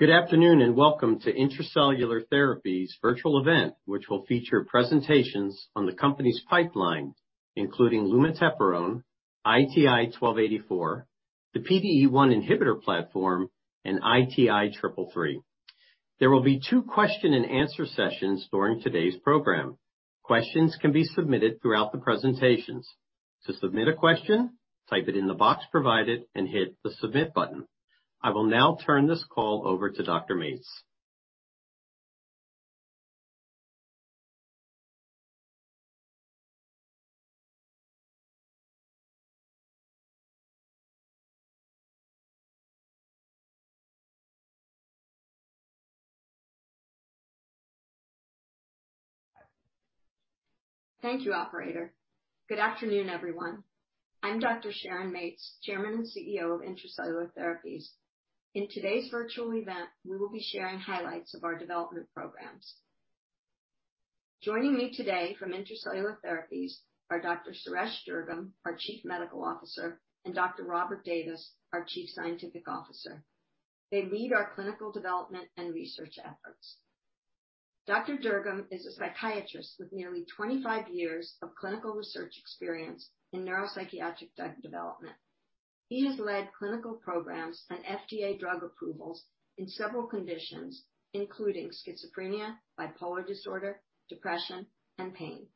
Good afternoon and welcome to Intra-Cellular Therapies virtual event, which will feature presentations on the company's pipeline, including lumateperone, ITI-1284, the PDE1 inhibitor platform, and ITI-333. There will be two question and answer sessions during today's program. Questions can be submitted throughout the presentations. To submit a question, type it in the box provided and hit the submit button. I will now turn this call over to Dr. Mates. Thank you, operator. Good afternoon, everyone. I'm Dr. Sharon Mates, Chairman and Chief Executive Officer of Intra-Cellular Therapies. In today's virtual event, we will be sharing highlights of our development programs. Joining me today from Intra-Cellular Therapies are Dr. Suresh Durgam, our Chief Medical Officer, and Dr. Robert Davis, our Chief Scientific Officer. They lead our clinical development and research efforts. Dr. Durgam is a psychiatrist with nearly 25 years of clinical research experience in neuropsychiatric drug development. He has led clinical programs and FDA drug approvals in several conditions, including schizophrenia, bipolar disorder, depression, and pain.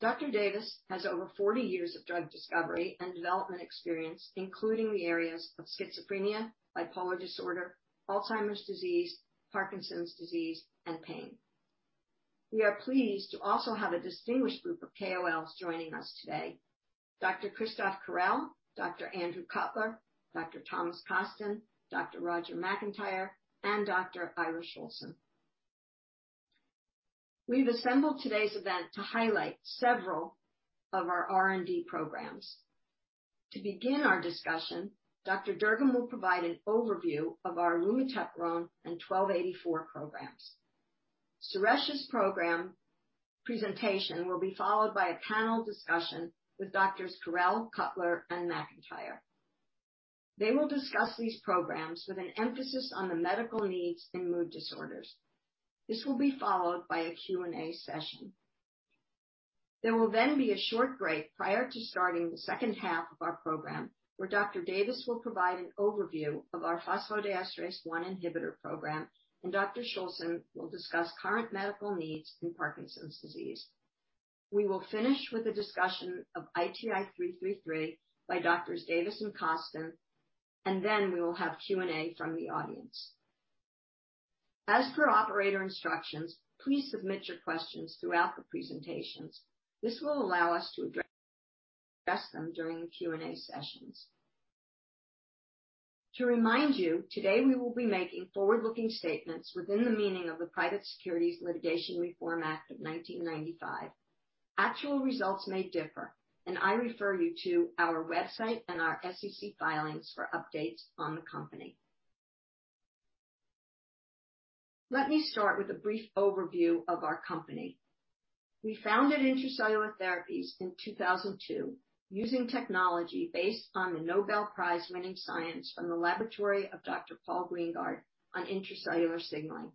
Dr. Davis has over 40 years of drug discovery and development experience, including the areas of schizophrenia, bipolar disorder, Alzheimer's disease, Parkinson's disease, and pain. We are pleased to also have a distinguished group of KOLs joining us today. Dr. Christoph Correll, Dr. Andrew Cutler, Dr. Thomas Kosten, Dr. Roger McIntyre, and Dr. Ira Shoulson. We've assembled today's event to highlight several of our R&D programs. To begin our discussion, Dr. Durgam will provide an overview of our lumateperone and 1284 programs. Suresh's program presentation will be followed by a panel discussion with Doctors Correll, Cutler, and McIntyre. They will discuss these programs with an emphasis on the medical needs in mood disorders. This will be followed by a Q&A session. There will then be a short break prior to starting the second half of our program, where Dr. Davis will provide an overview of our phosphodiesterase one inhibitor program, and Dr. Shoulson will discuss current medical needs in Parkinson's disease. We will finish with a discussion of ITI-333 by Doctors Davis and Kosten, and then we will have Q&A from the audience. As per operator instructions, please submit your questions throughout the presentations. This will allow us to address them during the Q&A sessions. To remind you, today we will be making forward-looking statements within the meaning of the Private Securities Litigation Reform Act of 1995. Actual results may differ, and I refer you to our website and our SEC filings for updates on the company. Let me start with a brief overview of our company. We founded Intra-Cellular Therapies in 2002 using technology based on the Nobel Prize-winning science from the laboratory of Dr. Paul Greengard on intracellular signaling.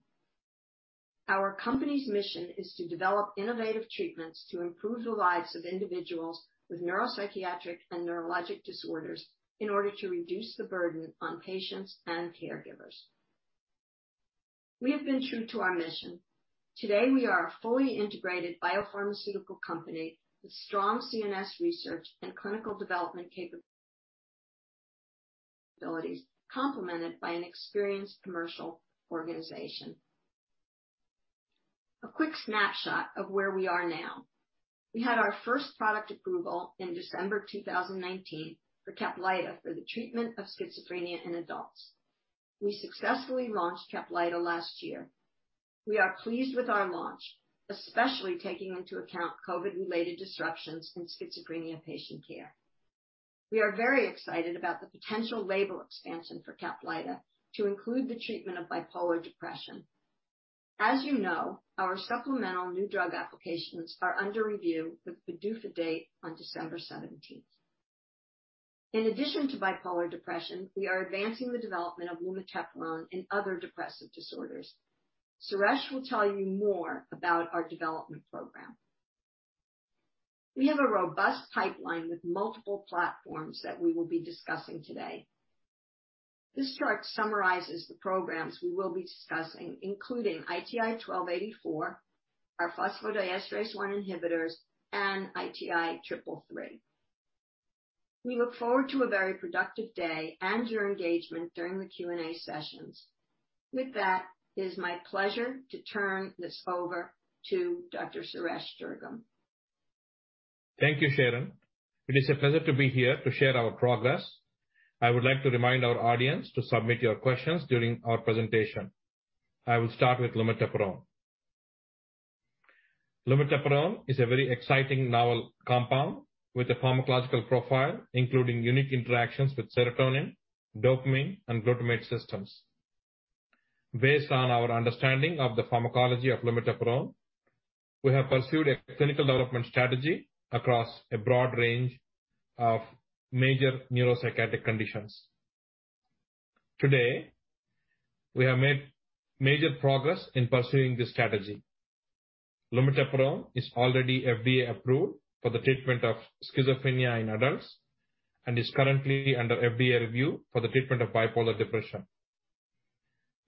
Our company's mission is to develop innovative treatments to improve the lives of individuals with neuropsychiatric and neurologic disorders in order to reduce the burden on patients and caregivers. We have been true to our mission. Today, we are a fully integrated biopharmaceutical company with strong CNS research and clinical development capabilities, complemented by an experienced commercial organization. A quick snapshot of where we are now. We had our first product approval in December 2019 for CAPLYTA, for the treatment of schizophrenia in adults. We successfully launched CAPLYTA last year. We are pleased with our launch, especially taking into account COVID-related disruptions in schizophrenia patient care. We are very excited about the potential label expansion for CAPLYTA to include the treatment of bipolar depression. As you know, our supplemental new drug applications are under review with PDUFA date on December 17th. In addition to bipolar depression, we are advancing the development of lumateperone in other depressive disorders. Suresh will tell you more about our development program. We have a robust pipeline with multiple platforms that we will be discussing today. This chart summarizes the programs we will be discussing, including ITI-1284, our phosphodiesterase one inhibitors, and ITI-333. We look forward to a very productive day and your engagement during the Q&A sessions. With that, it is my pleasure to turn this over to Dr. Suresh Durgam. Thank you, Sharon. It is a pleasure to be here to share our progress. I would like to remind our audience to submit your questions during our presentation. I will start with lumateperone. Lumateperone is a very exciting novel compound with a pharmacological profile, including unique interactions with serotonin, dopamine, and glutamate systems. Based on our understanding of the pharmacology of lumateperone, we have pursued a clinical development strategy across a broad range of major neuropsychiatric conditions. Today, we have made major progress in pursuing this strategy. Lumateperone is already FDA-approved for the treatment of schizophrenia in adults and is currently under FDA review for the treatment of bipolar depression.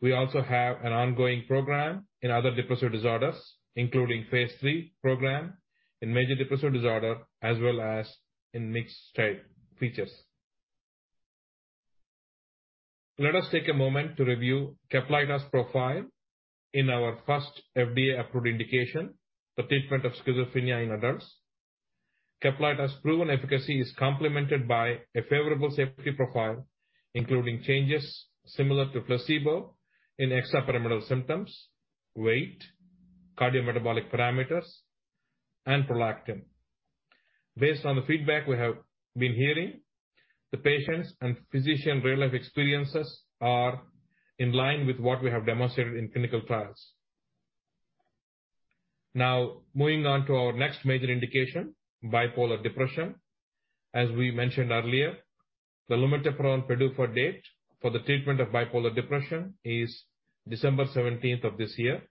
We also have an ongoing program in other depressive disorders, including phase III program in major depressive disorder, as well as in mixed state features. Let us take a moment to review CAPLYTA's profile in our first FDA-approved indication for treatment of schizophrenia in adults. CAPLYTA's proven efficacy is complemented by a favorable safety profile, including changes similar to placebo in extrapyramidal symptoms, weight, cardiometabolic parameters, and prolactin. Based on the feedback we have been hearing, the patients' and physician real-life experiences are in line with what we have demonstrated in clinical trials. Moving on to our next major indication, bipolar depression. As we mentioned earlier, the lumateperone PDUFA date for the treatment of bipolar depression is December 17th of this year.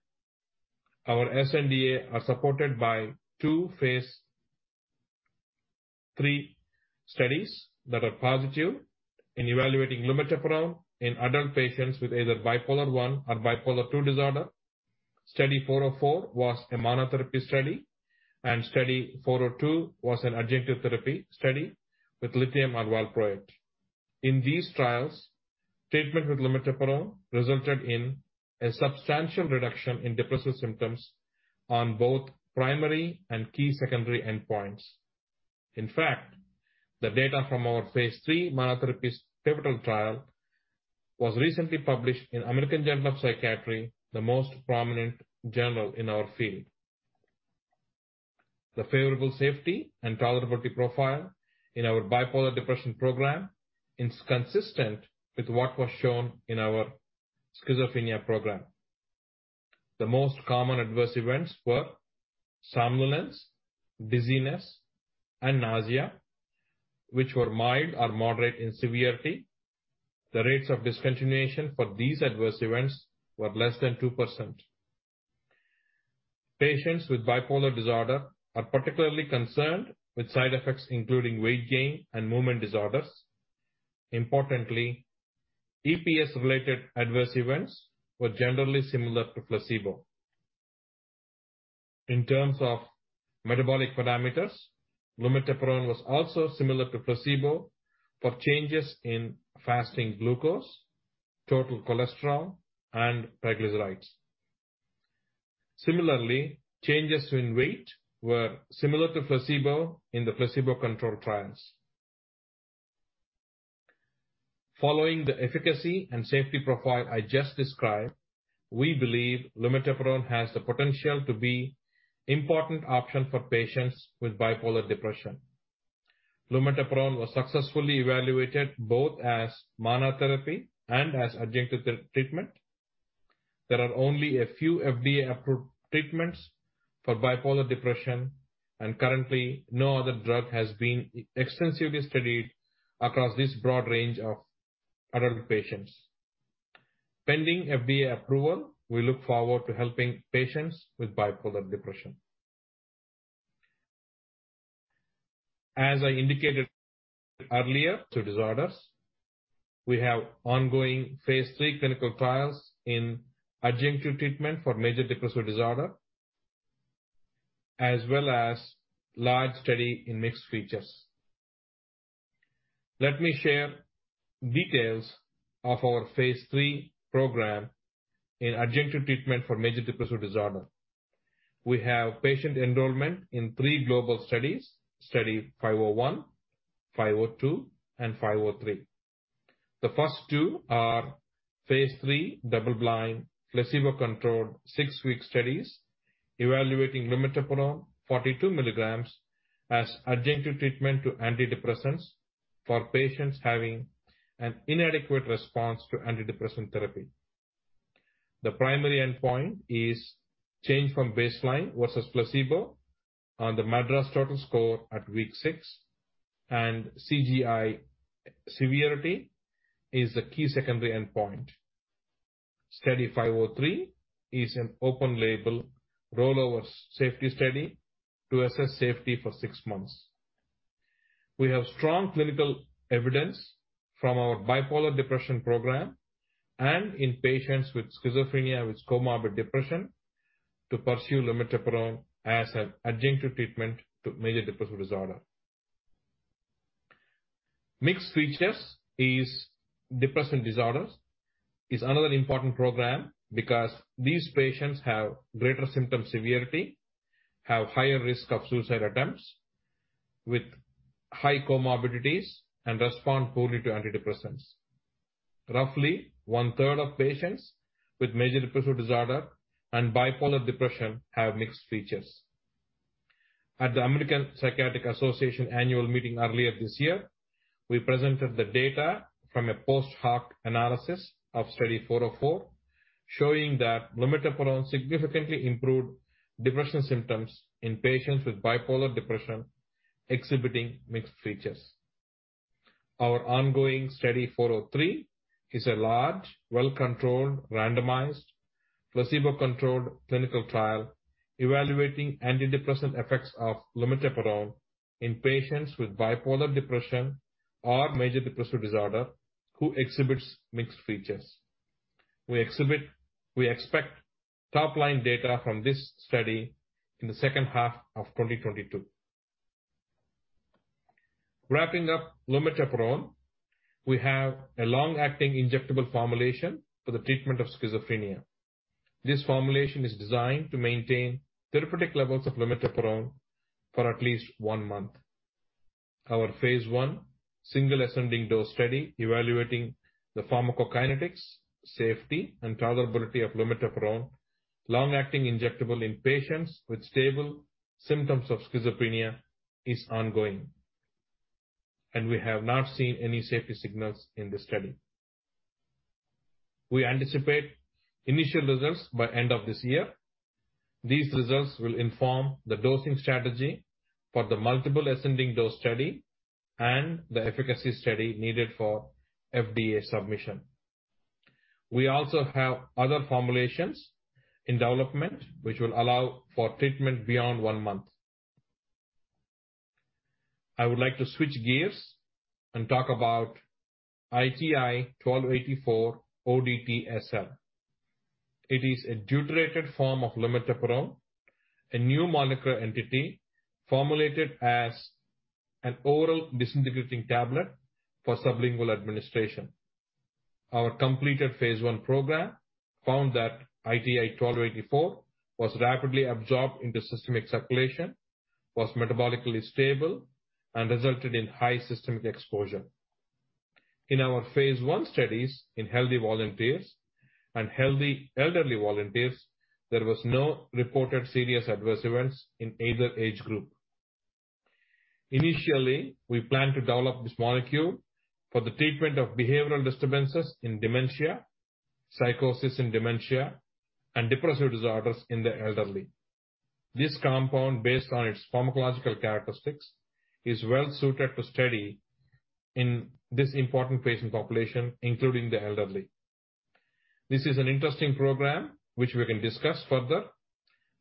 Our sNDA are supported by 2 phase III studies that are positive in evaluating lumateperone in adult patients with either bipolar I bipolar II disorder. Study 404 was a monotherapy study, and Study 402 was an adjunctive therapy study with lithium or valproate. In these trials, treatment with lumateperone resulted in a substantial reduction in depressive symptoms on both primary and key secondary endpoints. In fact, the data from our phase III monotherapy pivotal trial was recently published in The American Journal of Psychiatry, the most prominent journal in our field. The favorable safety and tolerability profile in our bipolar depression program is consistent with what was shown in our schizophrenia program. The most common adverse events were somnolence, dizziness, and nausea, which were mild or moderate in severity. The rates of discontinuation for these adverse events were less than 2%. Patients with bipolar disorder are particularly concerned with side effects including weight gain and movement disorders. Importantly, EPS-related adverse events were generally similar to placebo. In terms of metabolic parameters, lumateperone was also similar to placebo for changes in fasting glucose, total cholesterol, and triglycerides. Similarly, changes in weight were similar to placebo in the placebo-controlled trials. Following the efficacy and safety profile I just described, we believe lumateperone has the potential to be important option for patients with bipolar depression. lumateperone was successfully evaluated both as monotherapy and as adjunctive treatment. There are only a few FDA-approved treatments for bipolar depression, and currently, no other drug has been extensively studied across this broad range of adult patients. Pending FDA approval, we look forward to helping patients with bipolar depression. As I indicated earlier, two disorders, we have ongoing phase III clinical trials in adjunctive treatment for major depressive disorder, as well as large study in mixed features. Let me share details of our phase III program in adjunctive treatment for major depressive disorder. We have patient enrollment in 3 global studies, Study 501, 502, and 503. The first two are phase III double-blind, placebo-controlled, six week studies evaluating lumateperone 42 mg as adjunctive treatment to antidepressants for patients having an inadequate response to antidepressant therapy. The primary endpoint is change from baseline versus placebo on the MADRS total score at week six, and CGI Severity is the key secondary endpoint. Study 503 is an open-label rollover safety study to assess safety for six months. We have strong clinical evidence from our bipolar depression program and in patients with schizophrenia with comorbid depression to pursue lumateperone as an adjunctive treatment to major depressive disorder. Mixed features is depressive disorders, is another important program because these patients have greater symptom severity, have higher risk of suicide attempts with high comorbidities and respond poorly to antidepressants. Roughly one-third of patients with major depressive disorder and bipolar depression have mixed features. At the American Psychiatric Association annual meeting earlier this year, we presented the data from a post hoc analysis of Study 404, showing that lumateperone significantly improved depression symptoms in patients with bipolar depression exhibiting mixed features. Our ongoing Study 403 is a large, well-controlled, randomized, placebo-controlled clinical trial evaluating antidepressant effects of lumateperone in patients with bipolar depression or major depressive disorder who exhibits mixed features. We expect top-line data from this study in the second half of 2022. Wrapping up lumateperone, we have a long-acting injectable formulation for the treatment of schizophrenia. This formulation is designed to maintain therapeutic levels of lumateperone for at least one month. Our phase I single ascending-dose study evaluating the pharmacokinetics, safety, and tolerability of lumateperone long-acting injectable in patients with stable symptoms of schizophrenia is ongoing, and we have not seen any safety signals in the study. We anticipate initial results by end of this year. These results will inform the dosing strategy for the multiple ascending-dose study and the efficacy study needed for FDA submission. We also have other formulations in development, which will allow for treatment beyond one month. I would like to switch gears and talk about ITI-1284-ODT-SL. It is a deuterated form of lumateperone, a new molecular entity formulated as an oral disintegrating tablet for sublingual administration. Our completed phase I program found that ITI-1284 was rapidly absorbed into systemic circulation, was metabolically stable, and resulted in high systemic exposure. In our phase I studies in healthy volunteers and healthy elderly volunteers, there was no reported serious adverse events in either age group. Initially, we plan to develop this molecule for the treatment of behavioral disturbances in dementia, psychosis in dementia, and depressive disorders in the elderly. This compound, based on its pharmacological characteristics, is well-suited to study in this important patient population, including the elderly. This is an interesting program which we can discuss further,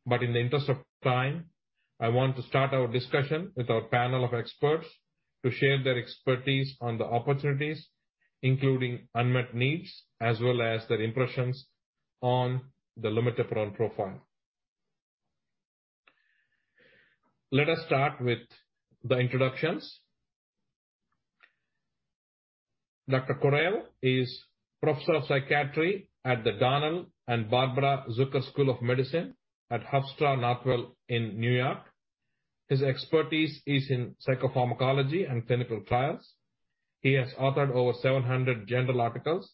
but in the interest of time, I want to start our discussion with our panel of experts to share their expertise on the opportunities, including unmet needs, as well as their impressions on the lumateperone profile. Let us start with the introductions. Dr. Correll is Professor of Psychiatry at the Donald and Barbara Zucker School of Medicine at Hofstra/Northwell in New York. His expertise is in psychopharmacology and clinical trials. He has authored over 700 journal articles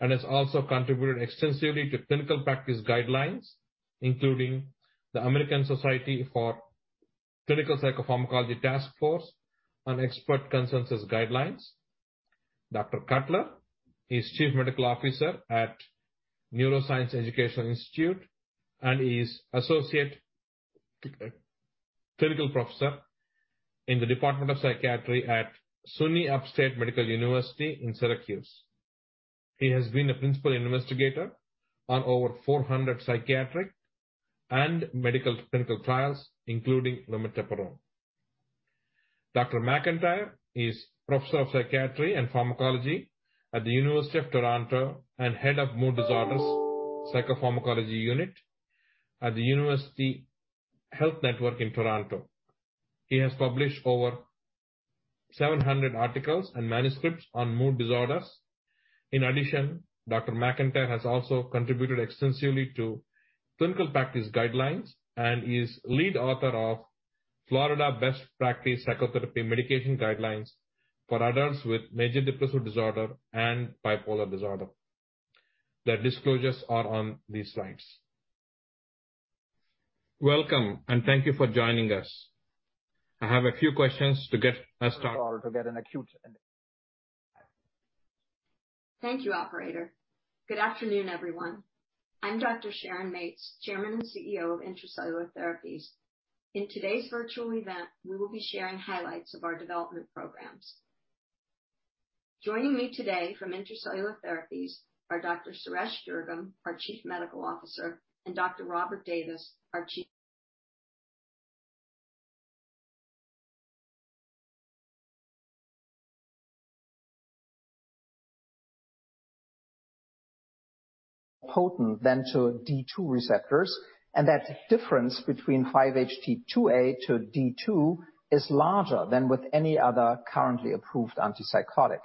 and has also contributed extensively to clinical practice guidelines, including the American Society of Clinical Psychopharmacology Task Force on Expert Consensus Guidelines. Dr. Cutler is Chief Medical Officer at Neuroscience Education Institute and is Associate Clinical Professor in the Department of Psychiatry at SUNY Upstate Medical University in Syracuse. He has been a principal investigator on over 400 psychiatric and medical clinical trials, including lumateperone. Dr. McIntyre is Professor of Psychiatry and Pharmacology at the University of Toronto and Head of Mood Disorders Psychopharmacology Unit at the University Health Network in Toronto. He has published over 700 articles and manuscripts on mood disorders. In addition, Dr. McIntyre has also contributed extensively to clinical practice guidelines and is lead author of Florida Best Practice Psychotherapeutic Medication Guidelines for Adults with Major Depressive Disorder and Bipolar Disorder. Their disclosures are on these slides. Welcome, and thank you for joining us. I have a few questions to get us started. Potent than to D2 receptors, that difference between 5-HT2A to D2 is larger than with any other currently approved antipsychotic.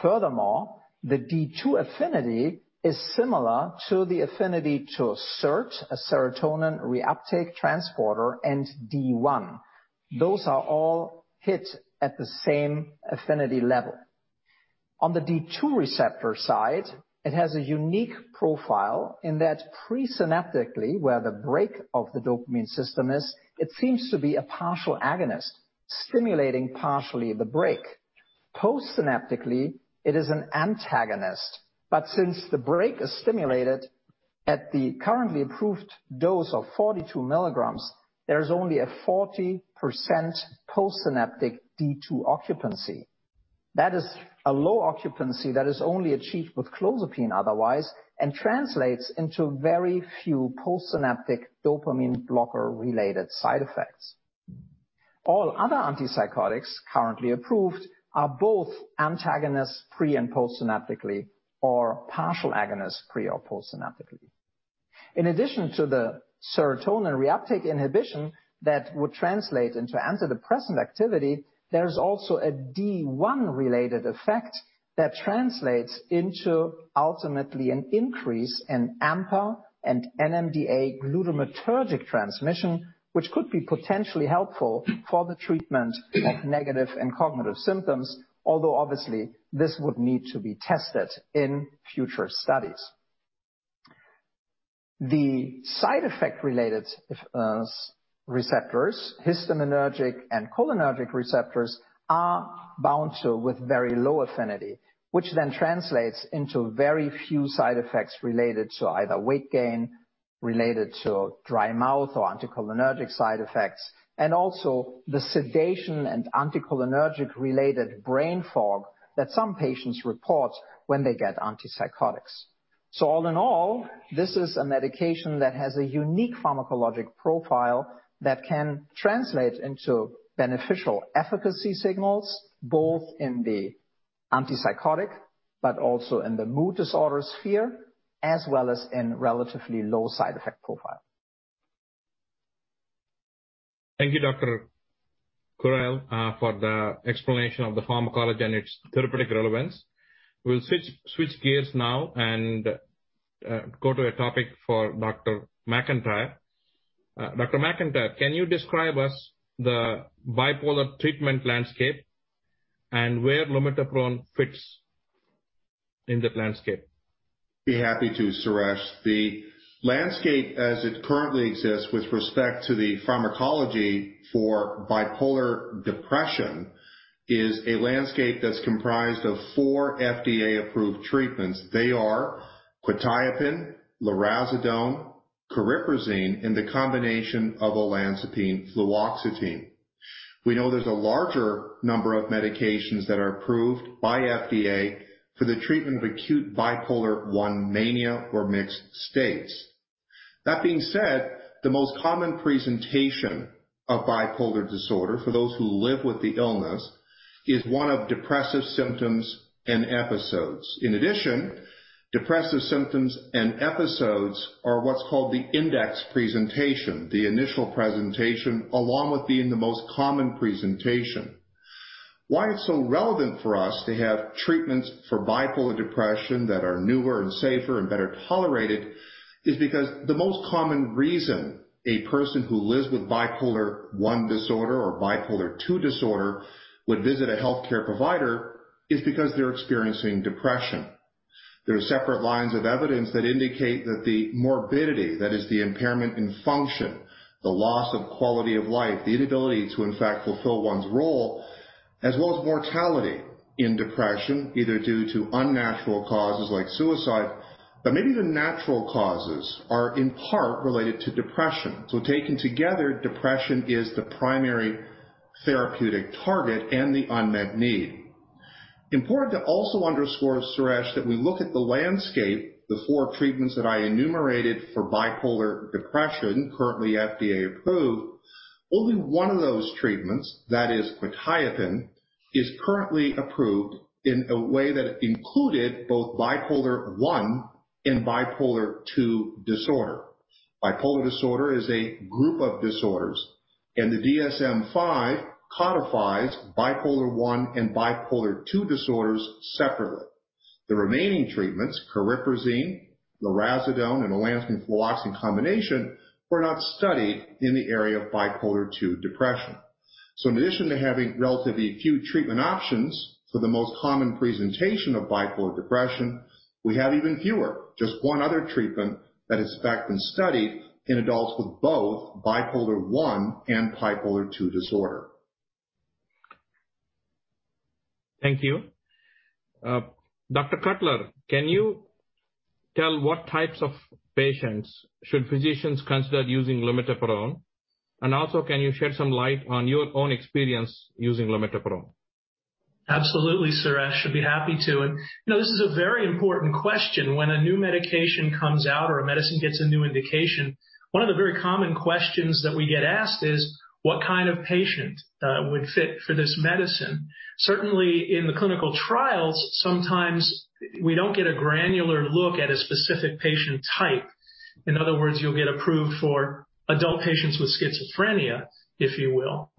Furthermore, the D2 affinity is similar to the affinity to SERT, a serotonin reuptake transporter, and D1. Those are all hit at the same affinity level. On the D2 receptor side, it has a unique profile in that presynaptically, where the break of the dopamine system is, it seems to be a partial agonist, stimulating partially the break. Postsynaptically, it is an antagonist. Since the break is stimulated at the currently approved dose of 42 mg, there is only a 40% postsynaptic D2 occupancy. That is a low occupancy that is only achieved with clozapine otherwise and translates into very few postsynaptic dopamine blocker-related side effects. All other antipsychotics currently approved are both antagonists pre and postsynaptically or partial agonists pre or postsynaptically. In addition to the serotonin reuptake inhibition that would translate into antidepressant activity, there is also a D1-related effect that translates into ultimately an increase in AMPA and NMDA glutamatergic transmission, which could be potentially helpful for the treatment of negative and cognitive symptoms, although obviously this would need to be tested in future studies. The side effect-related receptors, histaminergic and cholinergic receptors, are bound to with very low affinity, which then translates into very few side effects related to either weight gain, related to dry mouth or anticholinergic side effects, and also the sedation and anticholinergic-related brain fog that some patients report when they get antipsychotics. All in all, this is a medication that has a unique pharmacologic profile that can translate into beneficial efficacy signals, both in the antipsychotic but also in the mood disorder sphere, as well as in relatively low side effect profile. Thank you, Dr. Correll, for the explanation of the pharmacology and its therapeutic relevance. We'll switch gears now and go to a topic for Dr. McIntyre. Dr. McIntyre, can you describe us the bipolar treatment landscape and where lumateperone fits in the landscape? Be happy to, Suresh. The landscape as it currently exists with respect to the pharmacology for bipolar depression is a landscape that's comprised of 4 FDA-approved treatments. They are quetiapine, lurasidone, cariprazine, and the combination of olanzapine/fluoxetine. We know there's a larger number of medications that are approved by FDA for the treatment of acute bipolar I mania or mixed states. That being said, the most common presentation of bipolar disorder for those who live with the illness is one of depressive symptoms and episodes. In addition, depressive symptoms and episodes are what's called the index presentation, the initial presentation, along with being the most common presentation. Why it's so relevant for us to have treatments for bipolar depression that are newer and safer and better tolerated is because the most common reason a person who lives with bipolar I disorder bipolar II disorder would visit a healthcare provider is because they're experiencing depression. There are separate lines of evidence that indicate that the morbidity, that is the impairment in function, the loss of quality of life, the inability to in fact fulfill one's role, as well as mortality in depression, either due to unnatural causes like suicide, but maybe even natural causes, are in part related to depression. Taken together, depression is the primary therapeutic target and the unmet need. Important to also underscore, Suresh, that we look at the landscape, the four treatments that I enumerated for bipolar depression currently FDA-approved. Only one of those treatments, that is quetiapine, is currently approved in a way that included both bipolar I bipolar II disorder. bipolar disorder is a group of disorders. The DSM 5 codifies bipolar I bipolar II disorders separately. The remaining treatments, cariprazine, lurasidone, and olanzapine/fluoxetine combination, were not studied in the area bipolar II depression. In addition to having relatively few treatment options for the most common presentation of bipolar depression, we have even fewer, just one other treatment that has in fact been studied in adults with both bipolar I bipolar II disorder. Thank you. Dr. Cutler, can you tell what types of patients should physicians consider using lumateperone? Also, can you shed some light on your own experience using lumateperone? Absolutely, Suresh. Should be happy to. This is a very important question. When a new medication comes out or a medicine gets a new indication, one of the very common questions that we get asked is, what kind of patient would fit for this medicine? Certainly, in the clinical trials, sometimes we don't get a granular look at a specific patient type. In other words, you'll get approved for adult patients with schizophrenia, if you will.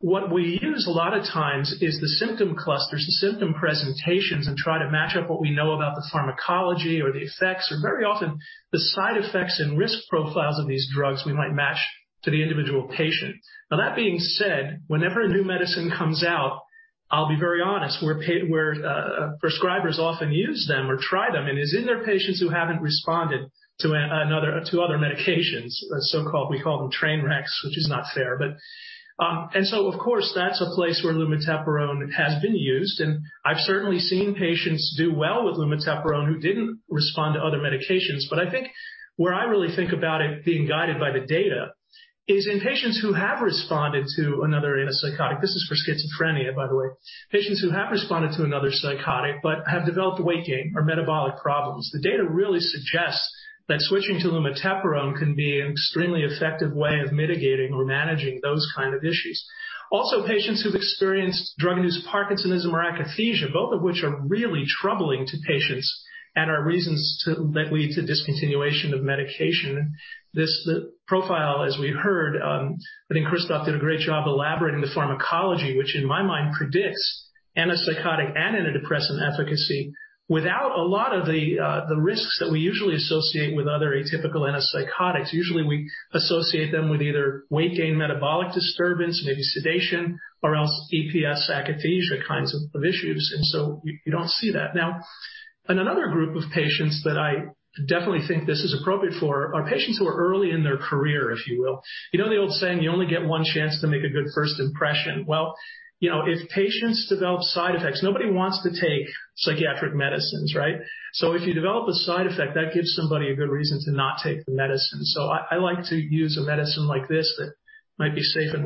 What we use a lot of times is the symptom clusters, the symptom presentations, and try to match up what we know about the pharmacology or the effects, or very often the side effects and risk profiles of these drugs we might match to the individual patient. That being said, whenever a new medicine comes out, I'll be very honest, where prescribers often use them or try them and is in their patients who haven't responded to other medications, or so-called we call them train wrecks, which is not fair. Of course, that's a place where lumateperone has been used, and I've certainly seen patients do well with lumateperone who didn't respond to other medications. I think where I really think about it being guided by the data is in patients who have responded to another antipsychotic. This is for schizophrenia, by the way. Patients who have responded to another psychotic but have developed weight gain or metabolic problems. The data really suggests that switching to lumateperone can be an extremely effective way of mitigating or managing those kind of issues. Patients who've experienced drug-induced Parkinsonism or akathisia, both of which are really troubling to patients and are reasons that lead to discontinuation of medication. This profile, as we heard, I think Christoph did a great job elaborating the pharmacology, which in my mind predicts antipsychotic and antidepressant efficacy without a lot of the risks that we usually associate with other atypical antipsychotics. We associate them with either weight gain, metabolic disturbance, maybe sedation, or else EPS, akathisia kinds of issues. You don't see that. In another group of patients that I definitely think this is appropriate for are patients who are early in their career, if you will. You know the old saying, you only get one chance to make a good first impression. Well, if patients develop side effects, nobody wants to take psychiatric medicines, right? If you develop a side effect, that gives somebody a good reason to not take the medicine. I like to use a medicine like this that might be safe and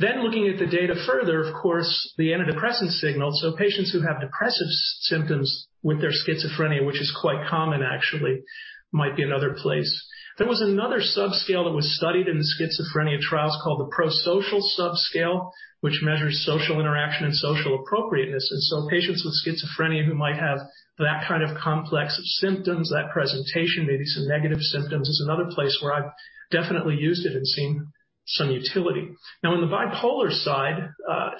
well-tolerated. Looking at the data further, of course, the antidepressant signal. Patients who have depressive symptoms with their schizophrenia, which is quite common actually, might be another place. There was another subscale that was studied in the schizophrenia trials called the prosocial subscale, which measures social interaction and social appropriateness. Patients with schizophrenia who might have that kind of complex of symptoms, that presentation, maybe some negative symptoms, is another place where I've definitely used it and seen some utility. On the bipolar side,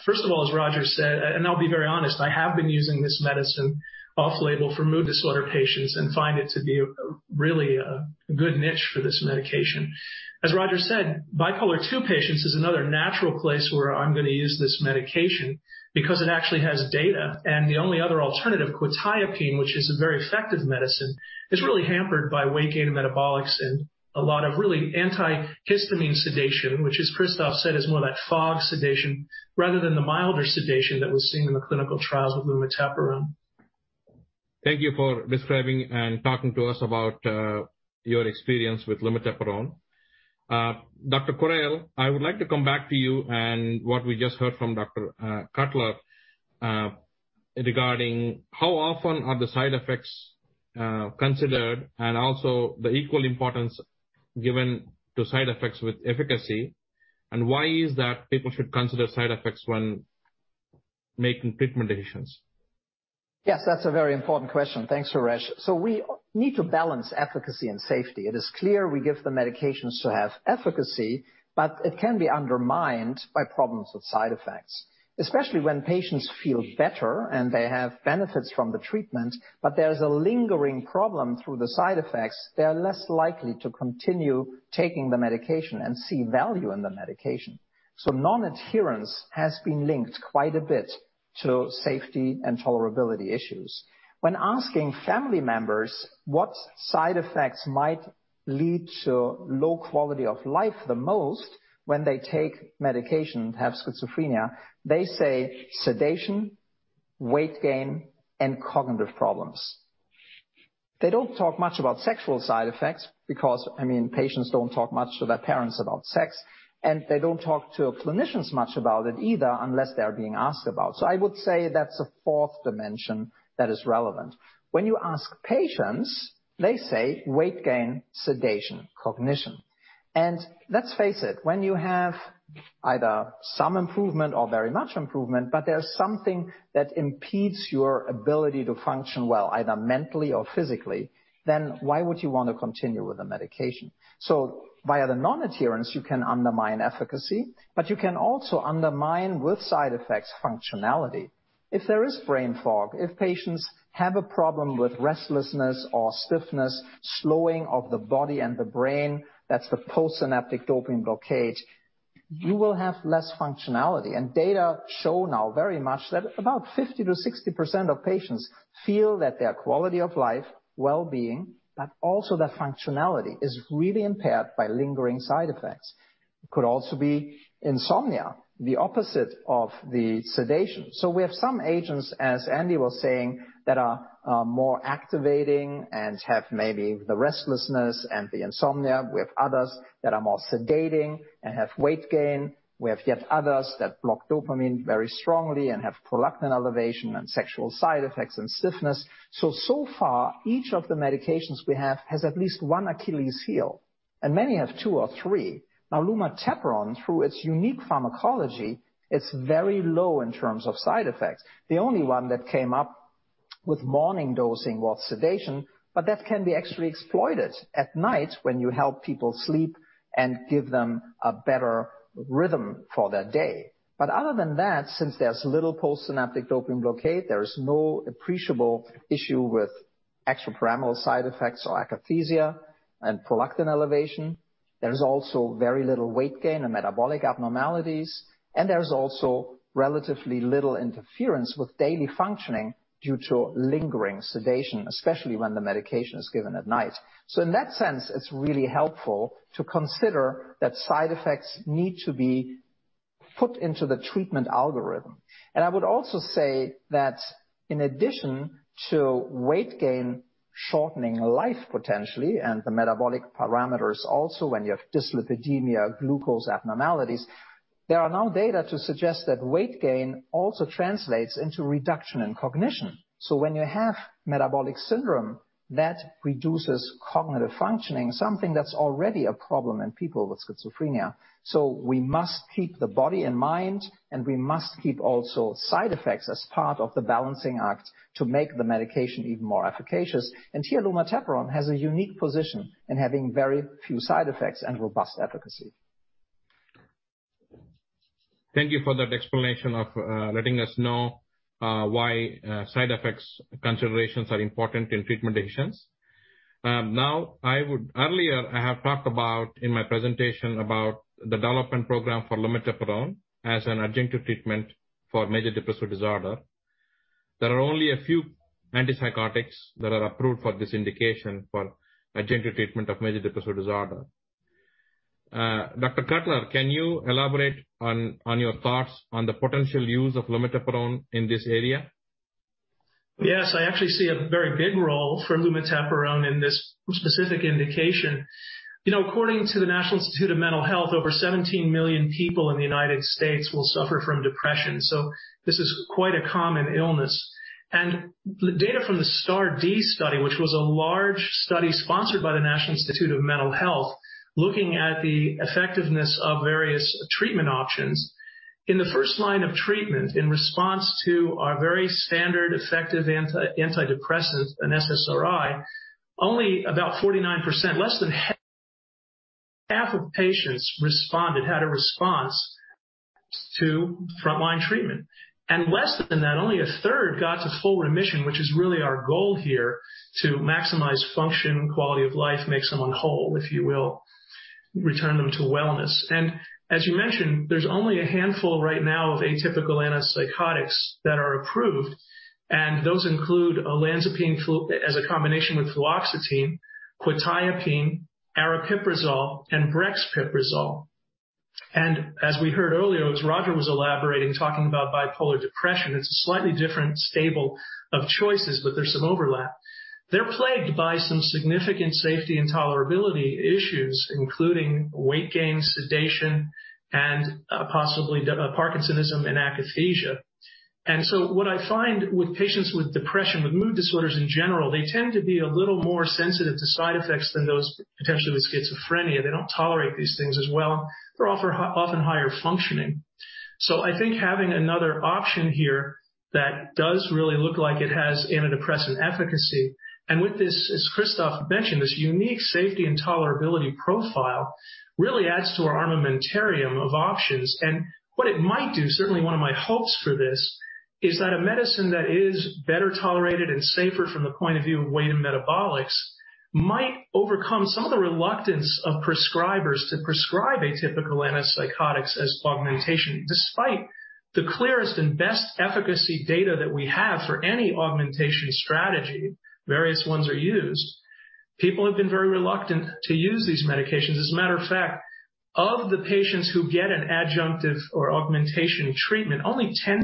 first of all, as Roger said, and I'll be very honest, I have been using this medicine off label for mood disorder patients and find it to be really a good niche for this medication. As Roger said, bipolar II patients is another natural place where I'm going to use this medication because it actually has data, and the only other alternative, quetiapine, which is a very effective medicine, is really hampered by weight gain and metabolics and a lot of really antihistamine sedation, which as Christoph said, is more that fog sedation rather than the milder sedation that was seen in the clinical trials of lumateperone. Thank you for describing and talking to us about your experience with lumateperone. Dr. Correll, I would like to come back to you and what we just heard from Dr. Cutler regarding how often are the side effects considered and also the equal importance given to side effects with efficacy. Why is that people should consider side effects when making treatment decisions? Yes, that's a very important question. Thanks, Suresh. We need to balance efficacy and safety. It is clear we give the medications to have efficacy, but it can be undermined by problems with side effects. Especially when patients feel better and they have benefits from the treatment, but there's a lingering problem through the side effects, they are less likely to continue taking the medication and see value in the medication. Non-adherence has been linked quite a bit to safety and tolerability issues. When asking family members what side effects might lead to low quality of life the most when they take medication and have schizophrenia, they say sedation, weight gain, and cognitive problems. They don't talk much about sexual side effects because, I mean, patients don't talk much to their parents about sex, and they don't talk to clinicians much about it either unless they are being asked about. I would say that's a fourth dimension that is relevant. When you ask patients, they say weight gain, sedation, cognition. Let's face it, when you have either some improvement or very much improvement, but there's something that impedes your ability to function well, either mentally or physically, then why would you want to continue with the medication? Via the non-adherence, you can undermine efficacy, but you can also undermine with side effects functionality. If there is brain fog, if patients have a problem with restlessness or stiffness, slowing of the body and the brain, that's the postsynaptic dopamine blockade, you will have less functionality. Data show now very much that about 50%-60% of patients feel that their quality of life, well-being, but also their functionality is really impaired by lingering side effects. It could also be insomnia, the opposite of the sedation. We have some agents, as Andy was saying, that are more activating and have maybe the restlessness and the insomnia. We have others that are more sedating and have weight gain. We have yet others that block dopamine very strongly and have prolactin elevation and sexual side effects and stiffness. So far, each of the medications we have has at least one Achilles heel, and many have two or three. Lumateperone, through its unique pharmacology, it's very low in terms of side effects. The only one that came up with morning dosing was sedation, but that can be actually exploited at night when you help people sleep and give them a better rhythm for their day. Other than that, since there's little postsynaptic dopamine blockade, there is no appreciable issue with extrapyramidal side effects or akathisia and prolactin elevation. There is also very little weight gain or metabolic abnormalities, and there's also relatively little interference with daily functioning due to lingering sedation, especially when the medication is given at night. In that sense, it's really helpful to consider that side effects need to be put into the treatment algorithm. I would also say that in addition to weight gain shortening life potentially, and the metabolic parameters also when you have dyslipidemia, glucose abnormalities, there are now data to suggest that weight gain also translates into reduction in cognition. When you have metabolic syndrome, that reduces cognitive functioning, something that's already a problem in people with schizophrenia. We must keep the body and mind, and we must keep also side effects as part of the balancing act to make the medication even more efficacious. Here, lumateperone has a unique position in having very few side effects and robust efficacy. Thank you for that explanation of letting us know why side effects considerations are important in treatment decisions. Earlier I have talked about in my presentation about the development program for lumateperone as an adjunctive treatment for major depressive disorder. There are only a few antipsychotics that are approved for this indication for adjunctive treatment of major depressive disorder. Dr. Cutler, can you elaborate on your thoughts on the potential use of lumateperone in this area? Yes, I actually see a very big role for lumateperone in this specific indication. According to the National Institute of Mental Health, over 17 million people in the U.S. will suffer from depression. This is quite a common illness, and data from the STAR*D study, which was a large study sponsored by the National Institute of Mental Health, looking at the effectiveness of various treatment options. In the first line of treatment in response to our very standard effective antidepressant, an SSRI, only about 49%, less than half of patients responded, had a response to frontline treatment. Less than that, only a third got to full remission, which is really our goal here to maximize function, quality of life, make someone whole, if you will, return them to wellness. As you mentioned, there's only a handful right now of atypical antipsychotics that are approved, and those include olanzapine as a combination with fluoxetine, quetiapine, aripiprazole, and brexpiprazole. As we heard earlier, as Roger was elaborating, talking about bipolar depression, it's a slightly different stable of choices, but there's some overlap. They're plagued by some significant safety and tolerability issues, including weight gain, sedation, and possibly Parkinsonism and akathisia. What I find with patients with depression, with mood disorders in general, they tend to be a little more sensitive to side effects than those potentially with schizophrenia. They don't tolerate these things as well. They're often higher functioning. I think having another option here that does really look like it has antidepressant efficacy, and with this, as Christoph mentioned, this unique safety and tolerability profile really adds to our armamentarium of options. What it might do, certainly one of my hopes for this, is that a medicine that is better tolerated and safer from the point of view of weight and metabolics might overcome some of the reluctance of prescribers to prescribe atypical antipsychotics as augmentation. Despite the clearest and best efficacy data that we have for any augmentation strategy, various ones are used. People have been very reluctant to use these medications. As a matter of fact, of the patients who get an adjunctive or augmentation treatment, only 10%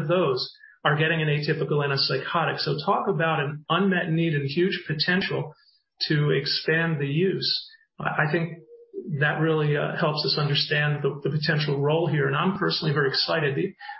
of those are getting an atypical antipsychotic. Talk about an unmet need and huge potential to expand the use. I think that really helps us understand the potential role here, and I'm personally very excited.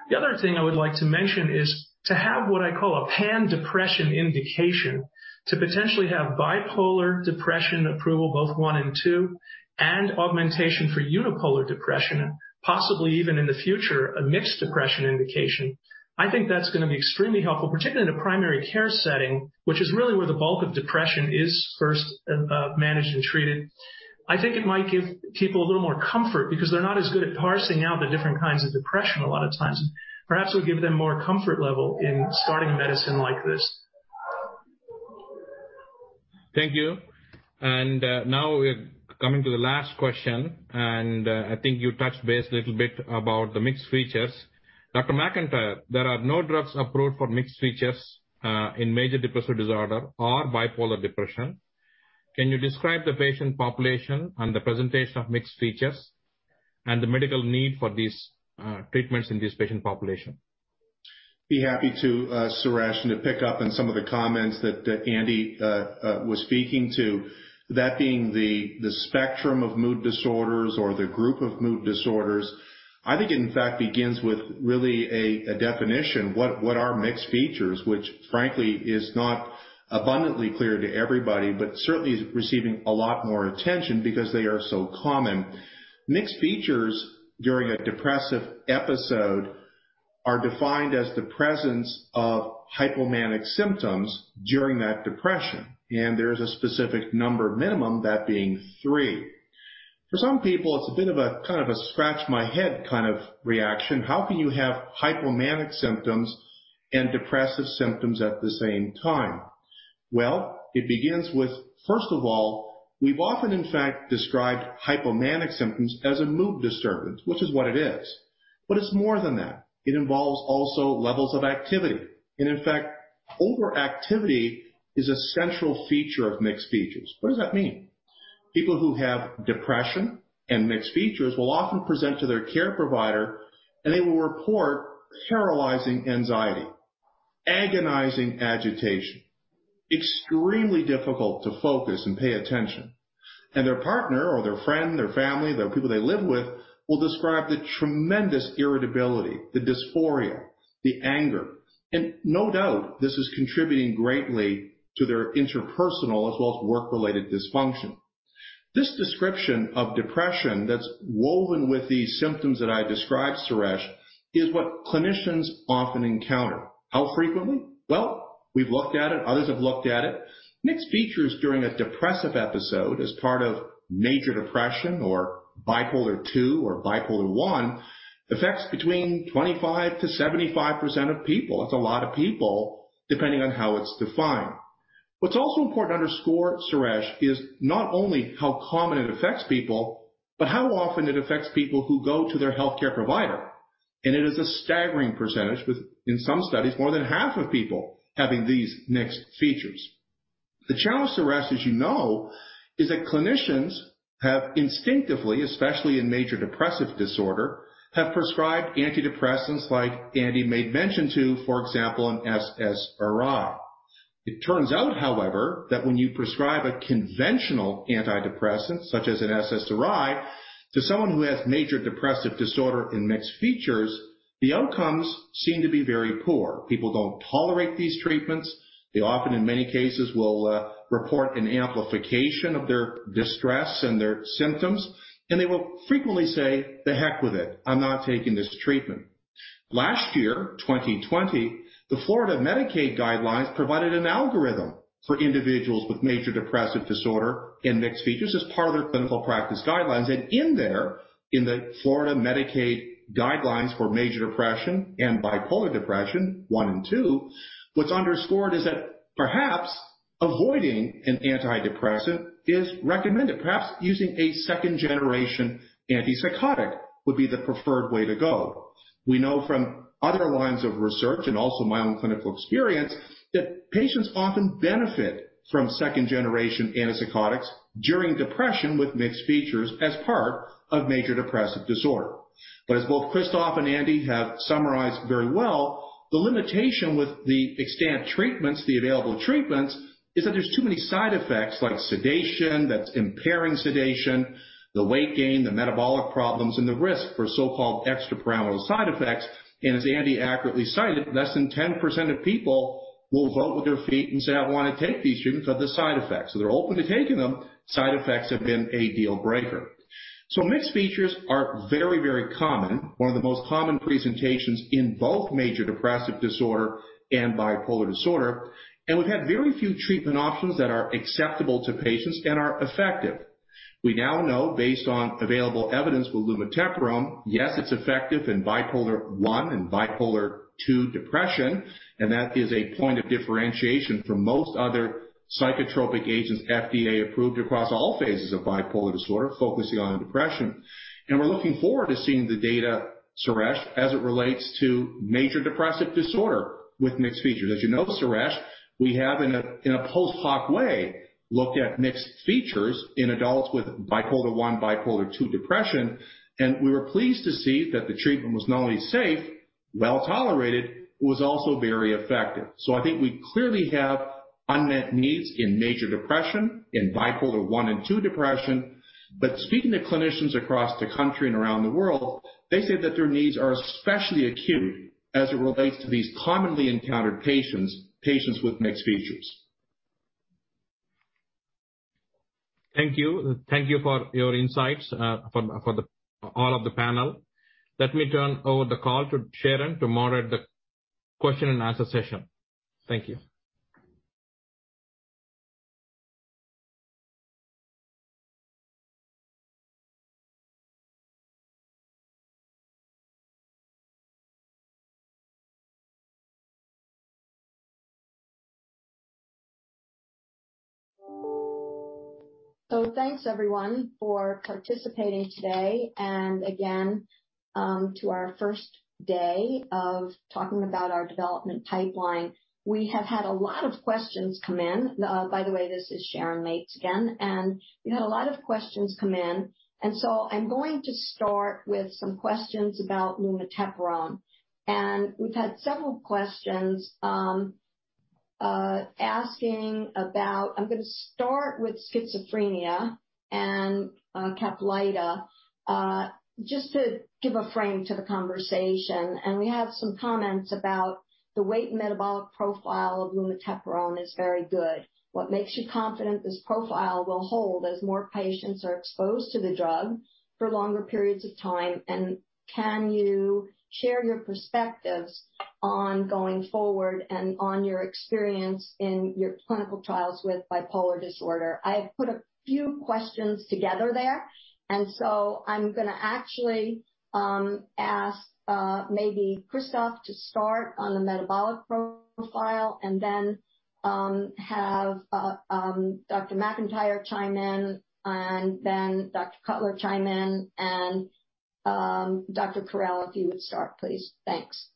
The other thing I would like to mention is to have what I call a pan-depression indication to potentially have bipolar depression approval, both 1 and 2, and augmentation for unipolar depression, possibly even in the future, a mixed depression indication. I think that's going to be extremely helpful, particularly in a primary care setting, which is really where the bulk of depression is first managed and treated. I think it might give people a little more comfort because they're not as good at parsing out the different kinds of depression a lot of times. Perhaps it'll give them more comfort level in starting a medicine like this. Thank you. Now we're coming to the last question, and I think you touched base a little bit about the mixed features. Dr. McIntyre, there are no drugs approved for mixed features in major depressive disorder or bipolar depression. Can you describe the patient population and the presentation of mixed features and the medical need for these treatments in this patient population? Be happy to, Suresh. To pick up on some of the comments that Andy was speaking to, that being the spectrum of mood disorders or the group of mood disorders. I think it, in fact, begins with really a definition. What are mixed features? Frankly is not abundantly clear to everybody, but certainly is receiving a lot more attention because they are so common. Mixed features during a depressive episode are defined as the presence of hypomanic symptoms during that depression, and there is a specific number minimum, that being 3. For some people, it's a bit of a scratch my head kind of reaction. How can you have hypomanic symptoms and depressive symptoms at the same time? It begins with, first of all, we've often, in fact, described hypomanic symptoms as a mood disturbance, which is what it is. It's more than that. It involves also levels of activity. In fact, overactivity is a central feature of mixed features. What does that mean? People who have depression and mixed features will often present to their care provider, and they will report paralyzing anxiety, agonizing agitation, extremely difficult to focus and pay attention. Their partner or their friend, their family, the people they live with, will describe the tremendous irritability, the dysphoria, the anger, and no doubt this is contributing greatly to their interpersonal as well as work-related dysfunction. This description of depression that's woven with these symptoms that I described, Suresh, is what clinicians often encounter. How frequently? Well, we've looked at it. Others have looked at it. Mixed features during a depressive episode as part of major depression bipolar II or bipolar I affects between 25%-75% of people, that's a lot of people, depending on how it's defined. What's also important to underscore, Suresh, is not only how common it affects people, but how often it affects people who go to their healthcare provider, and it is a staggering percentage, with in some studies, more than half of people having these mixed features. The challenge, Suresh, as you know, is that clinicians have instinctively, especially in major depressive disorder, have prescribed antidepressants like Andy made mention to, for example, an SSRI. It turns out, however, that when you prescribe a conventional antidepressant, such as an SSRI, to someone who has major depressive disorder and mixed features, the outcomes seem to be very poor. People don't tolerate these treatments. They often, in many cases, will report an amplification of their distress and their symptoms, and they will frequently say, "The heck with it. I'm not taking this treatment." Last year, 2020, the Florida Medicaid guidelines provided an algorithm for individuals with major depressive disorder and mixed features as part of their clinical practice guidelines. In there, in the Florida Medicaid guidelines for major depression and bipolar depression I and II, what's underscored is that perhaps avoiding an antidepressant is recommended. Perhaps using a second-generation antipsychotic would be the preferred way to go. We know from other lines of research, and also my own clinical experience, that patients often benefit from second-generation antipsychotics during depression with mixed features as part of major depressive disorder. As both Christoph and Andy have summarized very well, the limitation with the existent treatments, the available treatments, is that there's too many side effects like sedation that's impairing sedation, the weight gain, the metabolic problems, and the risk for so-called extrapyramidal side effects. As Andy accurately cited, less than 10% of people will vote with their feet and say, "I want to take these treatments," because of the side effects. They're open to taking them. Side effects have been a deal breaker. Mixed features are very common. One of the most common presentations in both major depressive disorder and bipolar disorder. We've had very few treatment options that are acceptable to patients and are effective. We now know, based on available evidence with lumateperone, yes, it's effective in bipolar I bipolar II depression. That is a point of differentiation from most other psychotropic agents FDA-approved across all phases of bipolar disorder, focusing on depression. We're looking forward to seeing the data, Suresh, as it relates to major depressive disorder with mixed features. As you know, Suresh, we have, in a post hoc way, looked at mixed features in adults with bipolar I bipolar II depression, and we were pleased to see that the treatment was not only safe, well-tolerated, it was also very effective. I think we clearly have unmet needs in major depression, in bipolar I and II depression. Speaking to clinicians across the country and around the world, they say that their needs are especially acute as it relates to these commonly encountered patients with mixed features. Thank you. Thank you for your insights, for all of the panel. Let me turn over the call to Sharon to moderate the question and answer session. Thank you. Thanks everyone for participating today, and again, to our first day of talking about our development pipeline. We have had a lot of questions come in. By the way, this is Sharon Mates again. We've had a lot of questions come in, and so I'm going to start with some questions about lumateperone. We've had several questions, asking about I'm going to start with schizophrenia and CAPLYTA, just to give a frame to the conversation. We have some comments about the weight metabolic profile of lumateperone is very good. What makes you confident this profile will hold as more patients are exposed to the drug for longer periods of time, and can you share your perspectives on going forward and on your experience in your clinical trials with bipolar disorder? I have put a few questions together there. I'm going to actually ask, maybe Christoph to start on the metabolic profile and then have Dr. McIntyre chime in, and then Dr. Cutler chime in, and Dr. Correll, if you would start, please. Thanks.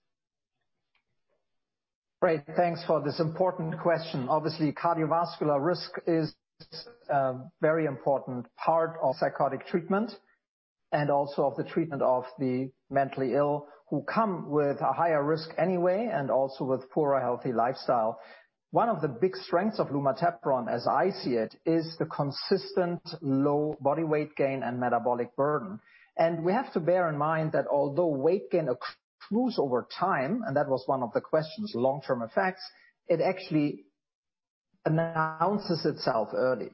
Great. Thanks for this important question. Obviously, cardiovascular risk is a very important part of psychotic treatment and also of the treatment of the mentally ill, who come with a higher risk anyway, and also with poorer healthy lifestyle. One of the big strengths of lumateperone, as I see it, is the consistent low body weight gain and metabolic burden. We have to bear in mind that although weight gain accrues over time, and that was one of the questions, long-term effects, it actually announces itself early.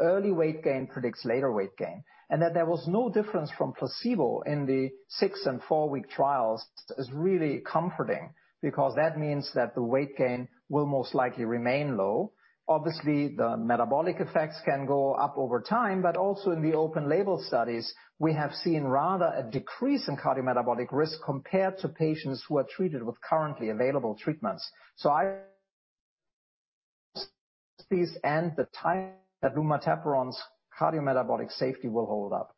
Early weight gain predicts later weight gain. That there was no difference from placebo in the six and four week trials is really comforting because that means that the weight gain will most likely remain low. Obviously, the metabolic effects can go up over time, but also in the open-label studies, we have seen rather a decrease in cardiometabolic risk compared to patients who are treated with currently available treatments. I and the time that lumateperone's cardiometabolic safety will hold up.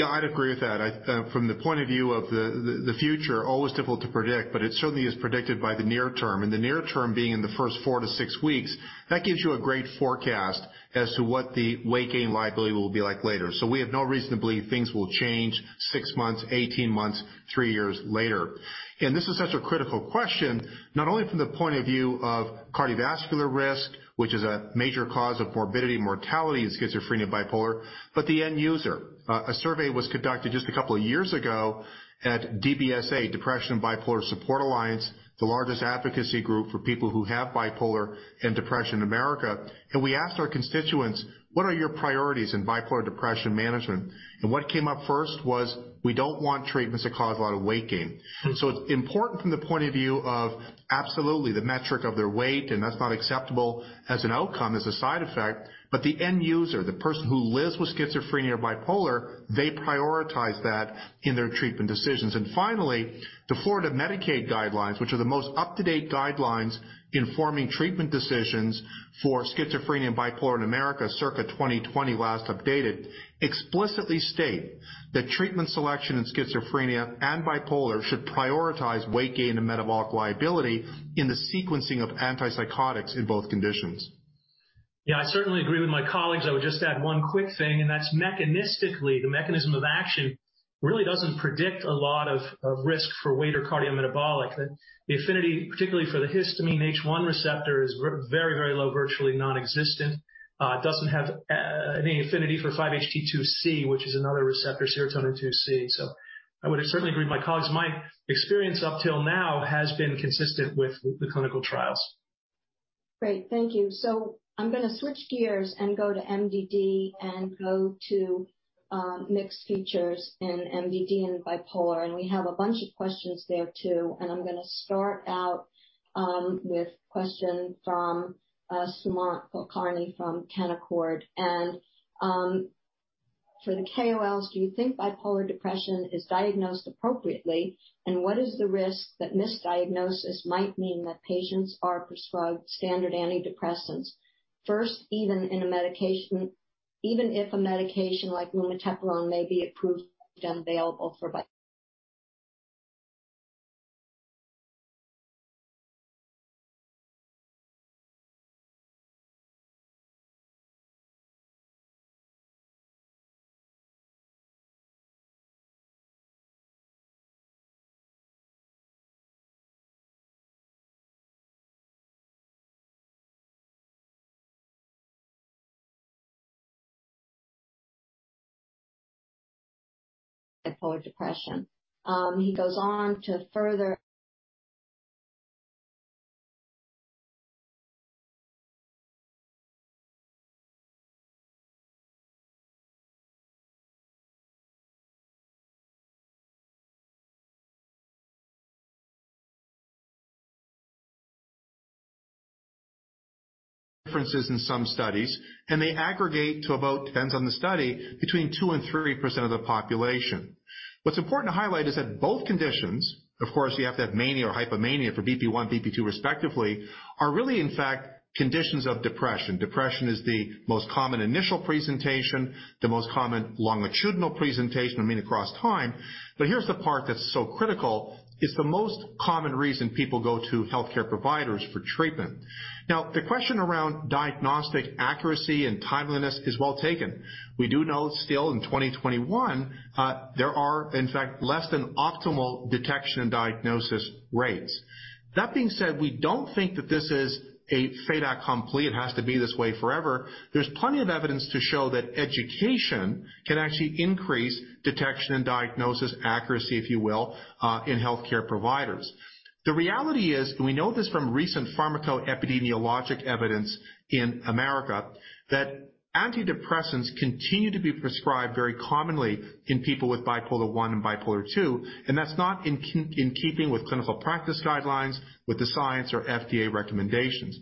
Yeah, I'd agree with that. From the point of view of the future, always difficult to predict, it certainly is predicted by the near term. The near term being in the first four to six weeks. That gives you a great forecast as to what the weight gain liability will be like later. We have no reason to believe things will change six months, 18 months, three years later. This is such a critical question, not only from the point of view of cardiovascular risk, which is a major cause of morbidity and mortality in schizophrenia and bipolar, but the end user. A survey was conducted just a couple of two years ago at DBSA, Depression and Bipolar Support Alliance, the largest advocacy group for people who have bipolar and depression in America. We asked our constituents, "What are your priorities in bipolar depression management?" What came up first was, "We don't want treatments that cause a lot of weight gain." It's important from the point of view of absolutely the metric of their weight, and that's not acceptable as an outcome, as a side effect. The end user, the person who lives with schizophrenia or bipolar, they prioritize that in their treatment decisions. Finally, the Florida Medicaid guidelines, which are the most up-to-date guidelines informing treatment decisions for schizophrenia and bipolar In America, circa 2020 last updated, explicitly state that treatment selection in schizophrenia and bipolar should prioritize weight gain and metabolic liability in the sequencing of antipsychotics in both conditions. Yeah, I certainly agree with my colleagues. I would just add one quick thing, and that's mechanistically, the mechanism of action really doesn't predict a lot of risk for weight or cardiometabolic. The affinity, particularly for the histamine H1 receptor is very low, virtually non-existent. It doesn't have any affinity for 5-HT2C, which is another receptor, serotonin 2C. I would certainly agree with my colleagues. My experience up till now has been consistent with the clinical trials. Great. Thank you. I'm going to switch gears and go to MDD and go to mixed features in MDD and bipolar. We have a bunch of questions there, too. I'm going to start out with a question from Sumant Kulkarni from Canaccord. For the KOLs, do you think bipolar depression is diagnosed appropriately? What is the risk that misdiagnosis might mean that patients are prescribed standard antidepressants first, even if a medication like lumateperone may be approved and available for bipolar depression. Differences in some studies, they aggregate to about, depends on the study, between 2% and 3% of the population. What's important to highlight is that both conditions, of course, you have to have mania or hypomania for BP1, BP2 respectively, are really in fact conditions of depression. Depression is the most common initial presentation, the most common longitudinal presentation, I mean across time. Here's the part that's so critical, it's the most common reason people go to healthcare providers for treatment. The question around diagnostic accuracy and timeliness is well taken. We do know still in 2021, there are in fact less than optimal detection and diagnosis rates. We don't think that this is a fait accompli, it has to be this way forever. There's plenty of evidence to show that education can actually increase detection and diagnosis accuracy, if you will, in healthcare providers. The reality is, we know this from recent pharmacoepidemiologic evidence in America, that antidepressants continue to be prescribed very commonly in people with bipolar I bipolar II, and that's not in keeping with clinical practice guidelines, with the science or FDA recommendations.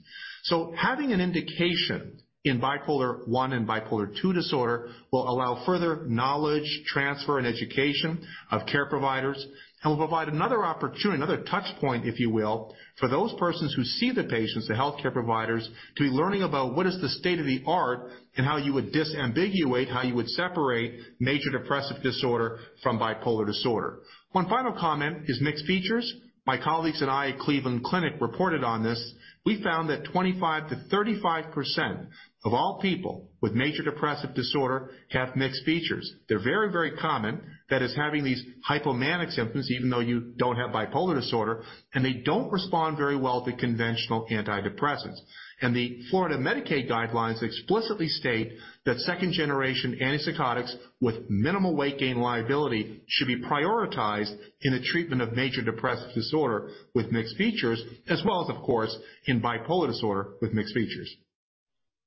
Having an indication in bipolar I bipolar II disorder will allow further knowledge transfer and education of care providers and will provide another opportunity, another touch point, if you will, for those persons who see the patients, the healthcare providers, to be learning about what is the state-of-the-art and how you would disambiguate, how you would separate major depressive disorder from bipolar disorder. One final comment is mixed features. My colleagues and I at Cleveland Clinic reported on this. We found that 25%-35% of all people with major depressive disorder have mixed features. They're very common. That is, having these hypomanic symptoms, even though you don't have bipolar disorder, and they don't respond very well to conventional antidepressants. The Florida Medicaid guidelines explicitly state that second-generation antipsychotics with minimal weight gain liability should be prioritized in the treatment of major depressive disorder with mixed features, as well as, of course, in bipolar disorder with mixed features.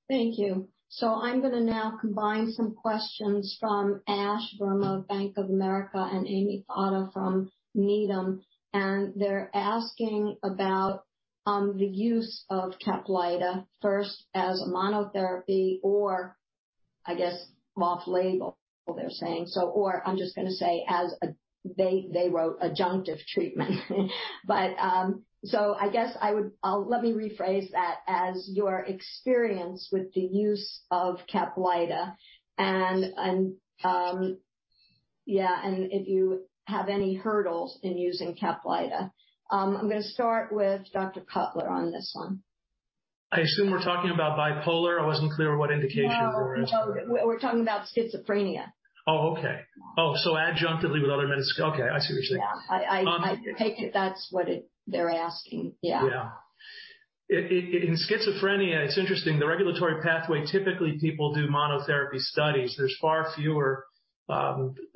Thank you. I'm going to now combine some questions from Ashish Verma of Bank of America and Ami Fadia from Needham and they're asking about the use of CAPLYTA, first as a monotherapy or, I guess, off-label, they're saying. I'm just going to say as they wrote, adjunctive treatment. I guess let me rephrase that as your experience with the use of CAPLYTA, and if you have any hurdles in using CAPLYTA. I'm going to start with Dr. Cutler on this one. I assume we're talking about bipolar. I wasn't clear what indication we were- No. We're talking about schizophrenia. Oh, okay. Oh, adjunctively with other medicines. Okay, I see what you're saying. Yeah. I take it that's what they're asking. Yeah. Yeah. In schizophrenia, it's interesting. The regulatory pathway, typically people do monotherapy studies. There's far fewer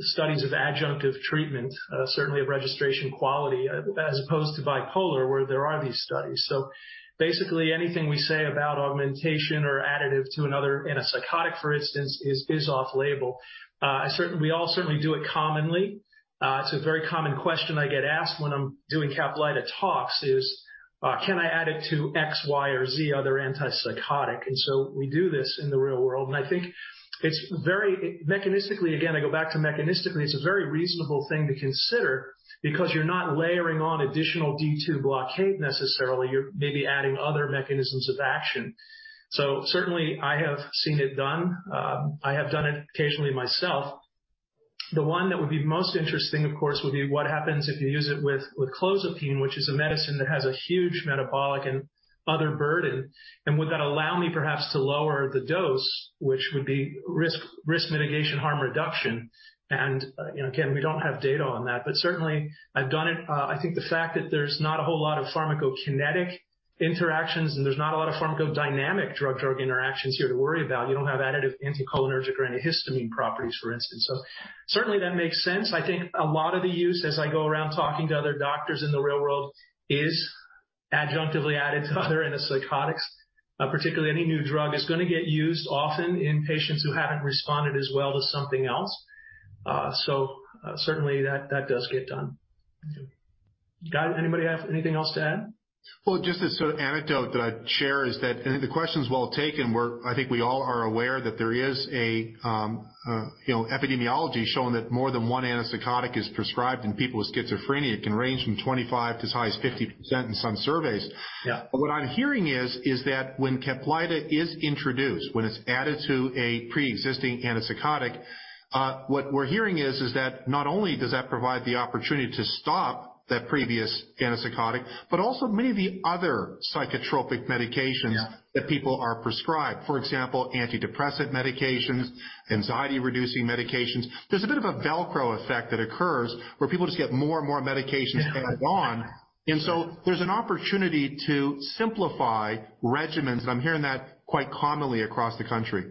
studies of adjunctive treatment, certainly of registration quality, as opposed to bipolar, where there are these studies. Basically, anything we say about augmentation or additive to another antipsychotic, for instance, is off-label. We all certainly do it commonly. It's a very common question I get asked when I'm doing CAPLYTA talks is, can I add it to X, Y, or Z other antipsychotic? We do this in the real world, and I think mechanistically, again, I go back to mechanistically, it's a very reasonable thing to consider because you're not layering on additional D2 blockade necessarily. You're maybe adding other mechanisms of action. Certainly, I have seen it done. I have done it occasionally myself. The one that would be most interesting, of course, would be what happens if you use it with clozapine, which is a medicine that has a huge metabolic and other burden, and would that allow me perhaps to lower the dose, which would be risk mitigation, harm reduction? Again, we don't have data on that, but certainly I've done it. I think the fact that there's not a whole lot of pharmacokinetic interactions, and there's not a lot of pharmacodynamic drug-drug interactions here to worry about. You don't have additive anticholinergic or antihistamine properties, for instance. Certainly, that makes sense. I think a lot of the use, as I go around talking to other doctors in the real world, is adjunctively added to other antipsychotics. Particularly, any new drug is going to get used often in patients who haven't responded as well to something else. Certainly, that does get done. Anybody have anything else to add? Well, just this sort of anecdote that I'd share is that. I think the question's well taken. I think we all are aware that there is an epidemiology showing that more than one antipsychotic is prescribed in people with schizophrenia. It can range from 25% to as high as 50% in some surveys. Yeah. What I'm hearing is that when CAPLYTA is introduced, when it's added to a preexisting antipsychotic, what we're hearing is that not only does that provide the opportunity to stop that previous antipsychotic, but also many of the other psychotropic medications. Yeah that people are prescribed. For example, antidepressant medications, anxiety-reducing medications. There's a bit of a Velcro effect that occurs where people just get more and more medications tagged on. There's an opportunity to simplify regimens, and I'm hearing that quite commonly across the country.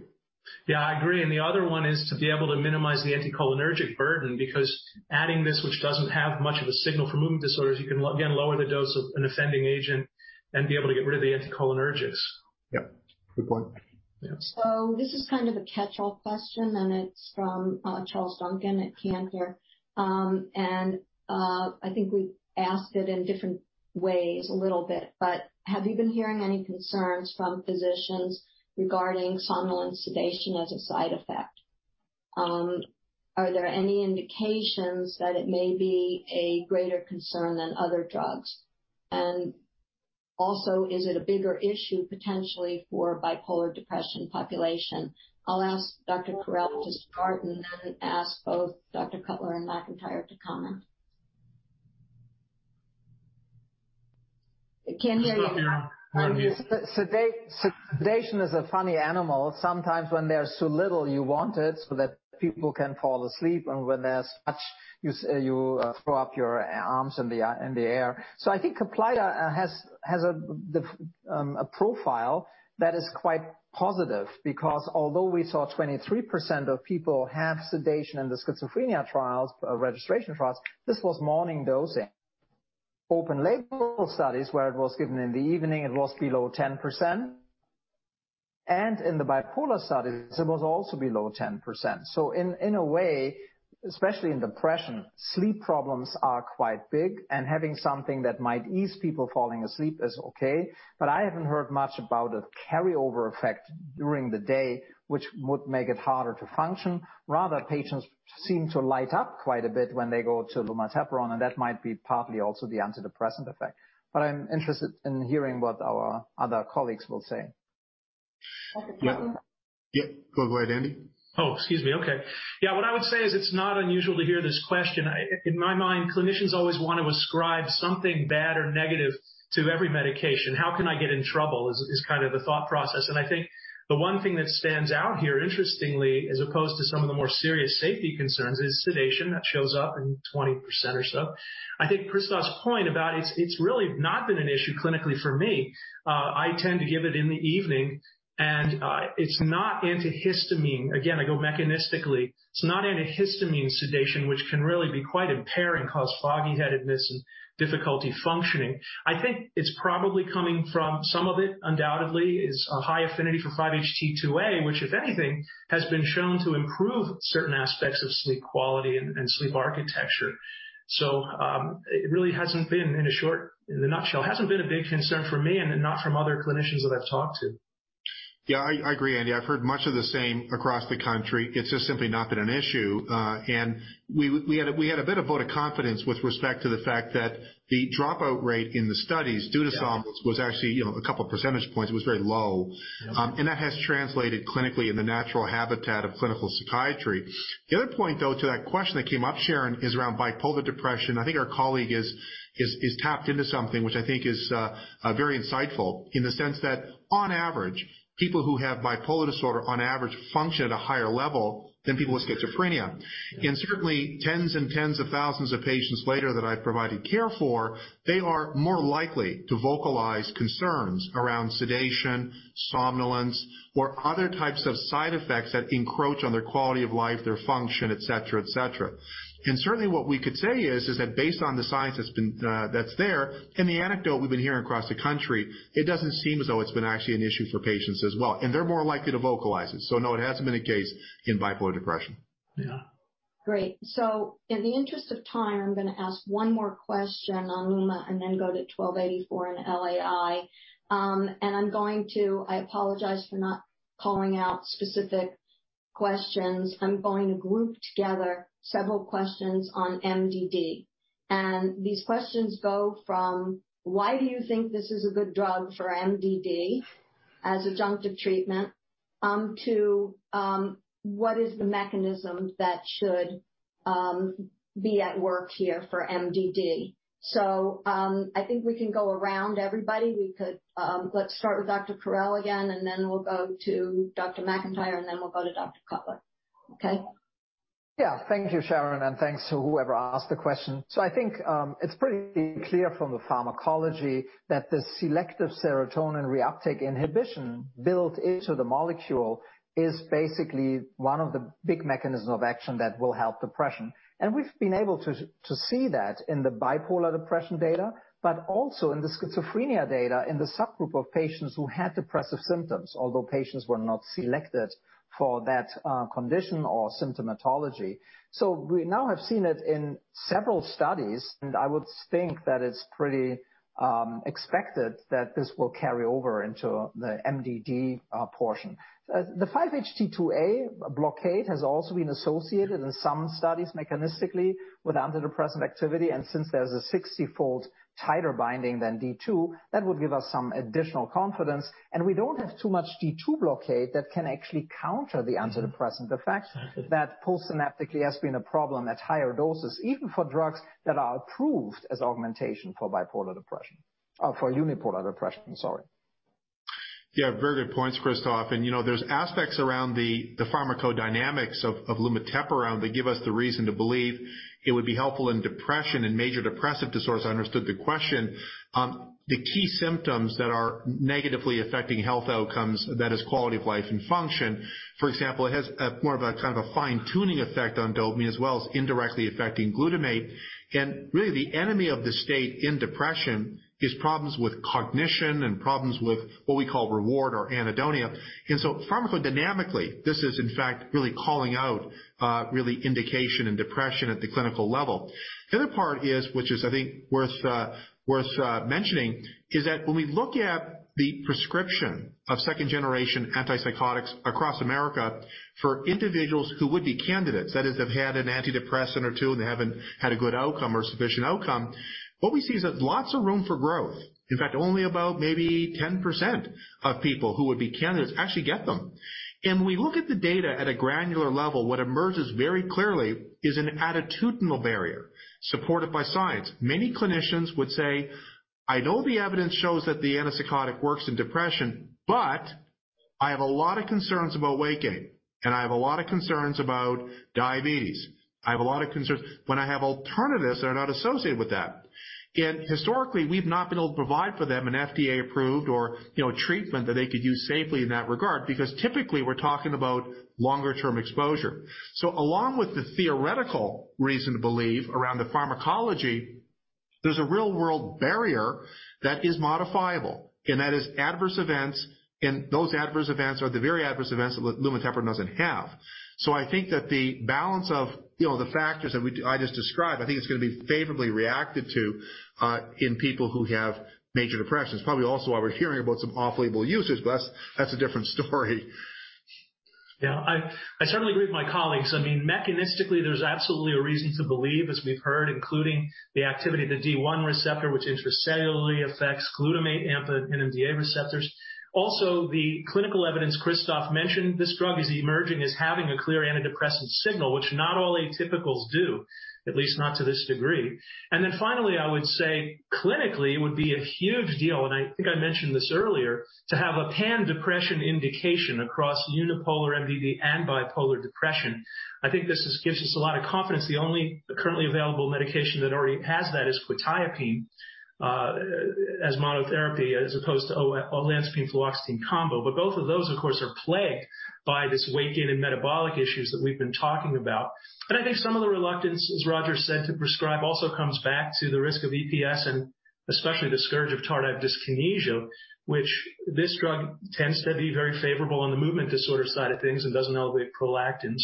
Yeah, I agree. The other one is to be able to minimize the anticholinergic burden, because adding this, which doesn't have much of a signal for movement disorders, you can, again, lower the dose of an offending agent and be able to get rid of the anticholinergics. Yep. Good point. Yeah. This is kind of a catch-all question, and it's from Charles Duncan at Canaccord. I think we asked it in different ways a little bit, but have you been hearing any concerns from physicians regarding somnolence sedation as a side effect? Are there any indications that it may be a greater concern than other drugs? Is it a bigger issue potentially for bipolar depression population? I'll ask Dr. Correll to start, and then ask both Dr. Cutler and McIntyre to comment. Can you hear me now? Sedation is a funny animal. Sometimes when there's so little, you want it so that people can fall asleep. When there's much, you throw up your arms in the air. I think CAPLYTA has a profile that is quite positive because although we saw 23% of people have sedation in the schizophrenia trials, registration trials, this was morning dosing. Open label studies where it was given in the evening, it was below 10%. In the bipolar studies, it was also below 10%. In a way, especially in depression, sleep problems are quite big, and having something that might ease people falling asleep is okay. I haven't heard much about a carryover effect during the day, which would make it harder to function. Patients seem to light up quite a bit when they go to lumateperone, and that might be partly also the antidepressant effect. I'm interested in hearing what our other colleagues will say. Yeah. Go ahead, Andy. Oh, excuse me. Okay. Yeah, what I would say is it's not unusual to hear this question. In my mind, clinicians always want to ascribe something bad or negative to every medication. How can I get in trouble is kind of the thought process. I think the one thing that stands out here, interestingly, as opposed to some of the more serious safety concerns, is sedation. That shows up in 20% or so. I think Christoph's point about it's really not been an issue clinically for me. I tend to give it in the evening, and it's not antihistamine. Again, I go mechanistically. It's not antihistamine sedation, which can really be quite impairing, cause foggy headedness, and difficulty functioning. I think it's probably coming from some of it undoubtedly is a high affinity for 5-HT2A, which, if anything, has been shown to improve certain aspects of sleep quality and sleep architecture. In a nutshell, it hasn't been a big concern for me and not from other clinicians that I've talked to. Yeah, I agree, Andy. I've heard much of the same across the country. It's just simply not been an issue. We had a bit of vote of confidence with respect to the fact that the dropout rate in the studies due to somnolence was actually a couple percentage points. It was very low. Yeah. That has translated clinically in the natural habitat of clinical psychiatry. The other point, though, to that question that came up, Sharon, is around bipolar depression. I think our colleague has tapped into something which I think is very insightful in the sense that on average, people who have bipolar disorder, on average, function at a higher level than people with schizophrenia. Certainly, tens and tens of thousands of patients later that I've provided care for, they are more likely to vocalize concerns around sedation, somnolence, or other types of side effects that encroach on their quality of life, their function, et cetera. Certainly what we could say is that based on the science that's there and the anecdote we've been hearing across the country, it doesn't seem as though it's been actually an issue for patients as well. They're more likely to vocalize it. No, it hasn't been a case in bipolar depression. Yeah. Great. In the interest of time, I'm going to ask one more question on Luma and then go to an LAI. I apologize for not calling out specific questions. I'm going to group together several questions on MDD. These questions go from, why do you think this is a good drug for MDD as adjunctive treatment, to what is the mechanism that should be at work here for MDD? I think we can go around everybody. Let's start with Dr. Correll again, and then we'll go to Dr. McIntyre, and then we'll go to Dr. Cutler. Okay. Thank you, Sharon, and thanks to whoever asked the question. I think it's pretty clear from the pharmacology that the selective serotonin reuptake inhibition built into the molecule is basically one of the big mechanisms of action that will help depression. We've been able to see that in the bipolar depression data, but also in the schizophrenia data in the subgroup of patients who had depressive symptoms, although patients were not selected for that condition or symptomatology. We now have seen it in several studies, and I would think that it's pretty expected that this will carry over into the MDD portion. The 5-HT2A blockade has also been associated in some studies mechanistically with antidepressant activity, and since there's a 60-fold tighter binding than D2, that would give us some additional confidence. We don't have too much D2 blockade that can actually counter the antidepressant effect that postsynaptically has been a problem at higher doses, even for drugs that are approved as augmentation for bipolar depression. For unipolar depression, sorry. Very good points, Christoph. There's aspects around the pharmacodynamics of lumateperone that give us the reason to believe it would be helpful in depression and major depressive disorder, as I understood the question. The key symptoms that are negatively affecting health outcomes, that is quality of life and function. For example, it has more of a kind of a fine-tuning effect on dopamine, as well as indirectly affecting glutamate. Really the enemy of the state in depression is problems with cognition and problems with what we call reward or anhedonia. Pharmacodynamically, this is in fact really calling out indication in depression at the clinical level. The other part is, which is I think worth mentioning, is that when we look at the prescription of second-generation antipsychotics across America for individuals who would be candidates, that is, have had an antidepressant or two, and they haven't had a good outcome or sufficient outcome, what we see is that lots of room for growth. In fact, only about maybe 10% of people who would be candidates actually get them. When we look at the data at a granular level, what emerges very clearly is an attitudinal barrier supported by science. Many clinicians would say, "I know the evidence shows that the antipsychotic works in depression, but I have a lot of concerns about weight gain, and I have a lot of concerns about diabetes. I have a lot of concerns when I have alternatives that are not associated with that. Historically, we've not been able to provide for them an FDA-approved or treatment that they could use safely in that regard, because typically we're talking about longer-term exposure. Along with the theoretical reason to believe around the pharmacology, there's a real-world barrier that is modifiable, and that is adverse events, and those adverse events are the very adverse events that lumateperone doesn't have. I think that the balance of the factors that I just described, I think it's going to be favorably reacted to in people who have major depression. It's probably also why we're hearing about some off-label uses, but that's a different story. I certainly agree with my colleagues. Mechanistically, there is absolutely a reason to believe, as we have heard, including the activity of the D1 receptor, which intracellularly affects glutamate, AMPA, and NMDA receptors. The clinical evidence Christoph mentioned, this drug is emerging as having a clear antidepressant signal, which not all atypicals do, at least not to this degree. Finally, I would say clinically, it would be a huge deal, and I think I mentioned this earlier, to have a pan-depression indication across unipolar MDD and bipolar depression. I think this gives us a lot of confidence. The only currently available medication that already has that is quetiapine as monotherapy, as opposed to olanzapine/fluoxetine combo. Both of those, of course, are plagued by this weight gain and metabolic issues that we have been talking about. I think some of the reluctance, as Roger said, to prescribe also comes back to the risk of EPS and especially the scourge of tardive dyskinesia, which this drug tends to be very favorable on the movement disorder side of things and doesn't elevate prolactin.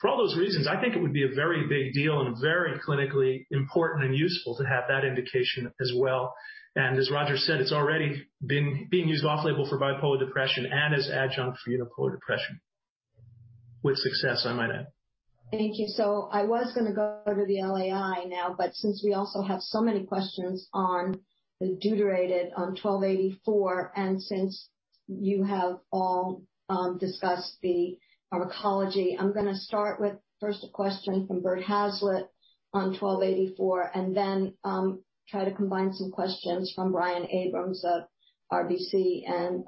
For all those reasons, I think it would be a very big deal and very clinically important and useful to have that indication as well. As Roger said, it's already being used off-label for bipolar depression and as adjunct for unipolar depression. With success, I might add. Thank you. I was going to go over the LAI now, but since we also have so many questions on the deuterated on 1284, and since you have all discussed the pharmacology, I'm going to start with first a question from [Robert Hazlett] on 1284, and then try to combine some questions from Brian Abrahams of RBC and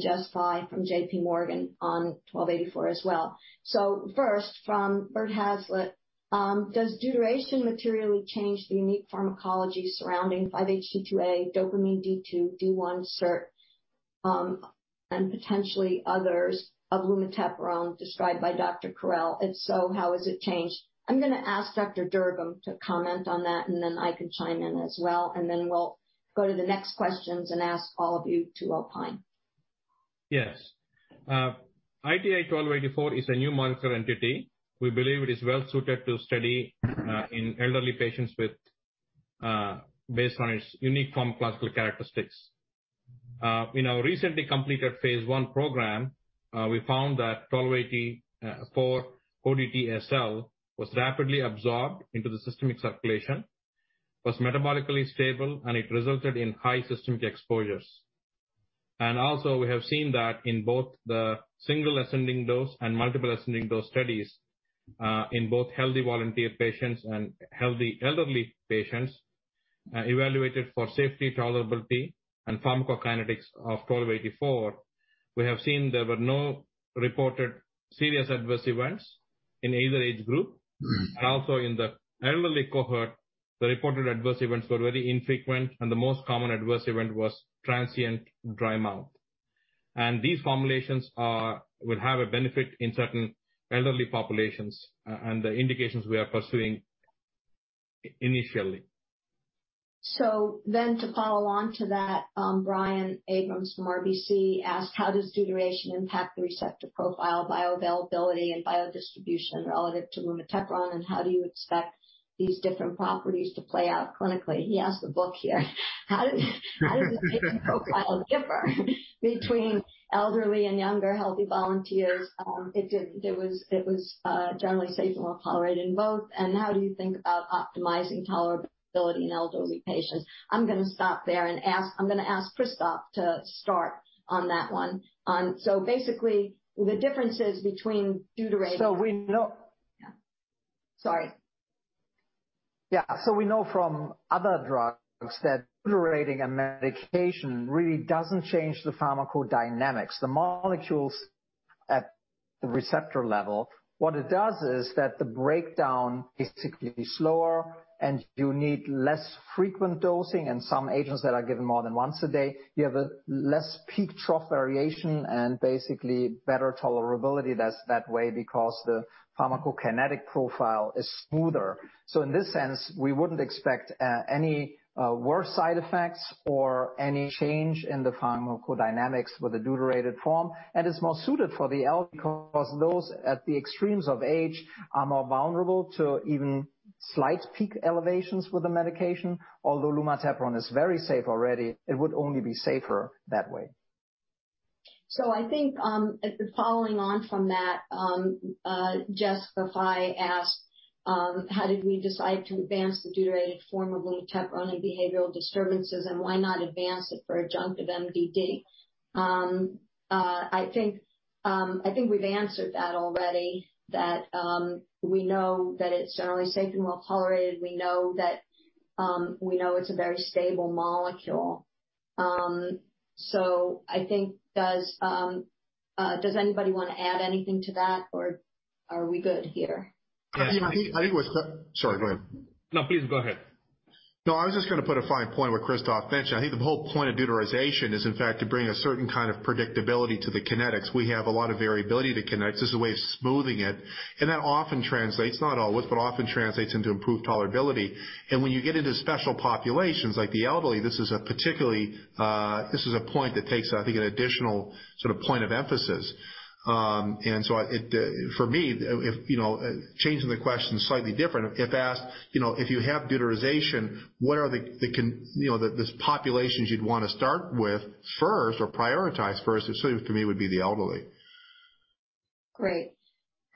Jess Fye from J.P. Morgan on 1284 as well. First from Robert Hazlett, does deuteration materially change the unique pharmacology surrounding 5-HT2A, dopamine D2, D1, SERT, and potentially others of lumateperone described by Dr. Correll? If so, how has it changed? I'm going to ask Dr. Durgam to comment on that, and then I can chime in as well, and then we'll go to the next questions and ask all of you to opine. Yes. ITI-1284 is a new molecular entity. We believe it is well-suited to study in elderly patients based on its unique pharmacological characteristics. In our recently completed phase I program, we found that ITI-1284-ODT-SL was rapidly absorbed into the systemic circulation, was metabolically stable, it resulted in high systemic exposures. Also, we have seen that in both the single ascending dose and multiple ascending dose studies, in both healthy volunteer patients and healthy elderly patients evaluated for safety, tolerability, and pharmacokinetics of ITI-1284. We have seen there were no reported serious adverse events in either age group. Also in the elderly cohort, the reported adverse events were very infrequent, the most common adverse event was transient dry mouth. These formulations will have a benefit in certain elderly populations and the indications we are pursuing initially. To follow on to that, Brian Abrahams from RBC asked, how does deuteration impact the receptor profile, bioavailability, and biodistribution relative to lumateperone, and how do you expect these different properties to play out clinically? He asked the book here. How does the patient profile differ between elderly and younger healthy volunteers? It was generally safe and well-tolerated in both. How do you think about optimizing tolerability in elderly patients? I am going to stop there and I am going to ask Christoph to start on that one. Basically, the differences between deuterated So we know- Yeah. Sorry. Yeah. We know from other drugs that deuterating a medication really doesn't change the pharmacodynamics, the molecules at the receptor level. What it does is that the breakdown is typically slower, and you need less frequent dosing, and some agents that are given more than once a day. You have a less peak-trough variation, and basically better tolerability that way because the pharmacokinetic profile is smoother. In this sense, we wouldn't expect any worse side effects or any change in the pharmacodynamics with the deuterated form, and it's more suited for the elderly because those at the extremes of age are more vulnerable to even slight peak elevations with the medication. Although lumateperone is very safe already, it would only be safer that way. I think following on from that, Jessica Fye asked, how did we decide to advance the deuterated form of lumateperone in behavioral disturbances, and why not advance it for adjunctive MDD? I think we've answered that already, that we know that it's generally safe and well-tolerated. We know it's a very stable molecule. I think, does anybody want to add anything to that, or are we good here? Yeah. Sorry, go ahead. No, please go ahead. No, I was just going to put a fine point what Christoph mentioned. I think the whole point of deuterization is, in fact, to bring a certain kind of predictability to the kinetics. We have a lot of variability to kinetics. This is a way of smoothing it, and that often translates, not always, but often translates into improved tolerability. When you get into special populations like the elderly, this is a point that takes, I think, an additional sort of point of emphasis. For me, changing the question slightly different, if asked, if you have deuterization, what are the populations you'd want to start with first or prioritize first? It certainly, for me, would be the elderly. Great.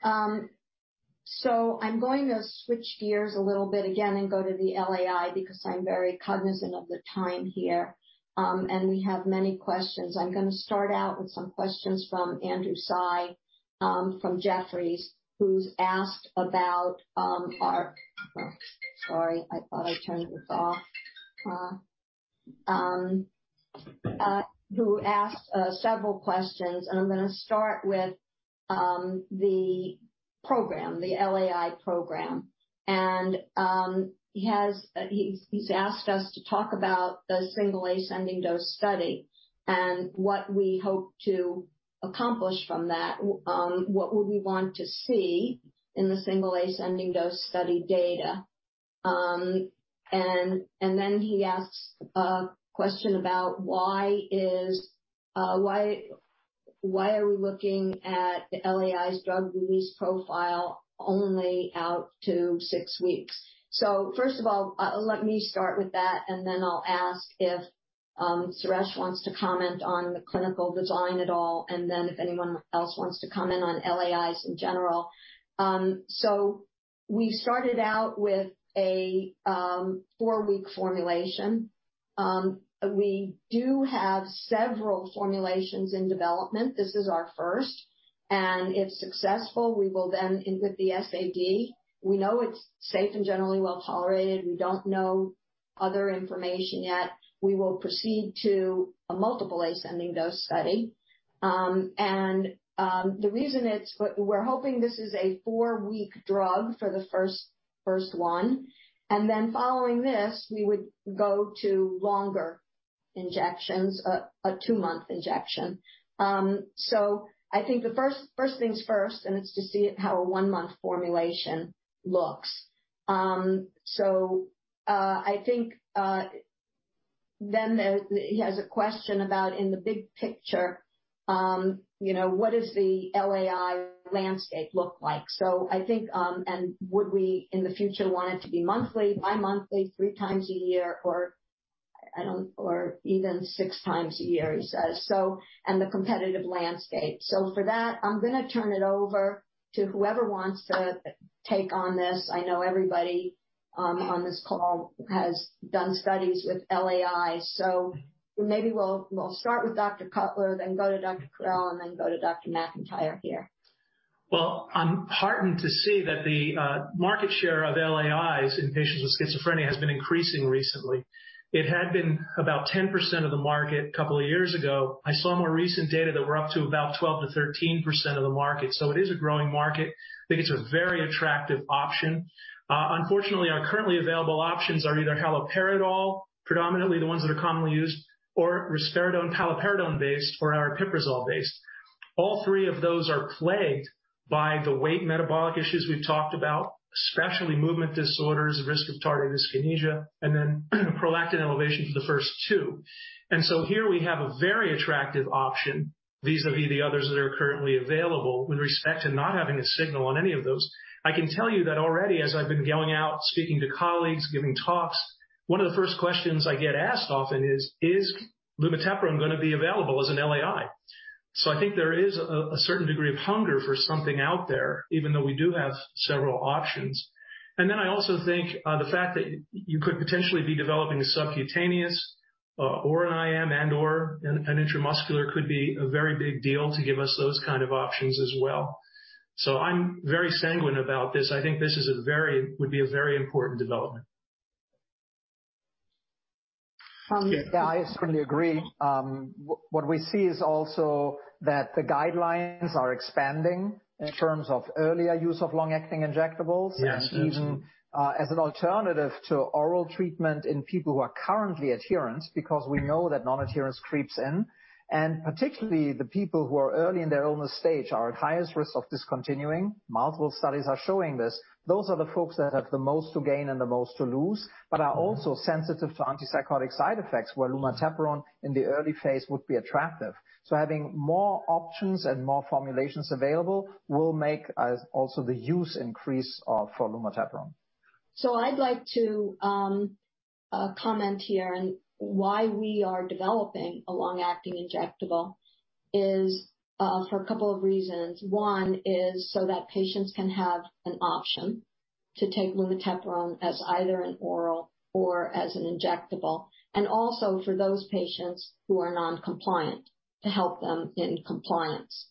I'm going to switch gears a little bit again and go to the LAI, because I'm very cognizant of the time here. We have many questions. I'm going to start out with some questions from Andrew Tsai from Jefferies, who's asked about our Sorry, I thought I turned this off. Who asked several questions, and I'm going to start with the program, the LAI program. He's asked us to talk about the single ascending dose study and what we hope to accomplish from that. What would we want to see in the single ascending dose study data? Then he asks a question about why are we looking at the LAI's drug release profile only out to six weeks? First of all, let me start with that, and then I'll ask if Suresh wants to comment on the clinical design at all, and then if anyone else wants to comment on LAIs in general. We started out with a four week formulation. We do have several formulations in development. This is our first, and if successful with the [SAD], we know it's safe and generally well-tolerated. We don't know other information yet. We will proceed to a multiple ascending dose study. The reason we're hoping this is a four week drug for the first one, and then following this, we would go to longer injections, a two month injection. I think the first things first, and it's to see how a one month formulation looks. I think then he has a question about in the big picture, what does the LAI landscape look like. I think, and would we in the future want it to be monthly, bimonthly, three times a year, or even six times a year, he says, and the competitive landscape. For that, I'm going to turn it over to whoever wants to take on this. I know everybody on this call has done studies with LAI, so maybe we'll start with Dr. Cutler, then go to Dr. Correll, and then go to Dr. McIntyre here. Well, I'm heartened to see that the market share of LAIs in patients with schizophrenia has been increasing recently. It had been about 10% of the market a couple of years ago. I saw more recent data that we're up to about 12%-13% of the market. It is a growing market. I think it's a very attractive option. Unfortunately, our currently available options are either haloperidol, predominantly the ones that are commonly used, or risperidone, haloperidol-based, or are aripiprazole-based. All three of those are plagued by the weight metabolic issues we've talked about, especially movement disorders, risk of tardive dyskinesia, and then prolactin elevation for the first two. Here we have a very attractive option vis-à-vis the others that are currently available with respect to not having a signal on any of those. I can tell you that already, as I've been going out, speaking to colleagues, giving talks, one of the first questions I get asked often is, "Is lumateperone going to be available as an LAI?" I think there is a certain degree of hunger for something out there, even though we do have several options. I also think the fact that you could potentially be developing a subcutaneous or an IM and/or an intramuscular could be a very big deal to give us those kind of options as well. I'm very sanguine about this. I think this would be a very important development. Yeah, I strongly agree. What we see is also that the guidelines are expanding in terms of earlier use of long-acting injectables. Yes. Even as an alternative to oral treatment in people who are currently adherent, because we know that nonadherence creeps in, particularly the people who are early in their illness stage are at highest risk of discontinuing. Multiple studies are showing this. Those are the folks that have the most to gain and the most to lose but are also sensitive to antipsychotic side effects, where lumateperone in the early phase would be attractive. Having more options and more formulations available will make also the use increase for lumateperone. I'd like to comment here, and why we are developing a long-acting injectable is for a couple of reasons. One is so that patients can have an option to take lumateperone as either an oral or as an injectable, and also for those patients who are non-compliant to help them in compliance.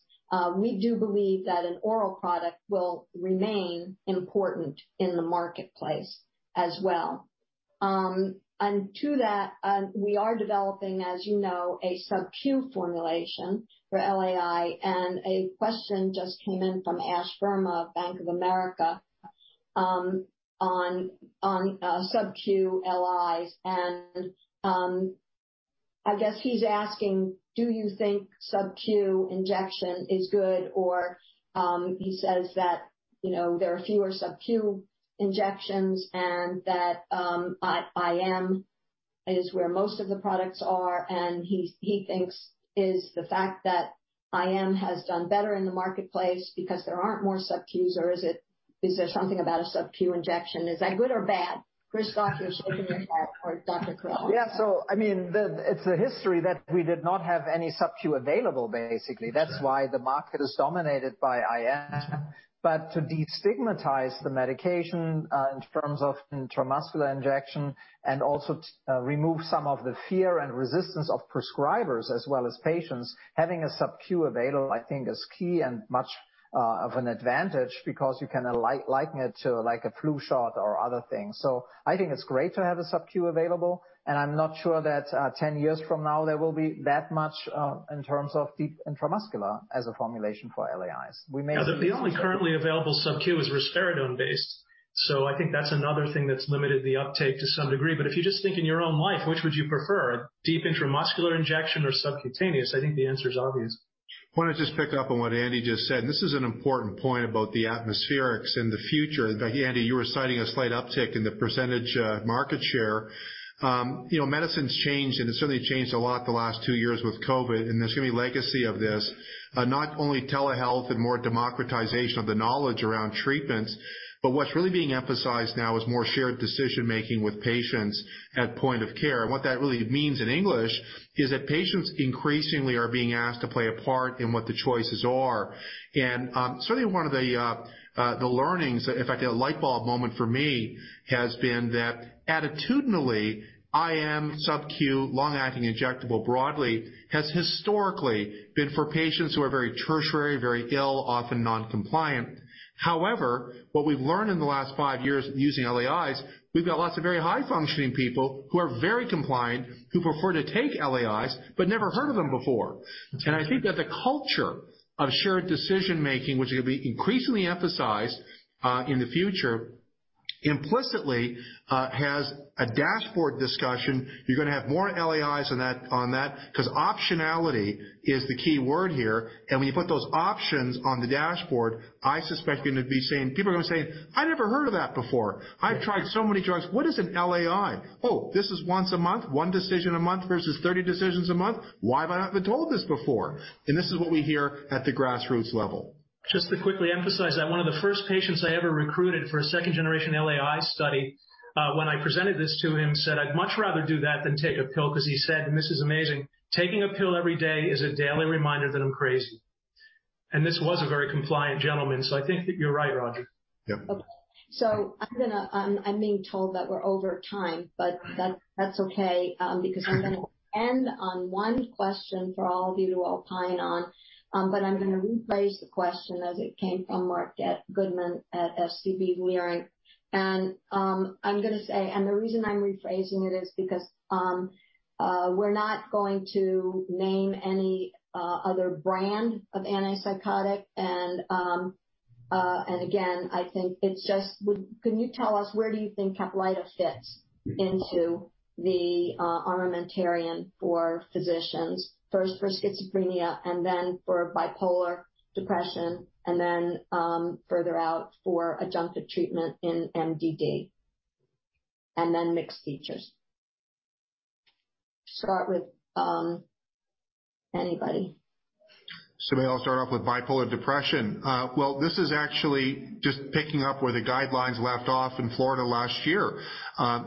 We do believe that an oral product will remain important in the marketplace as well. To that, we are developing, as you know, a sub-Q formulation for LAI, and a question just came in from Ashish Verma, Bank of America, on sub-Q LAIs. I guess he's asking, do you think sub-Q injection is good? Or he says that there are fewer sub-Q injections and that IM is where most of the products are. He thinks is the fact that IM has done better in the marketplace because there aren't more sub-Qs, or is there something about a sub-Q injection? Is that good or bad? Christoph, you're shaking your head, or Dr. Correll. It's a history that we did not have any sub-Q available, basically. That's why the market is dominated by IM. To destigmatize the medication in terms of intramuscular injection and also to remove some of the fear and resistance of prescribers as well as patients, having a sub-Q available, I think, is key and much of an advantage because you can liken it to a flu shot or other things. I think it's great to have a sub-Q available, and I'm not sure that 10 years from now there will be that much in terms of deep intramuscular as a formulation for LAIs. The only currently available sub-Q is risperidone-based, so I think that's another thing that's limited the uptake to some degree. If you just think in your own life, which would you prefer? A deep intramuscular injection or subcutaneous? I think the answer is obvious. I want to just pick up on what Andy just said, and this is an important point about the atmospherics and the future. In fact, Andy, you were citing a slight uptick in the percentage market share. Medicine's changed, and it's certainly changed a lot the last two years with COVID. There's going to be legacy of this, not only telehealth and more democratization of the knowledge around treatments, but what's really being emphasized now is more shared decision-making with patients at point of care. What that really means in English is that patients increasingly are being asked to play a part in what the choices are. Certainly one of the learnings, in fact, a light bulb moment for me, has been that attitudinally, IM, sub-Q, long-acting injectable broadly has historically been for patients who are very tertiary, very ill, often non-compliant. However, what we've learned in the last five years using LAIs, we've got lots of very high-functioning people who are very compliant, who prefer to take LAIs, but never heard of them before. I think that the culture of shared decision-making, which is going to be increasingly emphasized in the future, implicitly has a dashboard discussion. You're going to have more LAIs on that because optionality is the key word here. When you put those options on the dashboard, I suspect people are going to say, "I never heard of that before. I've tried so many drugs. What is an LAI? Oh, this is once a month. One decision a month versus 30 decisions a month. Why have I not been told this before?" This is what we hear at the grassroots level. To quickly emphasize that one of the first patients I ever recruited for a second-generation LAI study, when I presented this to him, said, "I'd much rather do that than take a pill." He said, and this is amazing, "Taking a pill every day is a daily reminder that I'm crazy." This was a very compliant gentleman. I think that you're right, Roger. Yep. I'm being told that we're over time, that's okay because I'm going to end on one question for all of you to opine on. I'm going to rephrase the question as it came from Marc Goodman at SVB Leerink. I'm going to say, the reason I'm rephrasing it is because we're not going to name any other brand of antipsychotic. Again, I think it's just, can you tell us where do you think CAPLYTA fits into the armamentarium for physicians? First for schizophrenia and then for bipolar depression, then further out for adjunctive treatment in MDD, and then mixed features. Start with anybody. Maybe I'll start off with bipolar depression. Well, this is actually just picking up where the guidelines left off in Florida last year.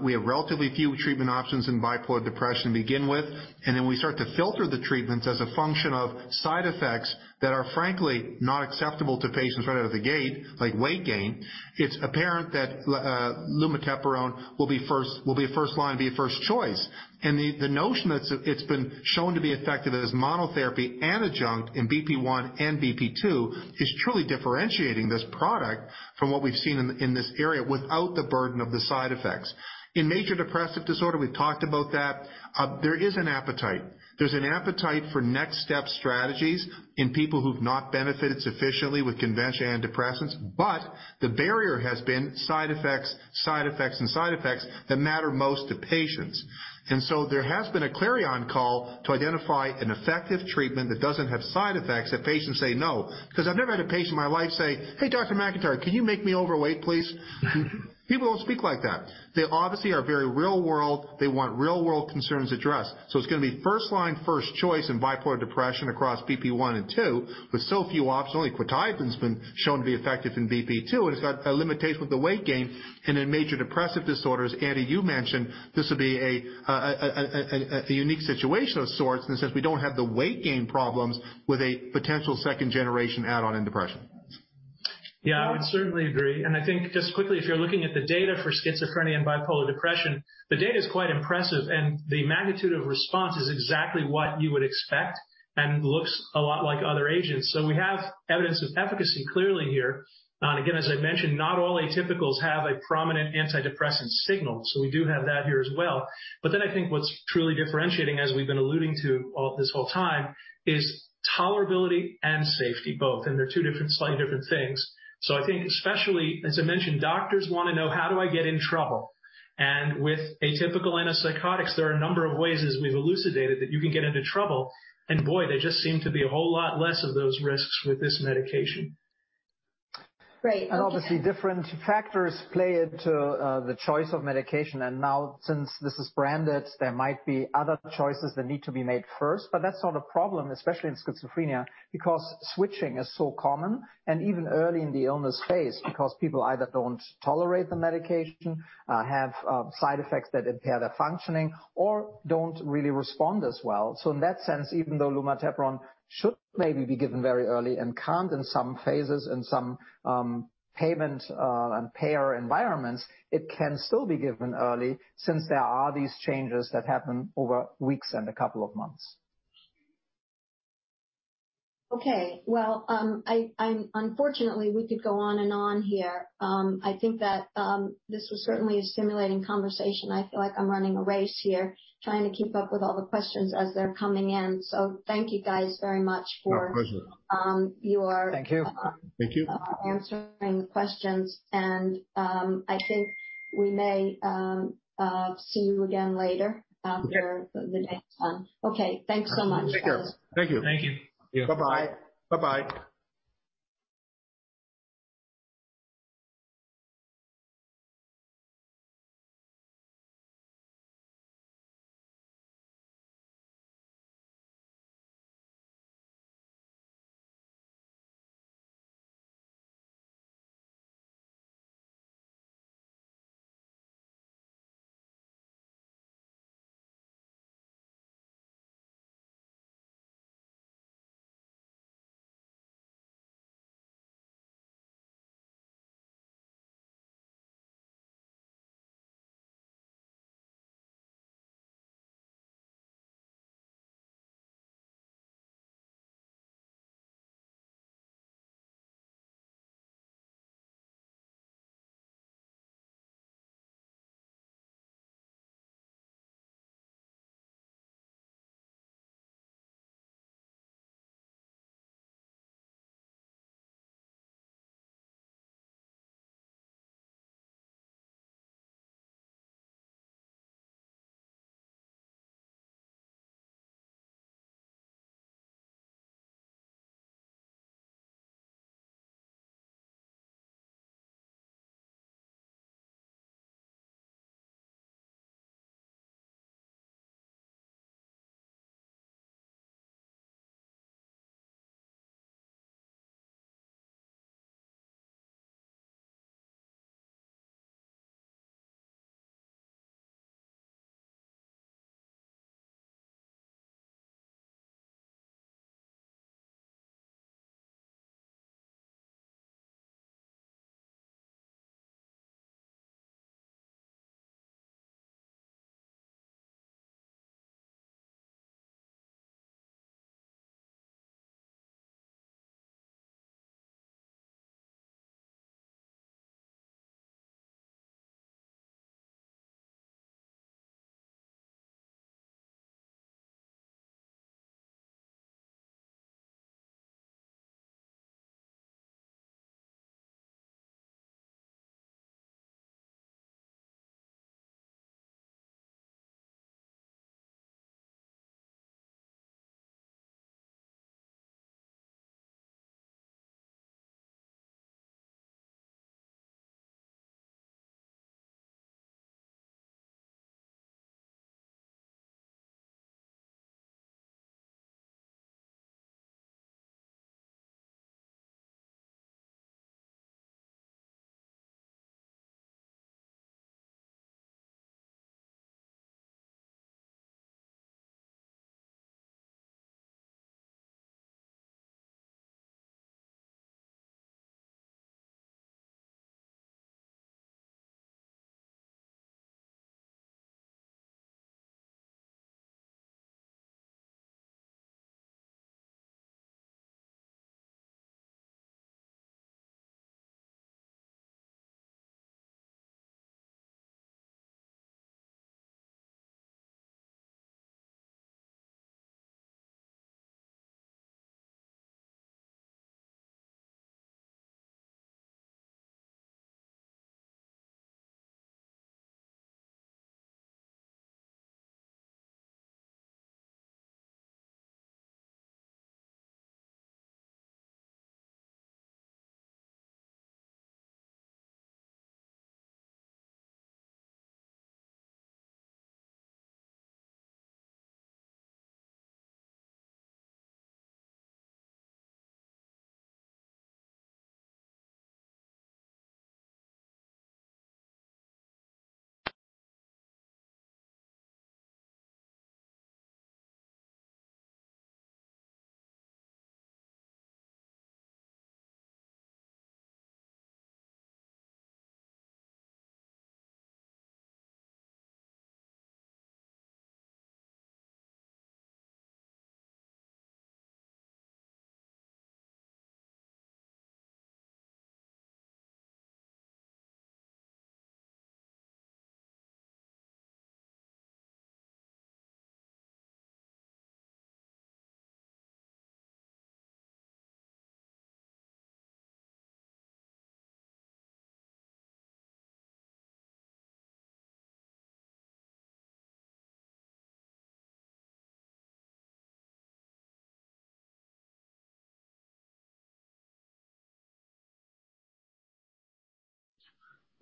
We have relatively few treatment options in bipolar depression to begin with, and then we start to filter the treatments as a function of side effects that are frankly not acceptable to patients right out of the gate, like weight gain. It's apparent that lumateperone will be a first line, be a first choice. The notion that it's been shown to be effective as monotherapy and adjunct in BP1 and BP2 is truly differentiating this product from what we've seen in this area without the burden of the side effects. In major depressive disorder, we've talked about that. There is an appetite. There's an appetite for next step strategies in people who've not benefited sufficiently with conventional antidepressants. The barrier has been side effects, side effects, and side effects that matter most to patients. There has been a clarion call to identify an effective treatment that doesn't have side effects that patients say no. I've never had a patient in my life say, "Hey, Dr. McIntyre, can you make me overweight, please?" People don't speak like that. They obviously are very real world. They want real-world concerns addressed. It's going to be first line, first choice in bipolar depression across BP1 and 2 with so few options. Only quetiapine's been shown to be effective in BP2, and it's got a limitation with the weight gain. In major depressive disorders, Andy, you mentioned this will be a unique situation of sorts in the sense we don't have the weight gain problems with a potential second-generation add-on in depression. Yeah, I would certainly agree. I think just quickly, if you're looking at the data for schizophrenia and bipolar depression, the data is quite impressive, and the magnitude of response is exactly what you would expect and looks a lot like other agents. We have evidence of efficacy clearly here. Again, as I mentioned, not all atypicals have a prominent antidepressant signal. We do have that here as well. I think what's truly differentiating, as we've been alluding to this whole time, is tolerability and safety both. They're two slightly different things. I think especially, as I mentioned, doctors want to know how do I get in trouble. With atypical antipsychotics, there are a number of ways, as we've elucidated, that you can get into trouble. Boy, there just seem to be a whole lot less of those risks with this medication. Great. Thank you. Obviously different factors play into the choice of medication. Now, since this is branded, there might be other choices that need to be made first. That's not a problem, especially in schizophrenia, because switching is so common and even early in the illness phase, because people either don't tolerate the medication, have side effects that impair their functioning, or don't really respond as well. In that sense, even though lumateperone should maybe be given very early and can't in some phases, in some payment and payer environments, it can still be given early since there are these changes that happen over weeks and a couple of months. Okay. Well, unfortunately, we could go on and on here. I think that this was certainly a stimulating conversation. I feel like I'm running a race here, trying to keep up with all the questions as they're coming in. Thank you guys very much for. My pleasure. your- Thank you. Thank you. answering questions. I think we may see you again later after the next one. Okay, thanks so much, guys. Thank you. Thank you. Thank you. Bye-bye. Bye-bye.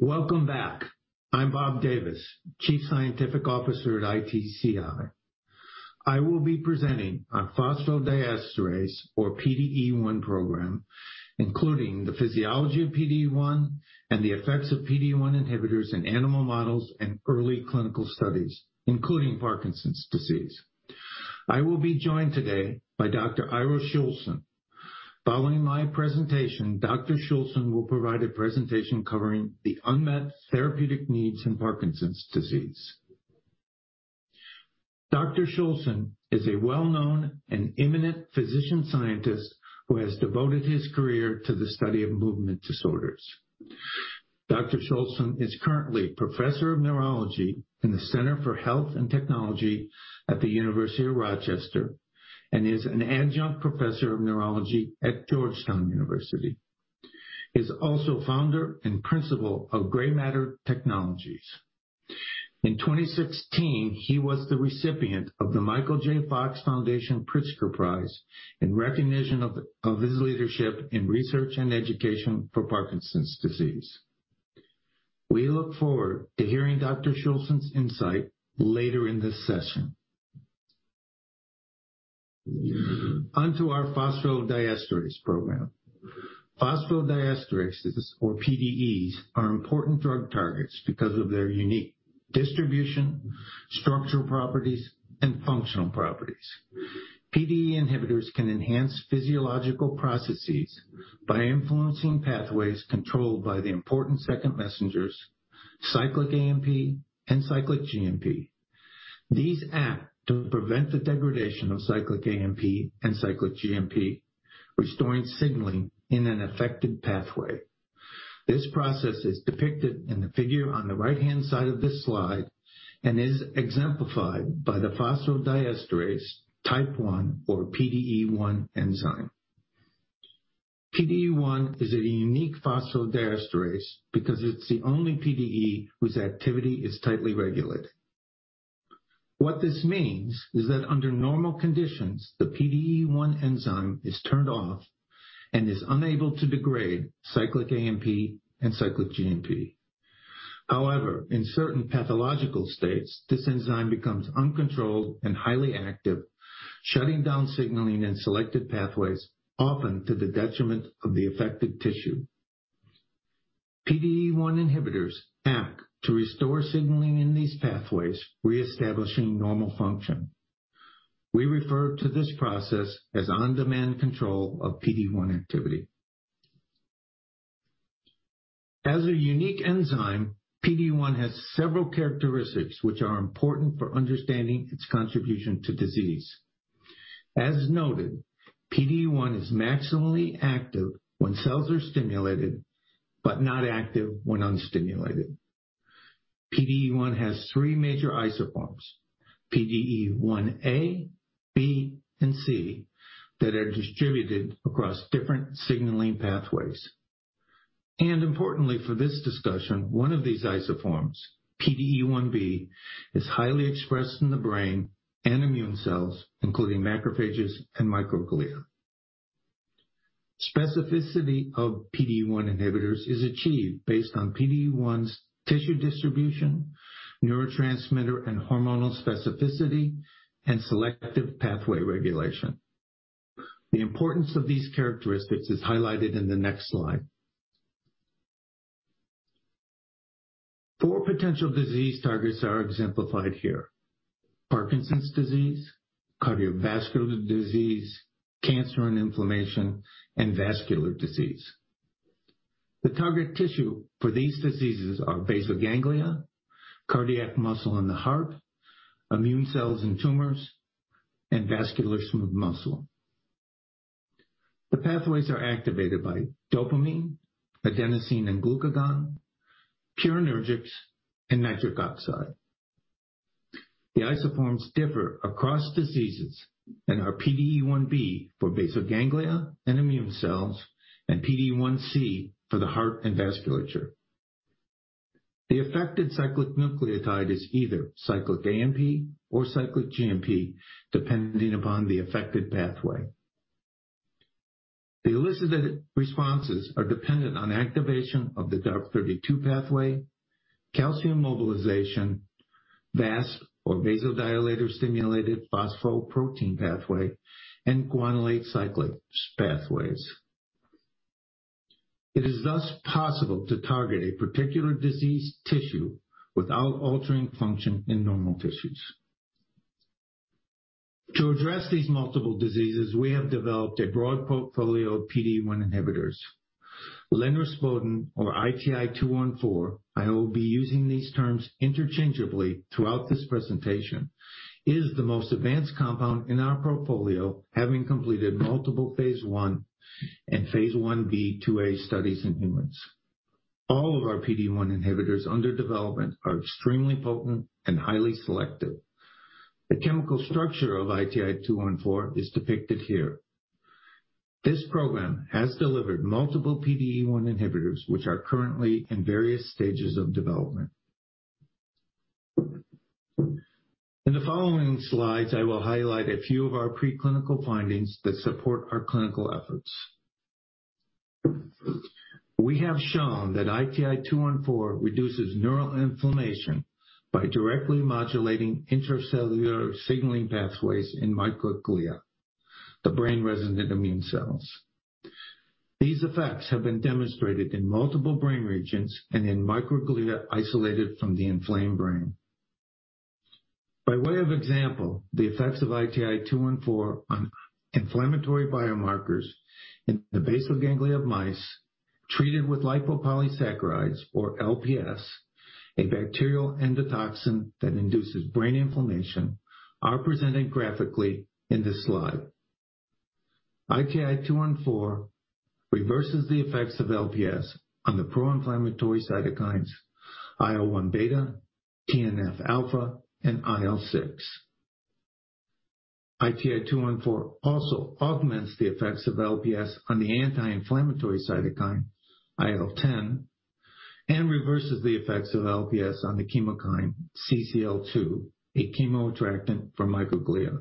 Welcome back. I'm Robert Davis, Chief Scientific Officer at ITCI. I will be presenting on phosphodiesterase or PDE1 program, including the physiology of PDE1 and the effects of PDE1 inhibitors in animal models and early clinical studies, including Parkinson's disease. I will be joined today by Dr. Ira Shoulson. Following my presentation, Dr. Shoulson will provide a presentation covering the unmet therapeutic needs in Parkinson's disease. Dr. Shoulson is a well-known and eminent physician scientist who has devoted his career to the study of movement disorders. Dr. Shoulson is currently a professor of neurology in the Center for Health and Technology at the University of Rochester and is an adjunct professor of neurology at Georgetown University. He is also founder and principal of Grey Matter Technologies. In 2016, he was the recipient of the Michael J. Fox Foundation Pritzker Prize in recognition of his leadership in research and education for Parkinson's disease. We look forward to hearing Dr. Shoulson's insight later in this session. On to our phosphodiesterase program. Phosphodiesterases, or PDEs, are important drug targets because of their unique distribution, structural properties, and functional properties. PDE inhibitors can enhance physiological processes by influencing pathways controlled by the important second messengers, cyclic AMP and cyclic GMP. These act to prevent the degradation of cyclic AMP and cyclic GMP, restoring signaling in an affected pathway. This process is depicted in the figure on the right-hand side of this slide and is exemplified by the phosphodiesterase type 1 or PDE1 enzyme. PDE1 is a unique phosphodiesterase because it's the only PDE whose activity is tightly regulated. What this means is that under normal conditions, the PDE1 enzyme is turned off and is unable to degrade cyclic AMP and cyclic GMP. However, in certain pathological states, this enzyme becomes uncontrolled and highly active, shutting down signaling in selected pathways, often to the detriment of the affected tissue. PDE1 inhibitors act to restore signaling in these pathways, reestablishing normal function. We refer to this process as on-demand control of PDE1 activity. As a unique enzyme, PDE1 has several characteristics which are important for understanding its contribution to disease. As noted, PDE1 is maximally active when cells are stimulated, but not active when unstimulated. PDE1 has three major isoforms, PDE1A, B, and C, that are distributed across different signaling pathways. Importantly for this discussion, one of these isoforms, PDE1B, is highly expressed in the brain and immune cells, including macrophages and microglia. Specificity of PDE1 inhibitors is achieved based on PDE1's tissue distribution, neurotransmitter and hormonal specificity, and selective pathway regulation. The importance of these characteristics is highlighted in the next slide. Four potential disease targets are exemplified here. Parkinson's disease, cardiovascular disease, cancer and inflammation, and vascular disease. The target tissue for these diseases are basal ganglia, cardiac muscle in the heart, immune cells in tumors, and vascular smooth muscle. The pathways are activated by dopamine, adenosine and glucagon, purinergics, and nitric oxide. The isoforms differ across diseases and are PDE1B for basal ganglia and immune cells, and PDE1C for the heart and vasculature. The affected cyclic nucleotide is either cyclic AMP or cyclic GMP, depending upon the affected pathway. The elicited responses are dependent on activation of the DARPP-32 pathway, calcium mobilization, VASP or vasodilator-stimulated phosphoprotein pathway, and guanylate cyclase pathways. It is thus possible to target a particular diseased tissue without altering function in normal tissues. To address these multiple diseases, we have developed a broad portfolio of PDE1 inhibitors. lenrispodun or ITI-214, I will be using these terms interchangeably throughout this presentation, is the most advanced compound in our portfolio, having completed multiple phase I and phase I-B/II-A studies in humans. All of our PDE1 inhibitors under development are extremely potent and highly selective. The chemical structure of ITI-214 is depicted here. This program has delivered multiple PDE1 inhibitors, which are currently in various stages of development. In the following slides, I will highlight a few of our preclinical findings that support our clinical efforts. We have shown that ITI-214 reduces neural inflammation by directly modulating intracellular signaling pathways in microglia, the brain-resident immune cells. These effects have been demonstrated in multiple brain regions and in microglia isolated from the inflamed brain. By way of example, the effects of ITI-214 on inflammatory biomarkers in the basal ganglia of mice treated with lipopolysaccharides or LPS, a bacterial endotoxin that induces brain inflammation, are presented graphically in this slide. ITI-214 reverses the effects of LPS on the pro-inflammatory cytokines, IL-1β, TNF-α, and IL-6. ITI-214 also augments the effects of LPS on the anti-inflammatory cytokine IL-10 and reverses the effects of LPS on the chemokine CCL2, a chemoattractant for microglia.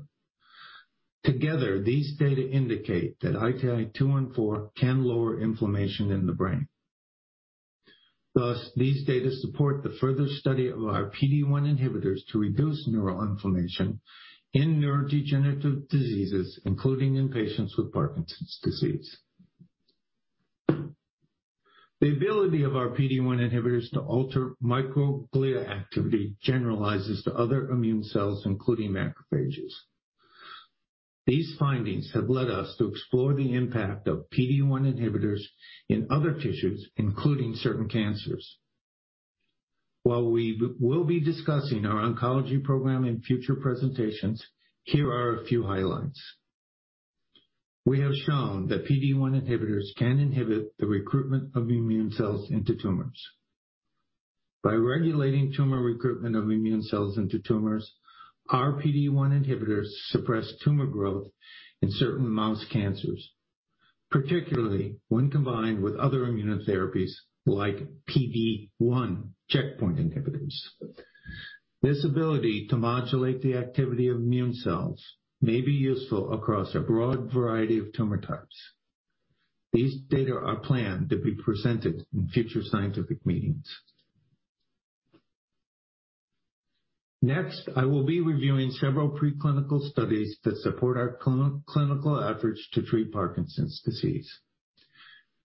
Together, these data indicate that ITI-214 can lower inflammation in the brain. Thus, these data support the further study of our PDE1 inhibitors to reduce neural inflammation in neurodegenerative diseases, including in patients with Parkinson's disease. The ability of our PDE1 inhibitors to alter microglia activity generalizes to other immune cells, including macrophages. These findings have led us to explore the impact of PDE1 inhibitors in other tissues, including certain cancers. While we will be discussing our oncology program in future presentations, here are a few highlights. We have shown that PDE1 inhibitors can inhibit the recruitment of immune cells into tumors. By regulating tumor recruitment of immune cells into tumors, our PDE1 inhibitors suppress tumor growth in certain mouse cancers, particularly when combined with other immunotherapies like PD-1 checkpoint inhibitors. This ability to modulate the activity of immune cells may be useful across a broad variety of tumor types. These data are planned to be presented in future scientific meetings. I will be reviewing several pre-clinical studies that support our clinical efforts to treat Parkinson's disease.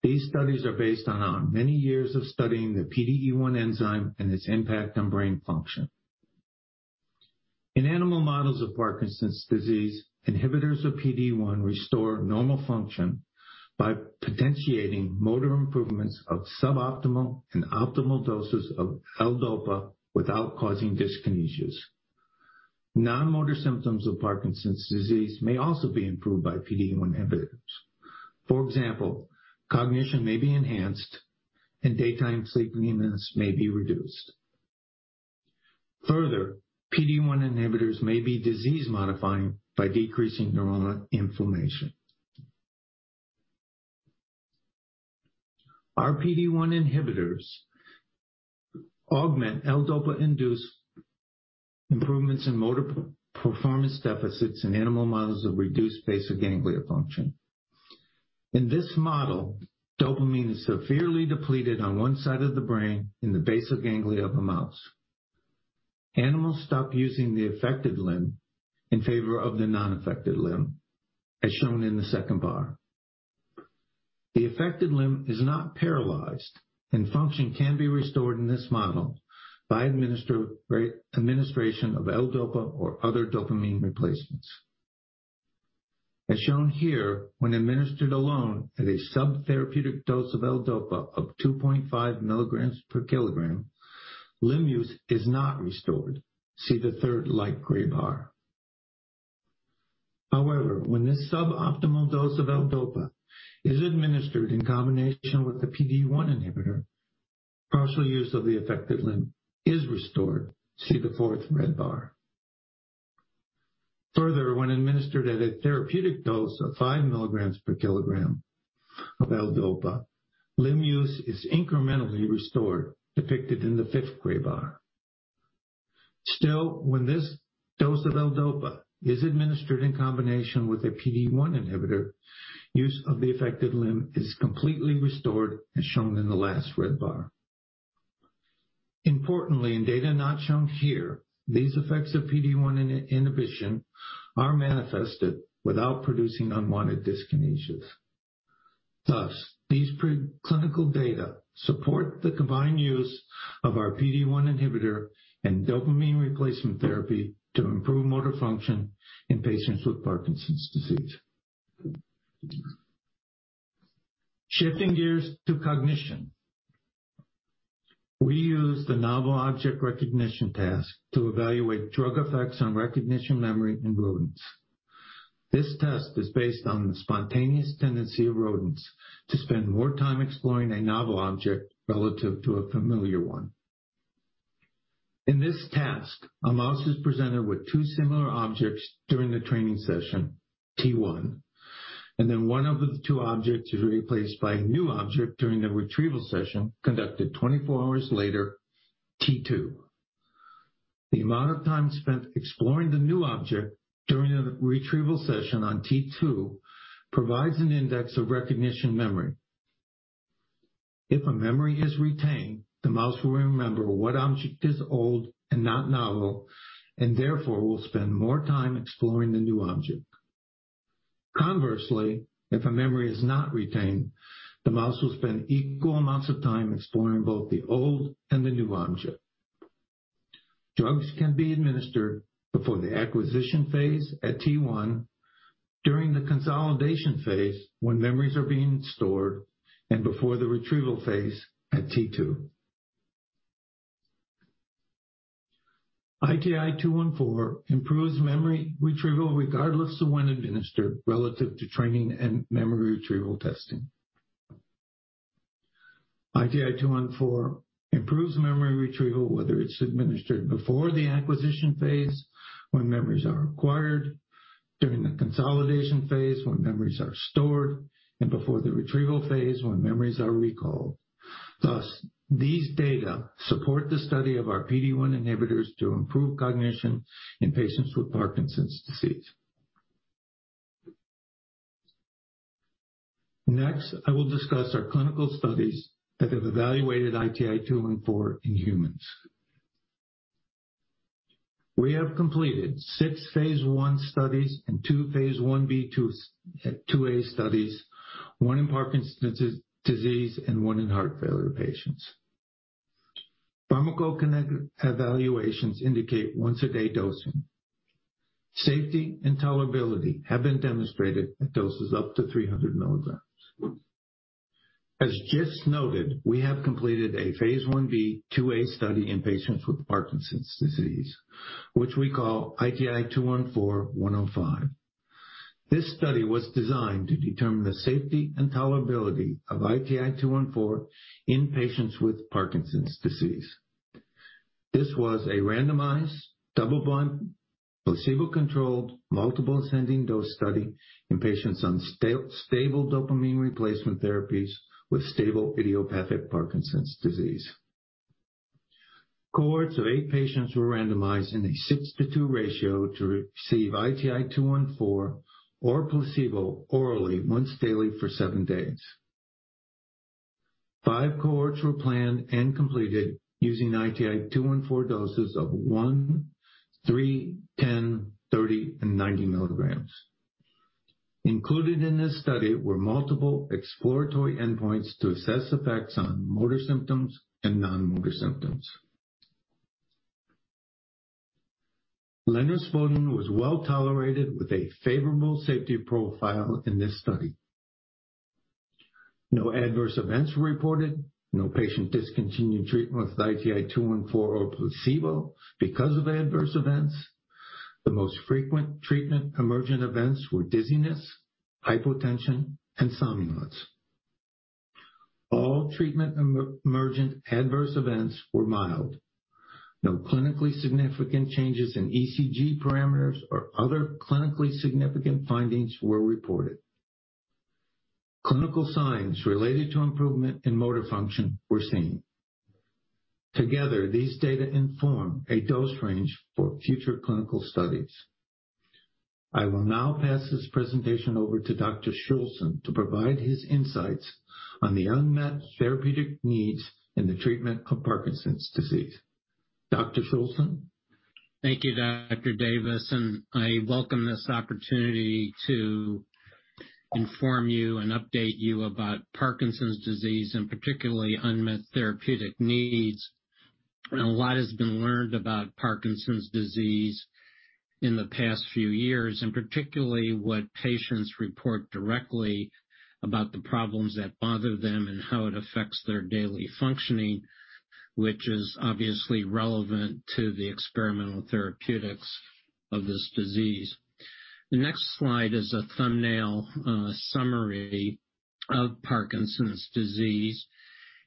These studies are based on our many years of studying the PDE1 enzyme and its impact on brain function. In animal models of Parkinson's disease, inhibitors of PDE1 restore normal function by potentiating motor improvements of suboptimal and optimal doses of L-DOPA without causing dyskinesias. Non-motor symptoms of Parkinson's disease may also be improved by PDE1 inhibitors. For example, cognition may be enhanced, and daytime sleepiness may be reduced. Further, PDE1 inhibitors may be disease-modifying by decreasing neuronal inflammation. Our PDE1 inhibitors augment L-DOPA-induced improvements in motor performance deficits in animal models of reduced basal ganglia function. In this model, dopamine is severely depleted on one side of the brain in the basal ganglia of a mouse. Animals stop using the affected limb in favor of the non-affected limb, as shown in the second bar. The affected limb is not paralyzed, and function can be restored in this model by administration of L-DOPA or other dopamine replacements. As shown here, when administered alone at a subtherapeutic dose of L-DOPA of 2.5 mg/kg, limb use is not restored. See the third light gray bar. When this suboptimal dose of L-DOPA is administered in combination with a PDE1 inhibitor, partial use of the affected limb is restored. See the fourth red bar. When administered at a therapeutic dose of 5 mg/kg of L-DOPA, limb use is incrementally restored, depicted in the fifth gray bar. When this dose of L-DOPA is administered in combination with a PDE1 inhibitor, use of the affected limb is completely restored, as shown in the last red bar. In data not shown here, these effects of PDE1 inhibition are manifested without producing unwanted dyskinesias. Thus, these preclinical data support the combined use of our PDE1 inhibitor and dopamine replacement therapy to improve motor function in patients with Parkinson's disease. Shifting gears to cognition. We use the novel object recognition task to evaluate drug effects on recognition, memory, and rodents. This test is based on the spontaneous tendency of rodents to spend more time exploring a novel object relative to a familiar one. In this task, a mouse is presented with two similar objects during the training session, T1, and then one of the two objects is replaced by a new object during the retrieval session conducted 24 hours later, T2. The amount of time spent exploring the new object during the retrieval session on T2 provides an index of recognition memory. If a memory is retained, the mouse will remember what object is old and not novel, and therefore will spend more time exploring the new object. Conversely, if a memory is not retained, the mouse will spend equal amounts of time exploring both the old and the new object. Drugs can be administered before the acquisition phase at T1, during the consolidation phase when memories are being stored, and before the retrieval phase at T2. ITI-214 improves memory retrieval regardless of when administered relative to training and memory retrieval testing. ITI-214 improves memory retrieval, whether it's administered before the acquisition phase when memories are acquired, during the consolidation phase when memories are stored, and before the retrieval phase when memories are recalled. These data support the study of our PDE1 inhibitors to improve cognition in patients with Parkinson's disease. I will discuss our clinical studies that have evaluated ITI-214 in humans. We have completed 6 phase I studies and 2 phase I-B/II-A studies, 1 in Parkinson's disease and 1 in heart failure patients. Pharmacokinetic evaluations indicate once-a-day dosing. Safety and tolerability have been demonstrated at doses up to 300 mg. As just noted, we have completed a phase I-B/II-A study in patients with Parkinson's disease, which we call ITI-214-105. This study was designed to determine the safety and tolerability of ITI-214 in patients with Parkinson's disease. This was a randomized, double-blind, placebo-controlled, multiple ascending dose study in patients on stable dopamine replacement therapies with stable idiopathic Parkinson's disease. Cohorts of eight patients were randomized in a 6 to 2 ratio to receive ITI-214 or placebo orally once daily for seven days. 5 cohorts were planned and completed using ITI-214 doses of 1, 3, 10, 30, and 90 mg. Included in this study were multiple exploratory endpoints to assess effects on motor symptoms and non-motor symptoms. lenrispodun was well tolerated with a favorable safety profile in this study. No adverse events were reported. No patient discontinued treatment with ITI-214 or placebo because of adverse events. The most frequent treatment emergent events were dizziness, hypotension, and somnolence. All treatment emergent adverse events were mild. No clinically significant changes in ECG parameters or other clinically significant findings were reported. Clinical signs related to improvement in motor function were seen. Together, these data inform a dose range for future clinical studies. I will now pass this presentation over to Dr. Shoulson to provide his insights on the unmet therapeutic needs in the treatment of Parkinson's disease. Dr. Shoulson? Thank you, Dr. Davis. I welcome this opportunity to inform you and update you about Parkinson's disease, and particularly unmet therapeutic needs. A lot has been learned about Parkinson's disease in the past few years, and particularly what patients report directly about the problems that bother them and how it affects their daily functioning, which is obviously relevant to the experimental therapeutics of this disease. The next slide is a thumbnail summary of Parkinson's disease,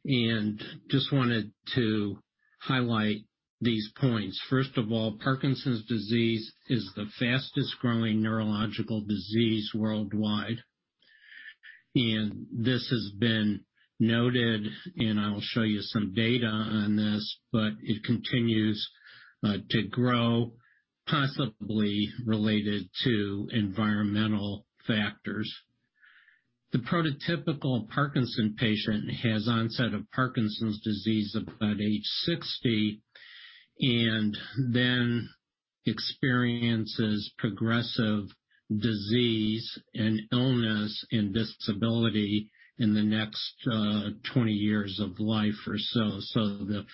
and just wanted to highlight these points. First of all, Parkinson's disease is the fastest growing neurological disease worldwide, and this has been noted, and I will show you some data on this, but it continues to grow, possibly related to environmental factors. The prototypical Parkinson patient has onset of Parkinson's disease about age 60, and then experiences progressive disease and illness and disability in the next 20 years of life or so. The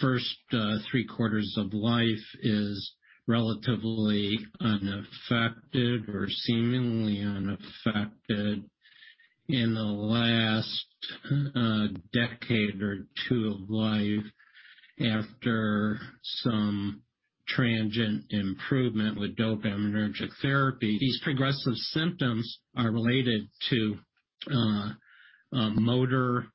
first 3 quarters of life is relatively unaffected, or seemingly unaffected. In the last decade or 2 of life, after some transient improvement with dopaminergic therapy, these progressive symptoms are related to motor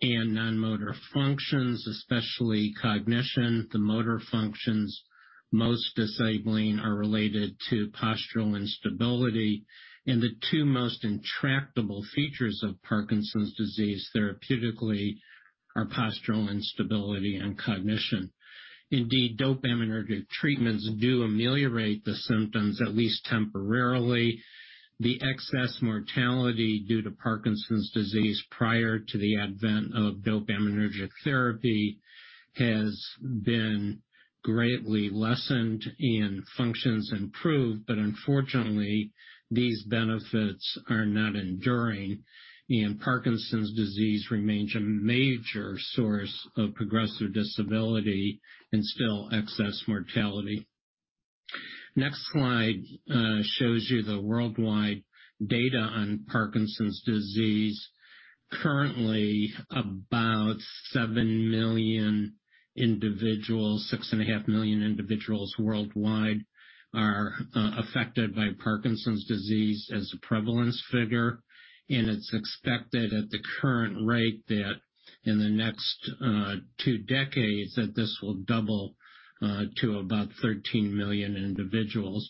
and non-motor functions, especially cognition. The motor functions most disabling are related to postural instability, and the two most intractable features of Parkinson's disease therapeutically are postural instability and cognition. Indeed, dopaminergic treatments do ameliorate the symptoms, at least temporarily. The excess mortality due to Parkinson's disease prior to the advent of dopaminergic therapy has been greatly lessened and functions improved. Unfortunately, these benefits are not enduring, and Parkinson's disease remains a major source of progressive disability and still excess mortality. Next slide shows you the worldwide data on Parkinson's disease. Currently, about 7 million individuals, 6.5 million individuals worldwide, are affected by Parkinson's disease as a prevalence figure. It's expected, at the current rate, that in the next two decades, that this will double to about 13 million individuals.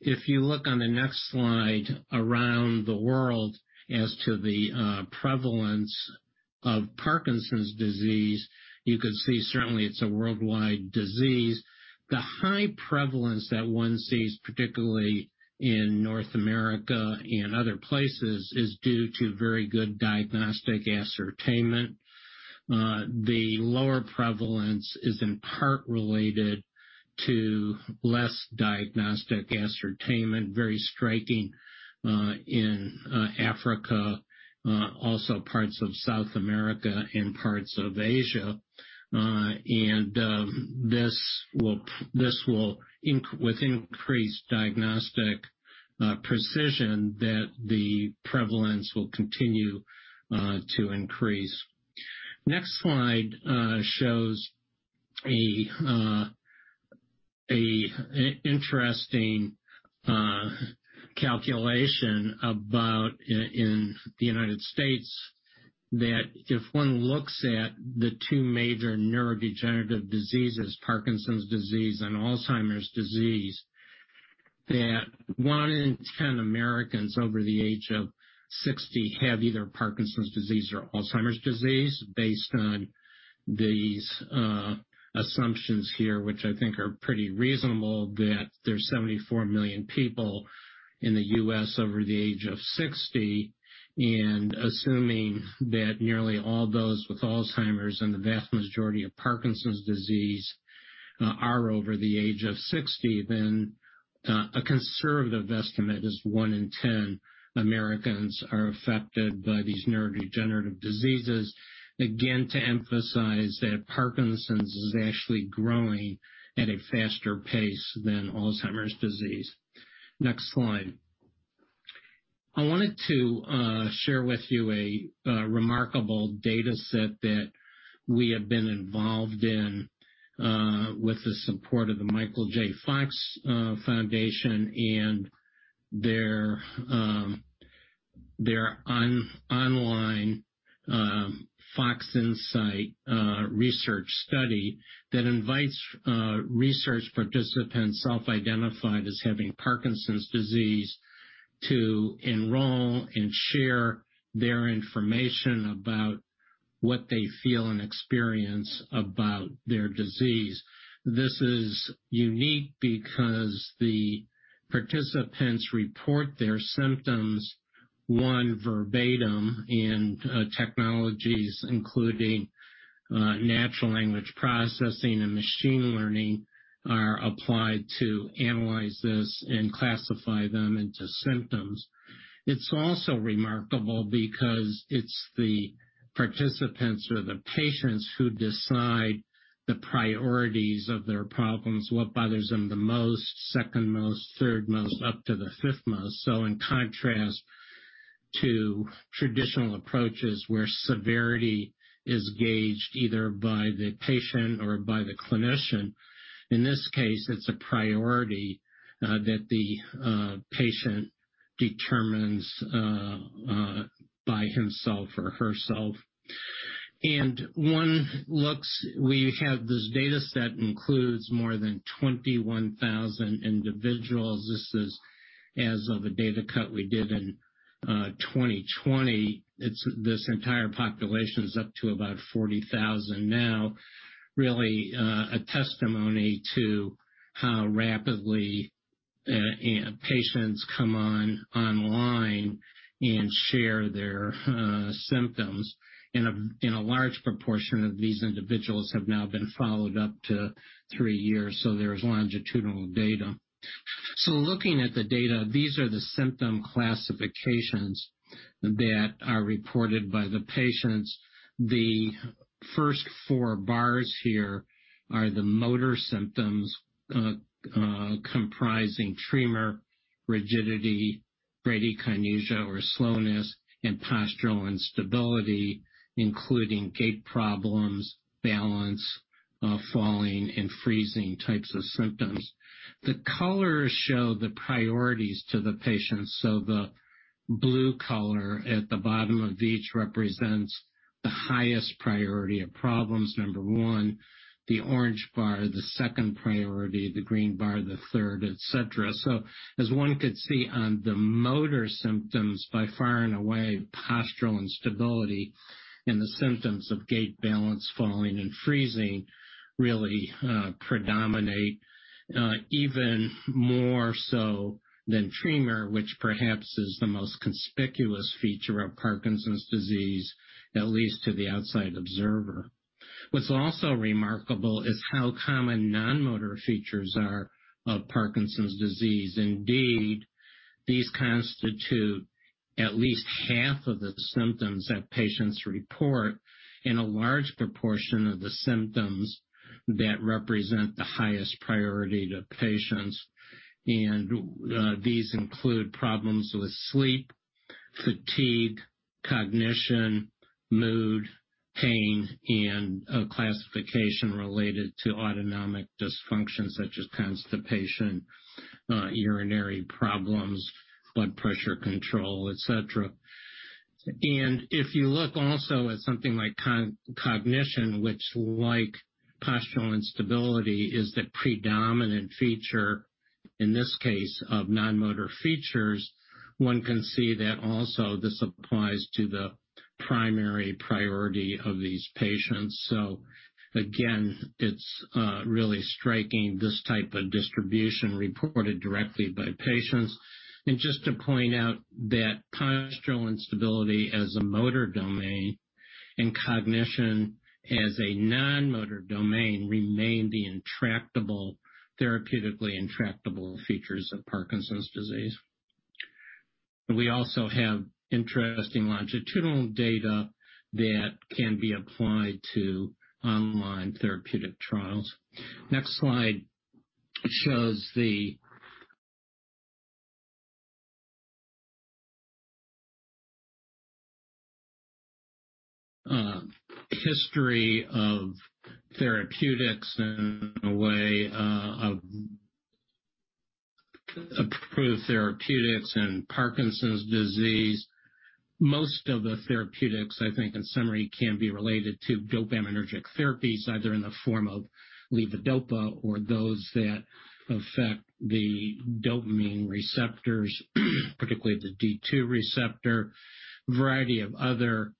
If you look on the next slide around the world as to the prevalence of Parkinson's disease, you can see certainly it's a worldwide disease. The high prevalence that one sees, particularly in North America and other places, is due to very good diagnostic ascertainment. The lower prevalence is in part related to less diagnostic ascertainment, very striking in Africa, also parts of South America and parts of Asia. This will, with increased diagnostic precision, that the prevalence will continue to increase. Next slide shows an interesting calculation about in the U.S., that if one looks at the two major neurodegenerative diseases, Parkinson's disease and Alzheimer's disease, that one in 10 Americans over the age of 60 have either Parkinson's disease or Alzheimer's disease based on these assumptions here, which I think are pretty reasonable, that there's 74 million people in the U.S. over the age of 60. Assuming that nearly all those with Alzheimer's and the vast majority of Parkinson's disease are over the age of 60, then a conservative estimate is one in 10 Americans are affected by these neurodegenerative diseases. Again, to emphasize that Parkinson's is actually growing at a faster pace than Alzheimer's disease. Next slide. I wanted to share with you a remarkable data set that we have been involved in with the support of the Michael J. Fox Foundation and their online Fox Insight research study that invites research participants self-identified as having Parkinson's disease to enroll and share their information about what they feel and experience about their disease. This is unique because the participants report their symptoms, one, verbatim, and technologies, including natural language processing and machine learning, are applied to analyze this and classify them into symptoms. It's also remarkable because it's the participants or the patients who decide the priorities of their problems, what bothers them the most, second most, third most, up to the fifth most. In contrast to traditional approaches where severity is gauged either by the patient or by the clinician, in this case, it's a priority that the patient determines by himself or herself. One looks, we have this data set includes more than 21,000 individuals. This is as of a data cut we did in 2020. This entire population is up to about 40,000 now, really a testimony to how rapidly patients come online and share their symptoms, and a large proportion of these individuals have now been followed up to three years, so there's longitudinal data. Looking at the data, these are the symptom classifications that are reported by the patients. The first four bars here are the motor symptoms, comprising tremor, rigidity, bradykinesia or slowness, and postural instability, including gait problems, balance, falling, and freezing types of symptoms. The colors show the priorities to the patients. The blue color at the bottom of each represents the highest priority of problems, number one, the orange bar, the second priority, the green bar, the third, et cetera. As one could see on the motor symptoms, by far and away, postural instability and the symptoms of gait, balance, falling and freezing really predominate even more so than tremor, which perhaps is the most conspicuous feature of Parkinson's disease, at least to the outside observer. What's also remarkable is how common non-motor features are of Parkinson's disease. Indeed, these constitute at least half of the symptoms that patients report and a large proportion of the symptoms that represent the highest priority to patients. These include problems with sleep, fatigue, cognition, mood, pain, and a classification related to autonomic dysfunction, such as constipation, urinary problems, blood pressure control, et cetera. If you look also at something like cognition, which like postural instability, is the predominant feature, in this case, of non-motor features, one can see that also this applies to the primary priority of these patients. Again, it's really striking, this type of distribution reported directly by patients. Just to point out that postural instability as a motor domain and cognition as a non-motor domain remain the therapeutically intractable features of Parkinson's disease. We also have interesting longitudinal data that can be applied to online therapeutic trials. Next slide shows the history of therapeutics and a way of approved therapeutics in Parkinson's disease. Most of the therapeutics, I think, in summary, can be related to dopaminergic therapies, either in the form of levodopa or those that affect the dopamine receptors, particularly the D2 receptor. A variety of other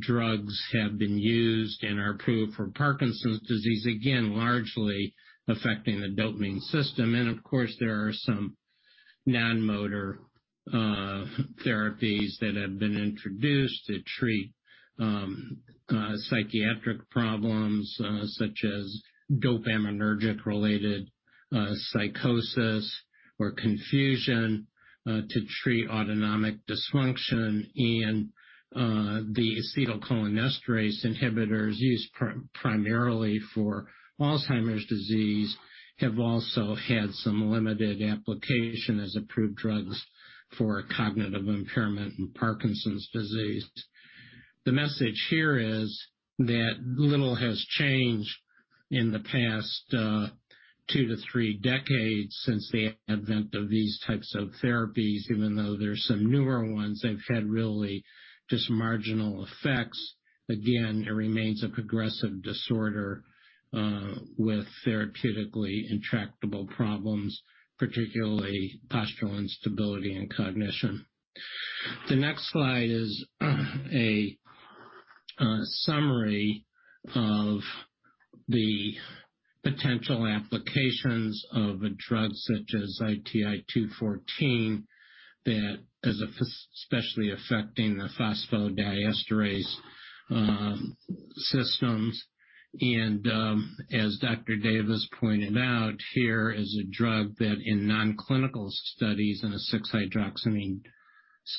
drugs have been used and are approved for Parkinson's disease, again, largely affecting the dopamine system. Of course, there are some non-motor therapies that have been introduced that treat psychiatric problems such as dopaminergic-related psychosis or confusion, to treat autonomic dysfunction. The acetylcholinesterase inhibitors, used primarily for Alzheimer's disease, have also had some limited application as approved drugs for cognitive impairment in Parkinson's disease. The message here is that little has changed in the past 2 to 3 decades since the advent of these types of therapies. Even though there's some newer ones, they've had really just marginal effects. Again, it remains a progressive disorder with therapeutically intractable problems, particularly postural instability and cognition. The next slide is a summary of the potential applications of a drug such as ITI-214 that is especially affecting the phosphodiesterase systems. As Dr. Davis pointed out, here is a drug that in non-clinical studies in a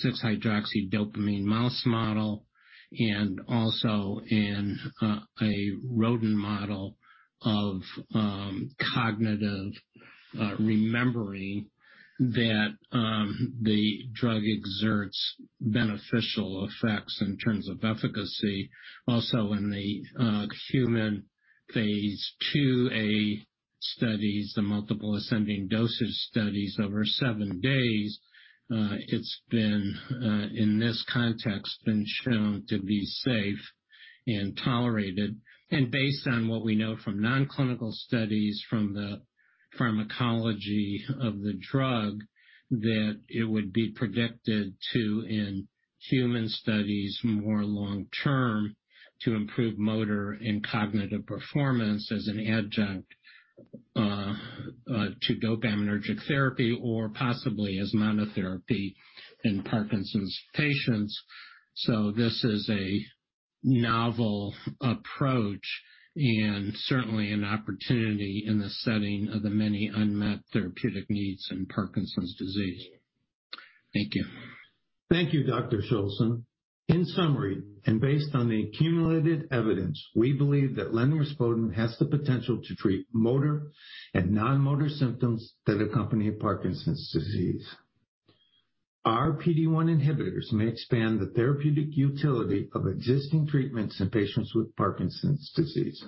6-hydroxydopamine mouse model and also in a rodent model of cognitive remembering, that the drug exerts beneficial effects in terms of efficacy. In the human phase IIa studies, the multiple ascending dosage studies over seven days, it's been, in this context, shown to be safe and tolerated. Based on what we know from non-clinical studies from the pharmacology of the drug, that it would be predicted to, in human studies more long term, to improve motor and cognitive performance as an adjunct to dopaminergic therapy or possibly as monotherapy in Parkinson's patients. This is a novel approach and certainly an opportunity in the setting of the many unmet therapeutic needs in Parkinson's disease. Thank you. Thank you, Dr. Mates. In summary, based on the accumulated evidence, we believe that lenrispodun has the potential to treat motor and non-motor symptoms that accompany Parkinson's disease. Our PDE1 inhibitors may expand the therapeutic utility of existing treatments in patients with Parkinson's disease,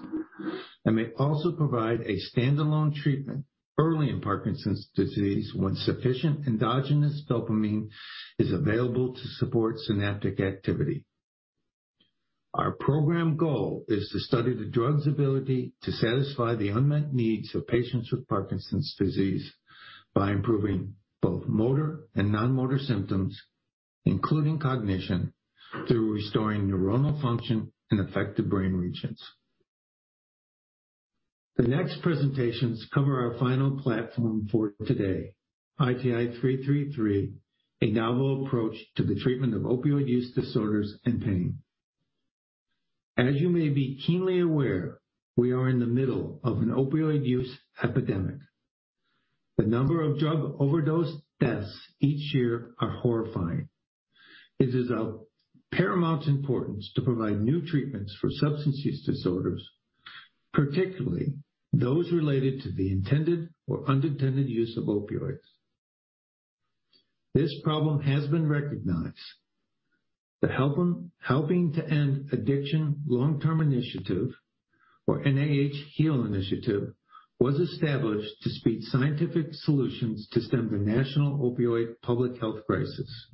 and may also provide a standalone treatment early in Parkinson's disease when sufficient endogenous dopamine is available to support synaptic activity. Our program goal is to study the drug's ability to satisfy the unmet needs of patients with Parkinson's disease by improving both motor and non-motor symptoms, including cognition, through restoring neuronal function in affected brain regions. The next presentations cover our final platform for today, ITI-333, a novel approach to the treatment of opioid use disorders and pain. As you may be keenly aware, we are in the middle of an opioid use epidemic. The number of drug overdose deaths each year are horrifying. It is of paramount importance to provide new treatments for substance use disorders, particularly those related to the intended or unintended use of opioids. This problem has been recognized. The Helping to End Addiction Long-term initiative, or NIH HEAL Initiative, was established to speed scientific solutions to stem the national opioid public health crisis.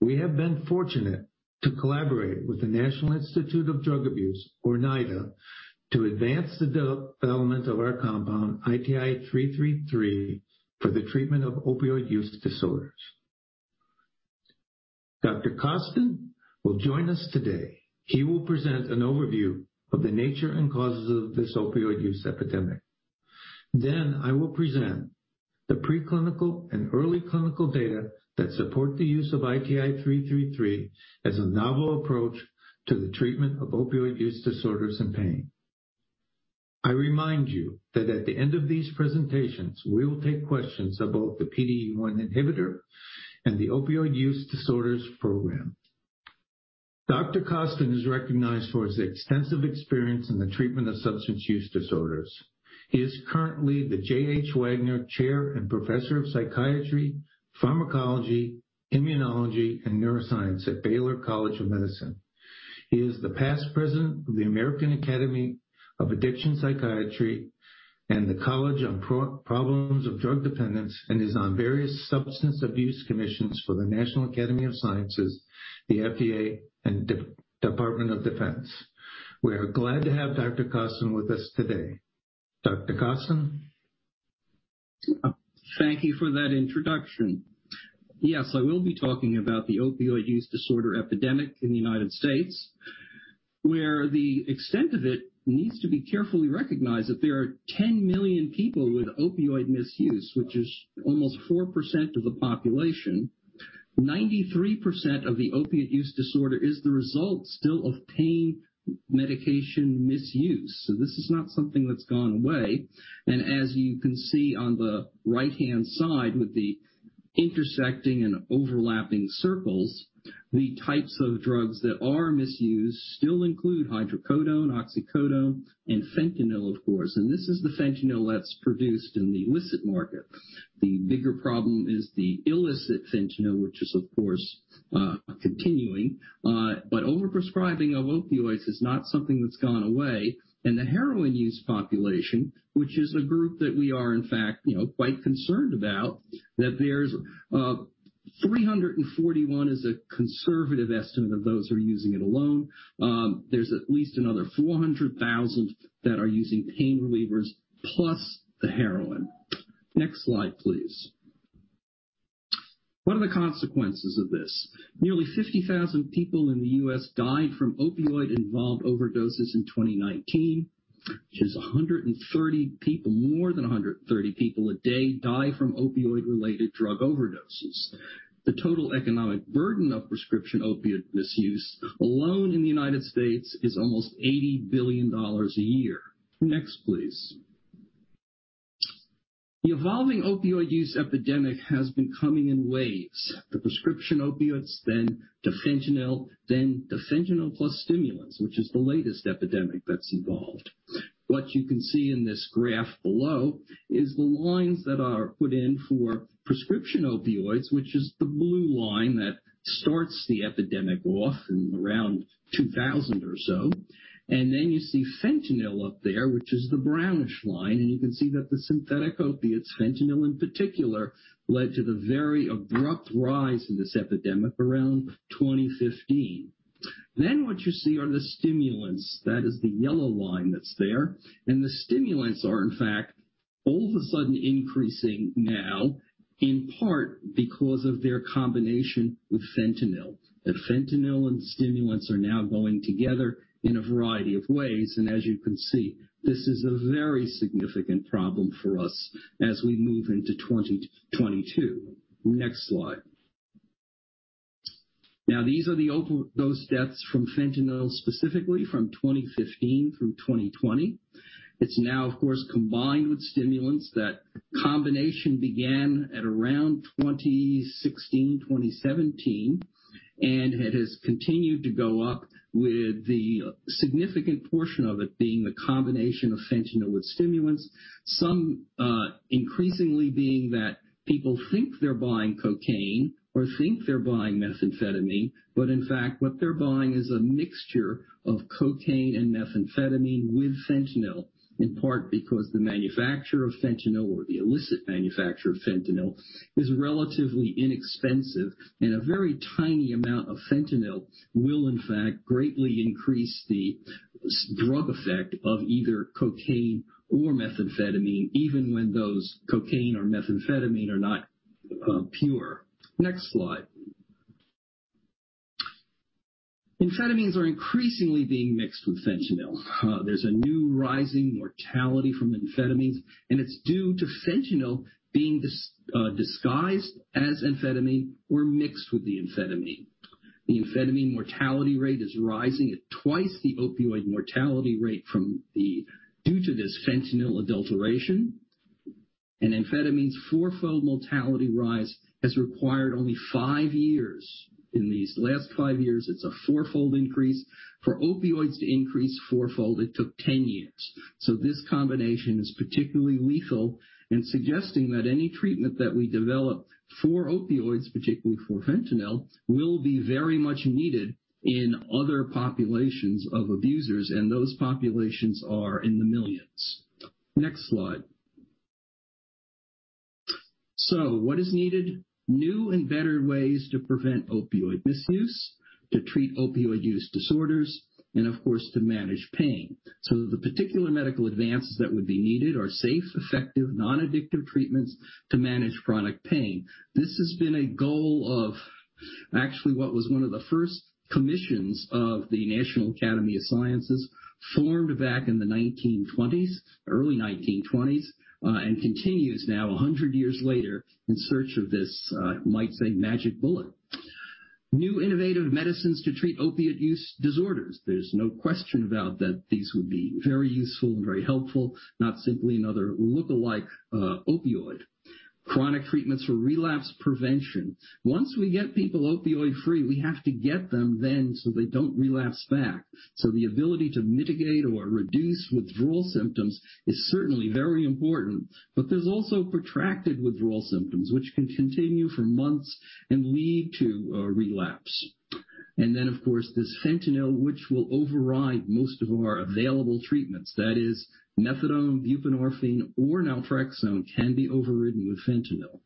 We have been fortunate to collaborate with the National Institute on Drug Abuse, or NIDA, to advance the development of our compound, ITI-333, for the treatment of opioid use disorders. Dr. Kosten will join us today. He will present an overview of the nature and causes of this opioid use epidemic. I will present the preclinical and early clinical data that support the use of ITI-333 as a novel approach to the treatment of opioid use disorders and pain. I remind you that at the end of these presentations, we will take questions about the PDE1 inhibitor and the opioid use disorders program. Dr. Kosten is recognized for his extensive experience in the treatment of substance use disorders. He is currently the J.H. Waggoner Chair and Professor of Psychiatry, Pharmacology, Immunology, and Neuroscience at Baylor College of Medicine. He is the past president of the American Academy of Addiction Psychiatry and the College on Problems of Drug Dependence and is on various substance abuse commissions for the National Academy of Sciences, the FDA, and Department of Defense. We are glad to have Dr. Kosten with us today. Dr. Kosten. Thank you for that introduction. Yes, I will be talking about the opioid use disorder epidemic in the United States, where the extent of it needs to be carefully recognized that there are 10 million people with opioid misuse, which is almost 4% of the population. 93% of the opioid use disorder is the result still of pain medication misuse. This is not something that's gone away. The types of drugs that are misused still include hydrocodone, oxycodone, and fentanyl, of course. This is the fentanyl that's produced in the illicit market. The bigger problem is the illicit fentanyl, which is, of course, continuing. Overprescribing of opioids is not something that's gone away. The heroin use population, which is a group that we are, in fact, quite concerned about, that there's 341 is a conservative estimate of those who are using it alone. There's at least another 400,000 that are using pain relievers plus the heroin. Next slide, please. What are the consequences of this? Nearly 50,000 people in the U.S. died from opioid-involved overdoses in 2019. Which is more than 130 people a day die from opioid-related drug overdoses. The total economic burden of prescription opioid misuse alone in the United States is almost $80 billion a year. Next, please. The evolving opioid use epidemic has been coming in waves. The prescription opioids, then the fentanyl, then the fentanyl plus stimulants, which is the latest epidemic that's involved. What you can see in this graph below is the lines that are put in for prescription opioids, which is the blue line that starts the epidemic off in around 2000 or so. You see fentanyl up there, which is the brownish line, and you can see that the synthetic opiates, fentanyl in particular, led to the very abrupt rise in this epidemic around 2015. What you see are the stimulants. That is the yellow line that's there. The stimulants are all of a sudden increasing now, in part because of their combination with fentanyl. That fentanyl and stimulants are now going together in a variety of ways. As you can see, this is a very significant problem for us as we move into 2022. Next slide. These are the overdose deaths from fentanyl, specifically from 2015 through 2020. It's now, of course, combined with stimulants. That combination began at around 2016, 2017. It has continued to go up with the significant portion of it being the combination of fentanyl with stimulants. Some increasingly being that people think they're buying cocaine or think they're buying methamphetamine. In fact, what they're buying is a mixture of cocaine and methamphetamine with fentanyl, in part because the manufacturer of fentanyl or the illicit manufacturer of fentanyl is relatively inexpensive. A very tiny amount of fentanyl will in fact greatly increase the drug effect of either cocaine or methamphetamine, even when those cocaine or methamphetamine are not pure. Next slide. Amphetamines are increasingly being mixed with fentanyl. There's a new rising mortality from amphetamines. It's due to fentanyl being disguised as amphetamine or mixed with the amphetamine. The amphetamine mortality rate is rising at twice the opioid mortality rate due to this fentanyl adulteration. Amphetamines' fourfold mortality rise has required only five years. In these last five years, it's a fourfold increase. For opioids to increase fourfold, it took 10 years. This combination is particularly lethal and suggesting that any treatment that we develop for opioids, particularly for fentanyl, will be very much needed in other populations of abusers, and those populations are in the millions. Next slide. What is needed? New and better ways to prevent opioid misuse, to treat opioid use disorders, and of course, to manage pain. The particular medical advances that would be needed are safe, effective, non-addictive treatments to manage chronic pain. This has been a goal of actually what was one of the first commissions of the National Academy of Sciences, formed back in the 1920s, early 1920s, and continues now 100 years later in search of this, you might say, magic bullet. New innovative medicines to treat opioid use disorders. There's no question about that these would be very useful and very helpful, not simply another lookalike opioid. Chronic treatments for relapse prevention. Once we get people opioid-free, we have to get them then so they don't relapse back. The ability to mitigate or reduce withdrawal symptoms is certainly very important. There's also protracted withdrawal symptoms, which can continue for months and lead to a relapse. Of course, this fentanyl, which will override most of our available treatments. That is methadone, buprenorphine, or naltrexone can be overridden with fentanyl.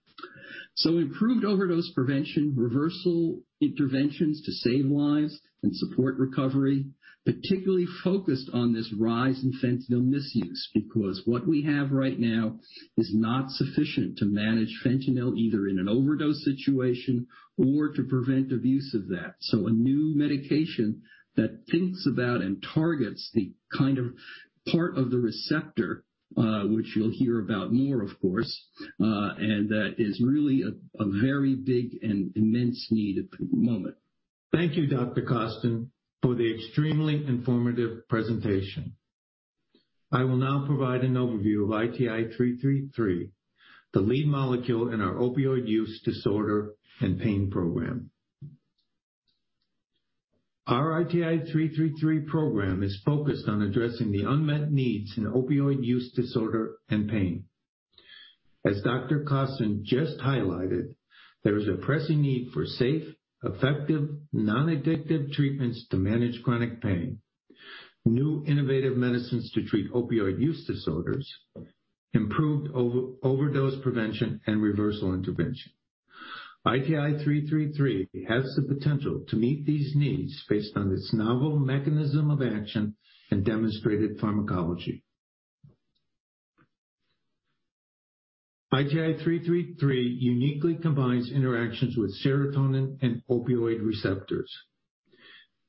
Improved overdose prevention, reversal interventions to save lives and support recovery, particularly focused on this rise in fentanyl misuse. What we have right now is not sufficient to manage fentanyl, either in an overdose situation or to prevent abuse of that. A new medication that thinks about and targets the kind of part of the receptor, which you'll hear about more, of course, and that is really a very big and immense need at the moment. Thank you, Dr. Kosten, for the extremely informative presentation. I will now provide an overview of ITI-333, the lead molecule in our opioid use disorder and pain program. Our ITI-333 program is focused on addressing the unmet needs in opioid use disorder and pain. As Dr. Kosten just highlighted, there is a pressing need for safe, effective, non-addictive treatments to manage chronic pain, new innovative medicines to treat opioid use disorders, improved overdose prevention, and reversal intervention. ITI-333 has the potential to meet these needs based on its novel mechanism of action and demonstrated pharmacology. ITI-333 uniquely combines interactions with serotonin and opioid receptors.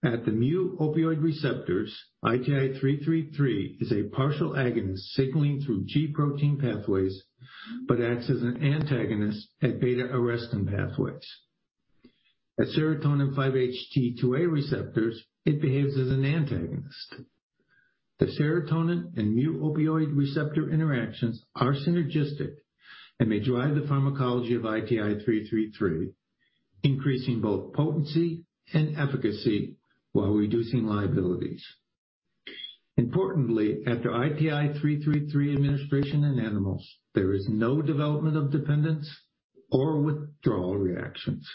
At the μ-opioid receptors, ITI-333 is a partial agonist signaling through G protein pathways but acts as an antagonist at β-arrestin pathways. At serotonin 5-HT2A receptors, it behaves as an antagonist. The serotonin and μ-opioid receptor interactions are synergistic and may drive the pharmacology of ITI-333, increasing both potency and efficacy while reducing liabilities. Importantly, after ITI-333 administration in animals, there is no development of dependence or withdrawal reactions,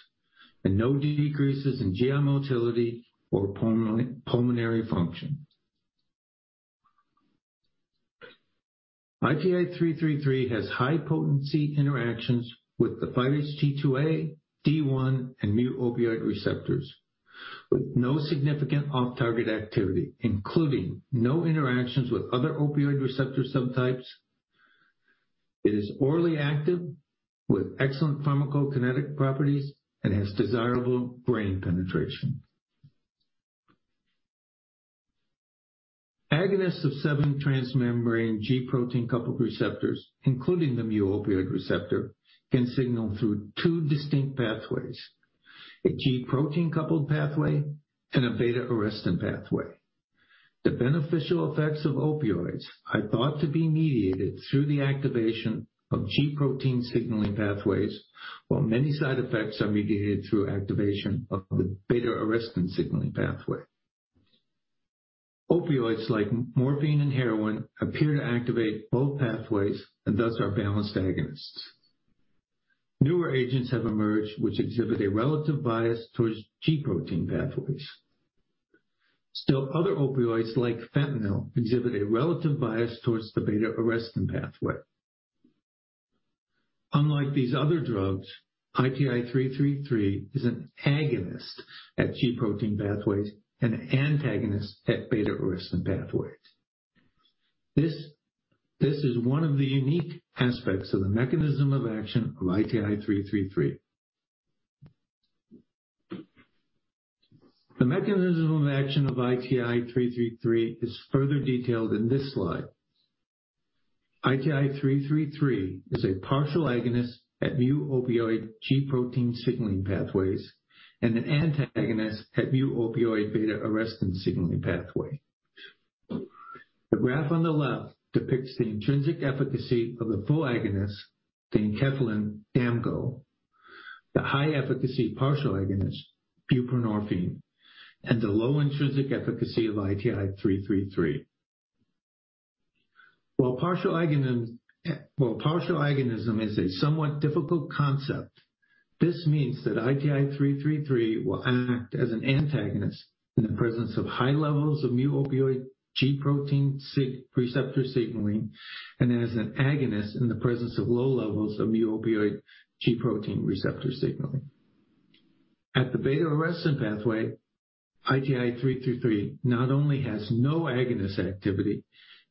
and no decreases in GI motility or pulmonary function. ITI-333 has high potency interactions with the 5-HT2A, D1, and μ-opioid receptors, with no significant off-target activity, including no interactions with other opioid receptor subtypes. It is orally active with excellent pharmacokinetic properties and has desirable brain penetration. Agonists of seven transmembrane G protein-coupled receptors, including the μ-opioid receptor, can signal through two distinct pathways, a G protein-coupled pathway and a β-arrestin pathway. The beneficial effects of opioids are thought to be mediated through the activation of G protein signaling pathways, while many side effects are mediated through activation of the β-arrestin signaling pathway. Opioids like morphine and heroin appear to activate both pathways and thus are balanced agonists. Newer agents have emerged which exhibit a relative bias towards G protein pathways. Still other opioids, like fentanyl, exhibit a relative bias towards the β-arrestin pathway. Unlike these other drugs, ITI-333 is an agonist at G protein pathways and an antagonist at β-arrestin pathways. This is one of the unique aspects of the mechanism of action of ITI-333. The mechanism of action of ITI-333 is further detailed in this slide. ITI-333 is a partial agonist at mu opioid G protein signaling pathways and an antagonist at mu opioid β-arrestin signaling pathway. The graph on the left depicts the intrinsic efficacy of the full agonist, [Pancuronium], [DAMGO], the high-efficacy partial agonist, buprenorphine, and the low intrinsic efficacy of ITI-333. While partial agonism is a somewhat difficult concept, this means that ITI-333 will act as an antagonist in the presence of high levels of mu opioid G protein receptor signaling and as an agonist in the presence of low levels of mu opioid G protein receptor signaling. At the β-arrestin pathway, ITI-333 not only has no agonist activity,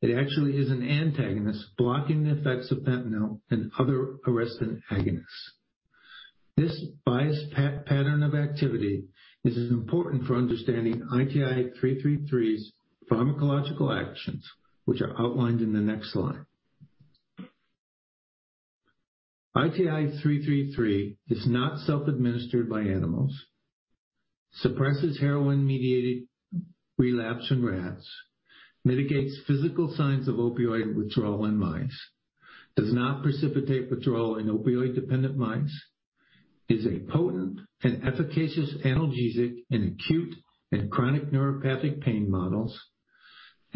it actually is an antagonist, blocking the effects of fentanyl and other arrestin agonists. This biased pattern of activity is important for understanding ITI-333's pharmacological actions, which are outlined in the next slide. ITI-333 is not self-administered by animals, suppresses heroin-mediated relapse in rats, mitigates physical signs of opioid withdrawal in mice, does not precipitate withdrawal in opioid-dependent mice, is a potent and efficacious analgesic in acute and chronic neuropathic pain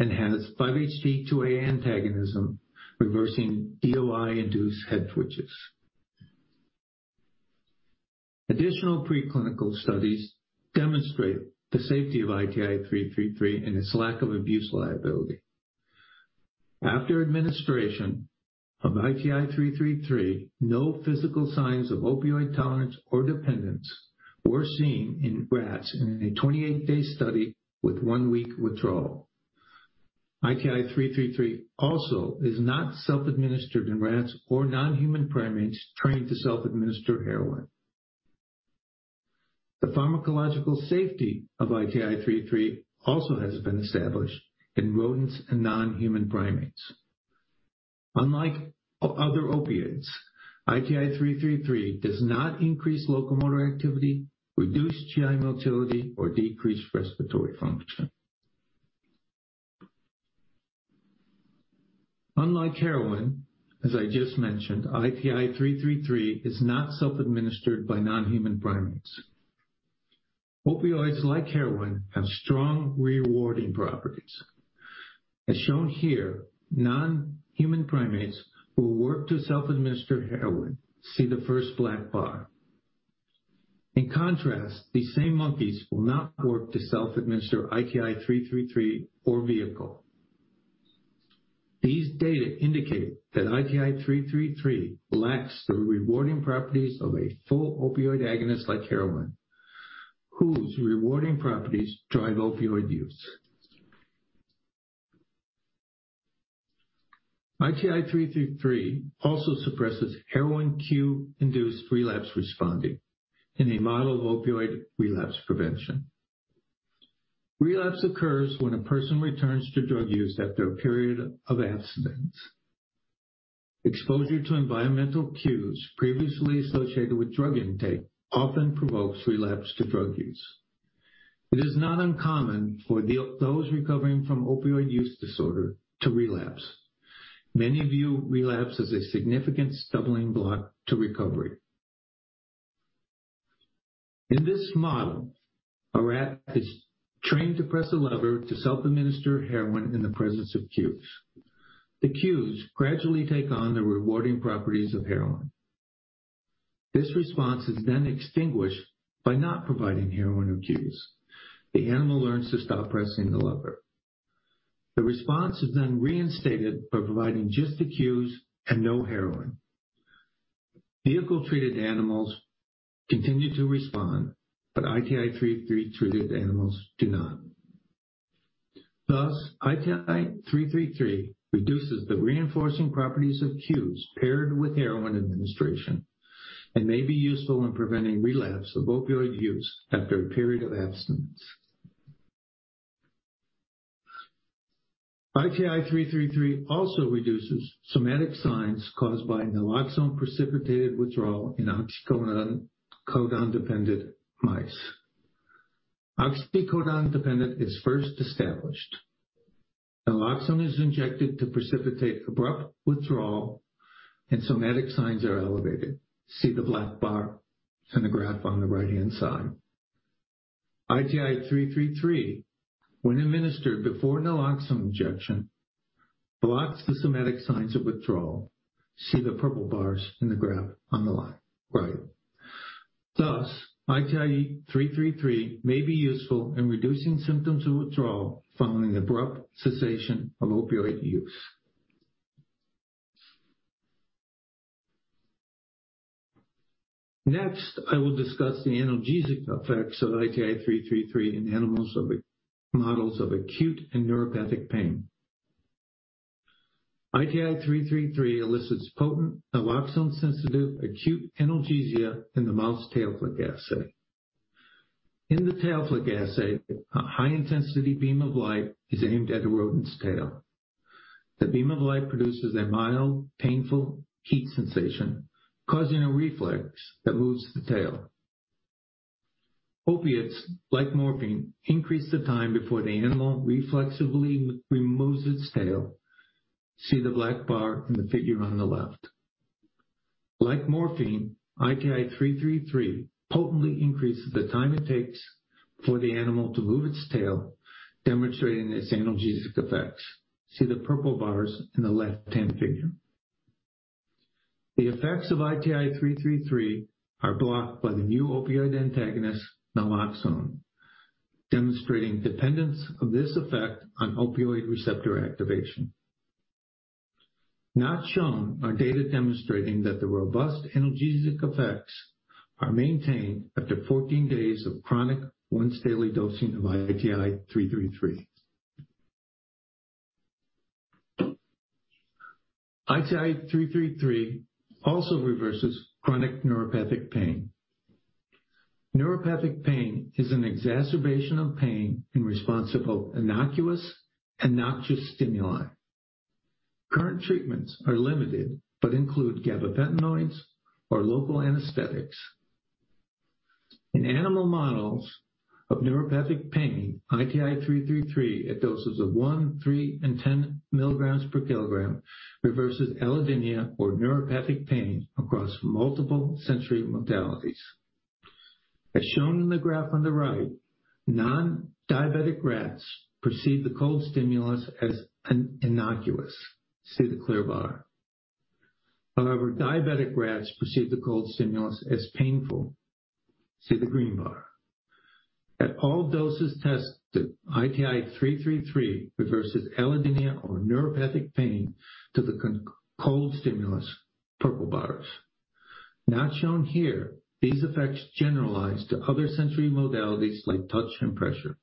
models, and has 5-HT2A antagonism, reversing DOI-induced head twitches. Additional preclinical studies demonstrate the safety of ITI-333 and its lack of abuse liability. After administration of ITI-333, no physical signs of opioid tolerance or dependence were seen in rats in a 28-day study with one-week withdrawal. ITI-333 also is not self-administered in rats or non-human primates trained to self-administer heroin. The pharmacological safety of ITI-333 also has been established in rodents and non-human primates. Unlike other opiates, ITI-333 does not increase locomotor activity, reduce GI motility, or decrease respiratory function. Unlike heroin, as I just mentioned, ITI-333 is not self-administered by non-human primates. Opioids like heroin have strong rewarding properties. As shown here, non-human primates will work to self-administer heroin. See the first black bar. In contrast, these same monkeys will not work to self-administer ITI-333 or vehicle. These data indicate that ITI-333 lacks the rewarding properties of a full opioid agonist like heroin, whose rewarding properties drive opioid use. ITI-333 also suppresses heroin cue-induced relapse responding in a model of opioid relapse prevention. Relapse occurs when a person returns to drug use after a period of abstinence. Exposure to environmental cues previously associated with drug intake often provokes relapse to drug use. It is not uncommon for those recovering from opioid use disorder to relapse. Many view relapse as a significant stumbling block to recovery. In this model, a rat is trained to press a lever to self-administer heroin in the presence of cues. The cues gradually take on the rewarding properties of heroin. This response is extinguished by not providing heroin or cues. The animal learns to stop pressing the lever. The response is reinstated by providing just the cues and no heroin. Vehicle-treated animals continue to respond, but ITI-333 treated animals do not. ITI-333 reduces the reinforcing properties of cues paired with heroin administration and may be useful in preventing relapse of opioid use after a period of abstinence. ITI-333 also reduces somatic signs caused by naloxone-precipitated withdrawal in oxycodone-dependent mice. Oxycodone-dependent is first established. Naloxone is injected to precipitate abrupt withdrawal, and somatic signs are elevated. See the black bar in the graph on the right-hand side. ITI-333, when administered before naloxone injection, blocks the somatic signs of withdrawal. See the purple bars in the graph on the right. ITI-333 may be useful in reducing symptoms of withdrawal following abrupt cessation of opioid use. I will discuss the analgesic effects of ITI-333 in animal models of acute and neuropathic pain. ITI-333 elicits potent naloxone-sensitive acute analgesia in the mouse tail flick assay. In the tail flick assay, a high-intensity beam of light is aimed at a rodent's tail. The beam of light produces a mild, painful heat sensation, causing a reflex that moves the tail. Opiates like morphine increase the time before the animal reflexively removes its tail. See the black bar in the figure on the left. Like morphine, ITI-333 potently increases the time it takes for the animal to move its tail, demonstrating its analgesic effects. See the purple bars in the left-hand figure. The effects of ITI-333 are blocked by the new opioid antagonist naloxone, demonstrating dependence of this effect on opioid receptor activation. Not shown are data demonstrating that the robust analgesic effects are maintained after 14 days of chronic once-daily dosing of ITI-333. ITI-333 also reverses chronic neuropathic pain. Neuropathic pain is an exacerbation of pain in response to both innocuous and noxious stimuli. Current treatments are limited but include gabapentinoids or local anesthetics. In animal models of neuropathic pain, ITI-333 at doses of 1, 3, and 10 mg/kg reverses allodynia or neuropathic pain across multiple sensory modalities. As shown in the graph on the right, non-diabetic rats perceive the cold stimulus as innocuous. See the clear bar. Diabetic rats perceive the cold stimulus as painful. See the green bar. At all doses tested, ITI-333 reverses allodynia or neuropathic pain to the cold stimulus, purple bars. Not shown here, these effects generalize to other sensory modalities like touch and pressure.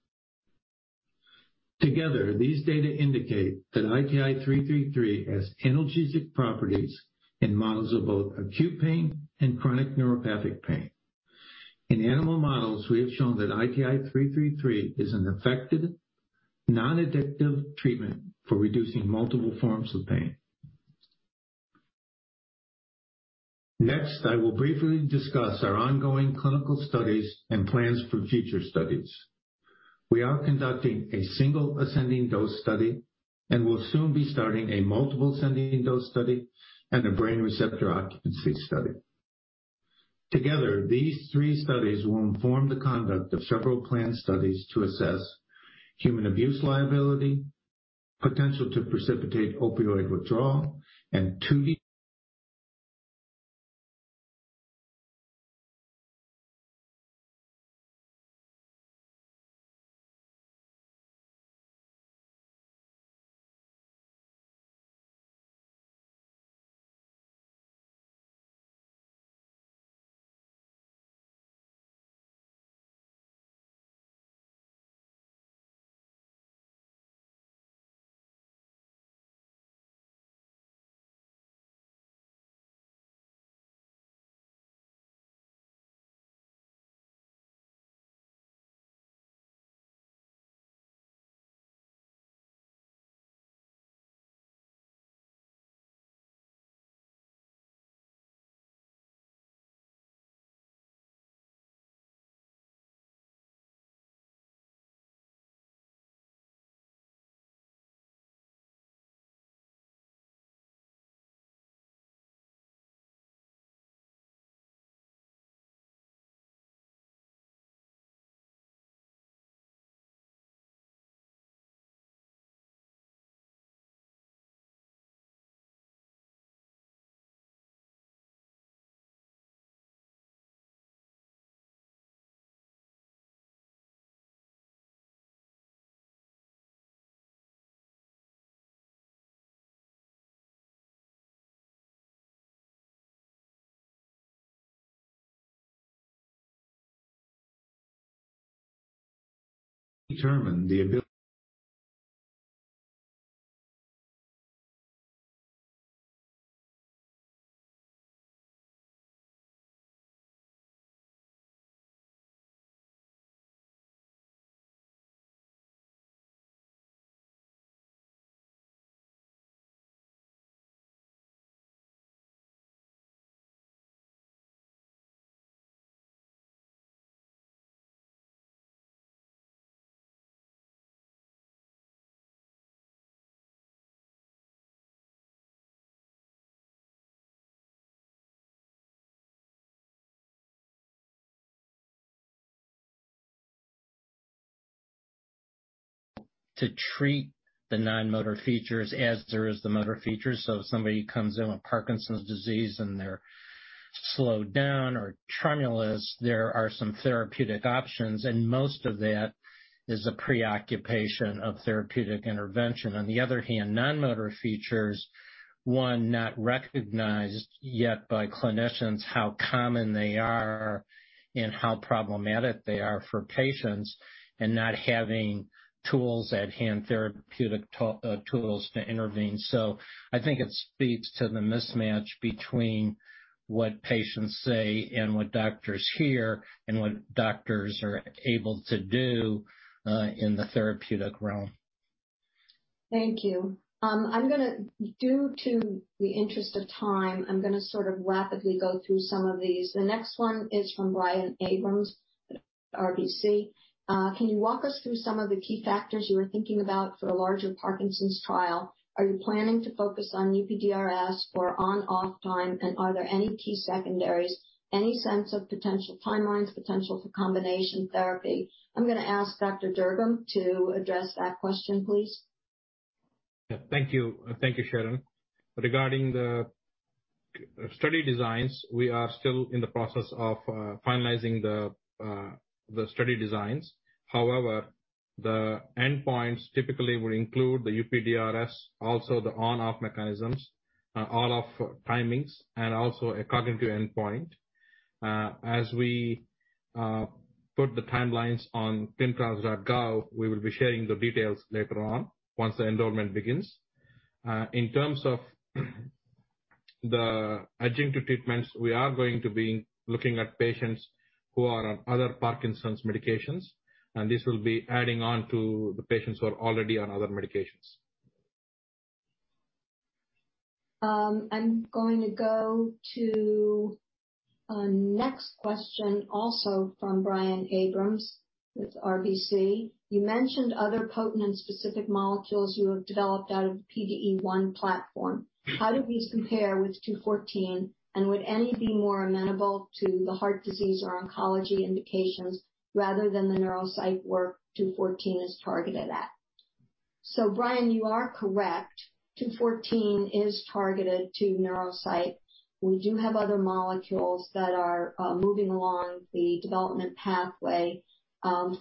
Together, these data indicate that ITI-333 has analgesic properties in models of both acute pain and chronic neuropathic pain. In animal models, we have shown that ITI-333 is an effective, non-addictive treatment for reducing multiple forms of pain. I will briefly discuss our ongoing clinical studies and plans for future studies. We are conducting a single ascending dose study and will soon be starting a multiple ascending dose study and a brain receptor occupancy study. These three studies will inform the conduct of several planned studies to assess human abuse liability, potential to precipitate opioid withdrawal, and 2D- Determine the ability to treat the non-motor features as there is the motor features. If somebody comes in with Parkinson's disease and they're slowed down or tremulous, there are some therapeutic options, and most of that is a preoccupation of therapeutic intervention. On the other hand, non-motor features, one, not recognized yet by clinicians how common they are and how problematic they are for patients, and not having tools at hand, therapeutic tools to intervene. I think it speaks to the mismatch between what patients say and what doctors hear, and what doctors are able to do in the therapeutic realm. Thank you. Due to the interest of time, I'm going to rapidly go through some of these. The next one is from Brian Abrahams, RBC. Can you walk us through some of the key factors you were thinking about for the larger Parkinson's trial? Are you planning to focus on UPDRS or on-off time, and are there any key secondaries, any sense of potential timelines, potential for combination therapy? I'm going to ask Dr. Durgam to address that question, please. Thank you, Sharon. Regarding the study designs, we are still in the process of finalizing the study designs. The endpoints typically will include the UPDRS, also the on-off mechanisms, on-off timings, and also a cognitive endpoint. As we put the timelines on ClinicalTrials.gov, we will be sharing the details later on, once the enrollment begins. In terms of the adjunctive treatments, we are going to be looking at patients who are on other Parkinson's medications. This will be adding on to the patients who are already on other medications. I'm going to go to our next question, also from Brian Abrahams with RBC. You mentioned other potent and specific molecules you have developed out of PDE1 platform. How do these compare with 214, and would any be more amenable to the heart disease or oncology indications rather than the neural site where 214 is targeted at? Brian, you are correct. 214 is targeted to neural site. We do have other molecules that are moving along the development pathway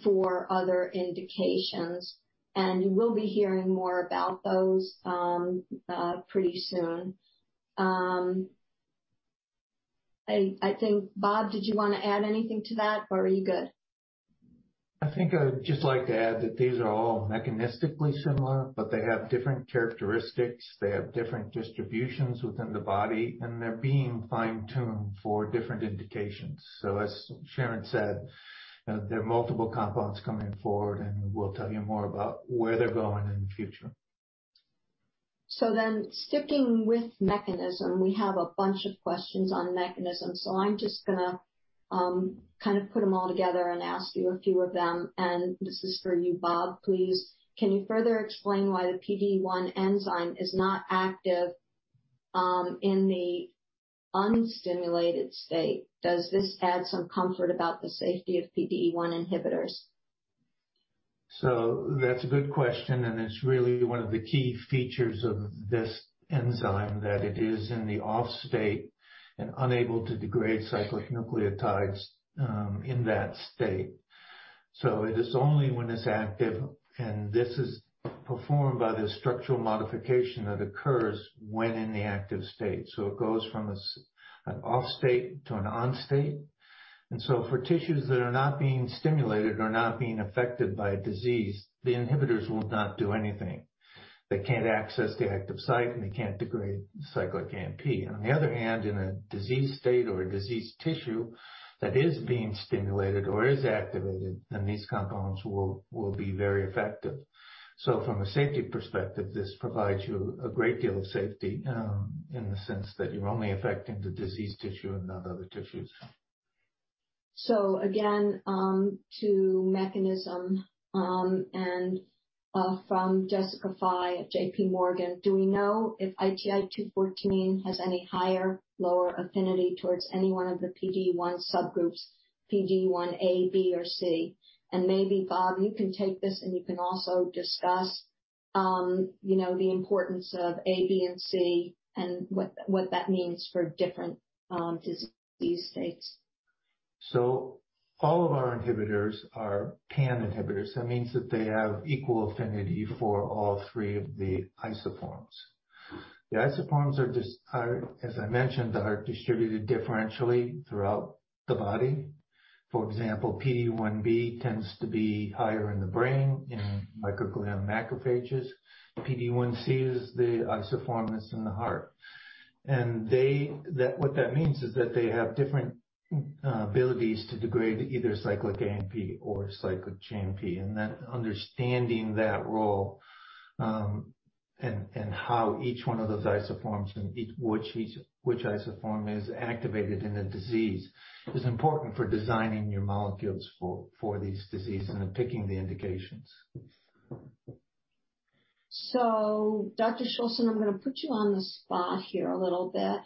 for other indications, and you will be hearing more about those pretty soon. I think, Bob, did you want to add anything to that or are you good? I think I would just like to add that these are all mechanistically similar, but they have different characteristics. They have different distributions within the body, and they're being fine-tuned for different indications. As Sharon said, there are multiple compounds coming forward, and we'll tell you more about where they're going in the future. Sticking with mechanism, we have a bunch of questions on mechanism. I'm just going to put them all together and ask you a few of them, and this is for you, Bob, please. Can you further explain why the PDE1 enzyme is not active in the unstimulated state? Does this add some comfort about the safety of PDE1 inhibitors? That's a good question, and it's really one of the key features of this enzyme, that it is in the off state and unable to degrade cyclic nucleotides in that state. It is only when it's active, and this is performed by the structural modification that occurs when in the active state. It goes from an off state to an on state. For tissues that are not being stimulated or not being affected by disease, the inhibitors will not do anything. They can't access the active site, and they can't degrade cyclic AMP. On the other hand, in a disease state or a diseased tissue that is being stimulated or is activated, these compounds will be very effective. From a safety perspective, this provides you a great deal of safety in the sense that you're only affecting the diseased tissue and not other tissues. Again, to mechanism, from Jessica Fye at J.P. Morgan, do we know if ITI-214 has any higher, lower affinity towards any one of the PDE1 subgroups, PDE1A, PDE1B, or PDE1C? Maybe, Bob, you can take this, and you can also discuss the importance of A, B, and C and what that means for different disease states. All of our inhibitors are pan inhibitors. That means that they have equal affinity for all 3 of the isoforms. The isoforms, as I mentioned, are distributed differentially throughout the body. For example, PDE1B tends to be higher in the brain, in microglial macrophages. PDE1C is the isoform that's in the heart. What that means is that they have different abilities to degrade either cyclic AMP or cyclic GMP. That understanding that role, and how each one of those isoforms and which isoform is activated in a disease, is important for designing your molecules for these diseases and then picking the indications. Dr. Shoulson, I'm going to put you on the spot here a little bit.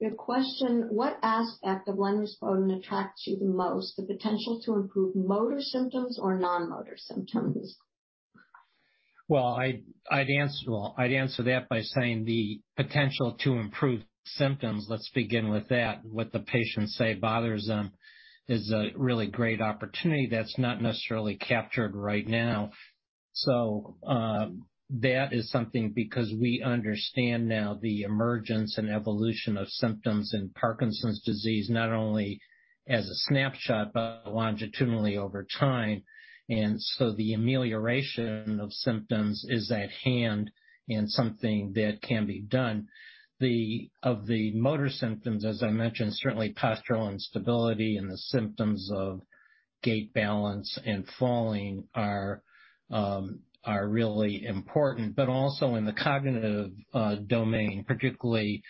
We have a question. What aspect of lenrispodun attracts you the most, the potential to improve motor symptoms or non-motor symptoms? Well, I'd answer that by saying the potential to improve symptoms. Let's begin with that, what the patients say bothers them is a really great opportunity that's not necessarily captured right now. That is something because we understand now the emergence and evolution of symptoms in Parkinson's disease, not only as a snapshot, but longitudinally over time. The amelioration of symptoms is at hand and something that can be done. Of the motor symptoms, as I mentioned, certainly postural instability and the symptoms of gait, balance, and falling are really important. Also in the cognitive domain, particularly,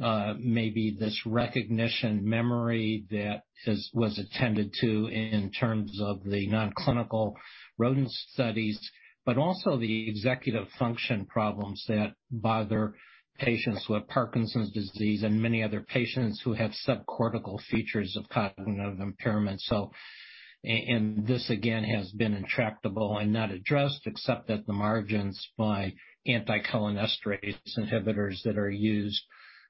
maybe this recognition memory that was attended to in terms of the non-clinical rodent studies, but also the executive function problems that bother patients with Parkinson's disease and many other patients who have subcortical features of cognitive impairment. And this again has been intractable and not addressed, except at the margins by acetylcholinesterase inhibitors that are used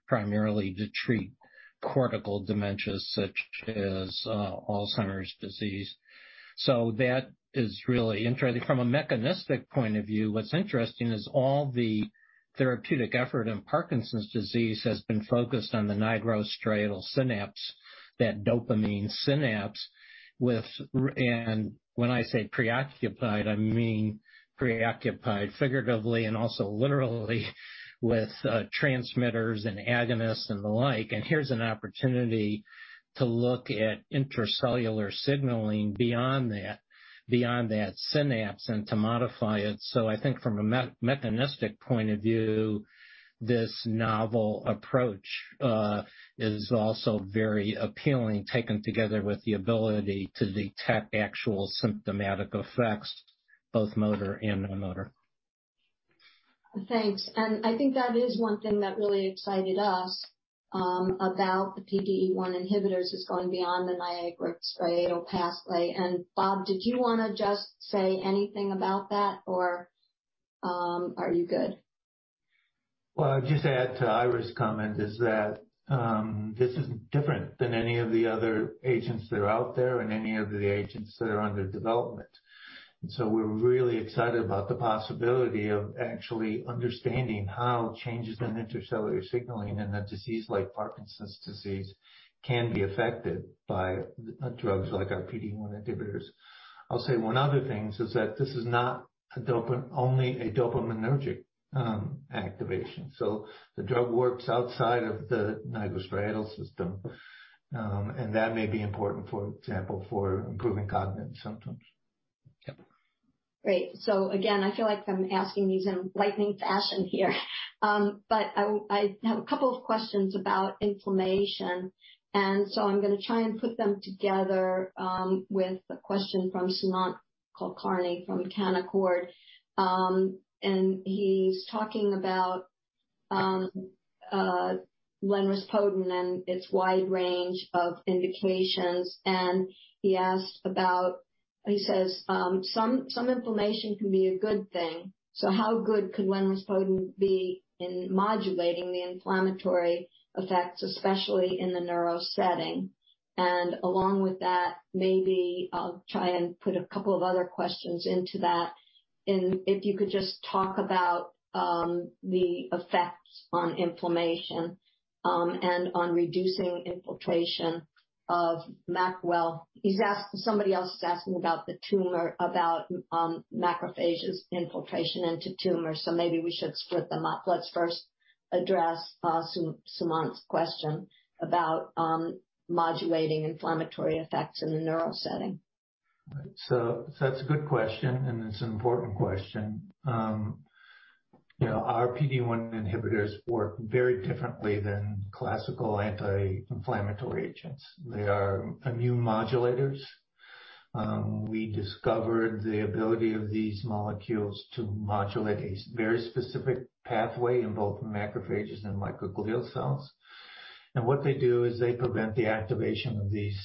primarily to treat cortical dementias such as Alzheimer's disease. That is really interesting. From a mechanistic point of view, what's interesting is all the therapeutic effort in Parkinson's disease has been focused on the nigrostriatal synapse, that dopamine synapse with, and when I say preoccupied, I mean preoccupied figuratively and also literally with transmitters and agonists and the like. Here's an opportunity to look at intracellular signaling beyond that synapse and to modify it. I think from a mechanistic point of view, this novel approach is also very appealing, taken together with the ability to detect actual symptomatic effects, both motor and non-motor. Thanks. I think that is one thing that really excited us about the PDE1 inhibitors is going beyond the nigrostriatal pathway. Bob, did you want to just say anything about that or are you good? Well, I'll just add to Ira's comment is that this is different than any of the other agents that are out there and any of the agents that are under development. So we're really excited about the possibility of actually understanding how changes in intercellular signaling in a disease like Parkinson's disease can be affected by drugs like our PDE1 inhibitors. I'll say one other thing is that this is not only a dopaminergic activation, so the drug works outside of the nigrostriatal system. That may be important, for example, for improving cognitive symptoms. Yep. Great. Again, I feel like I'm asking these in lightning fashion here. I have a couple of questions about inflammation, and so I'm going to try and put them together with a question from Sumant Kulkarni from Canaccord. He's talking about lenrispodun and its wide range of indications. He asks about, he says, some inflammation can be a good thing. How good could lenrispodun be in modulating the inflammatory effects, especially in the neuro setting? Along with that, maybe I'll try and put a couple of other questions into that. If you could just talk about the effects on inflammation, and on reducing infiltration of macrophages infiltration into tumors, so maybe we should split them up. Let's first address Sumant's question about modulating inflammatory effects in the neural setting. That's a good question, and it's an important question. Our PDE1 inhibitors work very differently than classical anti-inflammatory agents. They are immune modulators. We discovered the ability of these molecules to modulate a very specific pathway in both macrophages and microglial cells. What they do is they prevent the activation of these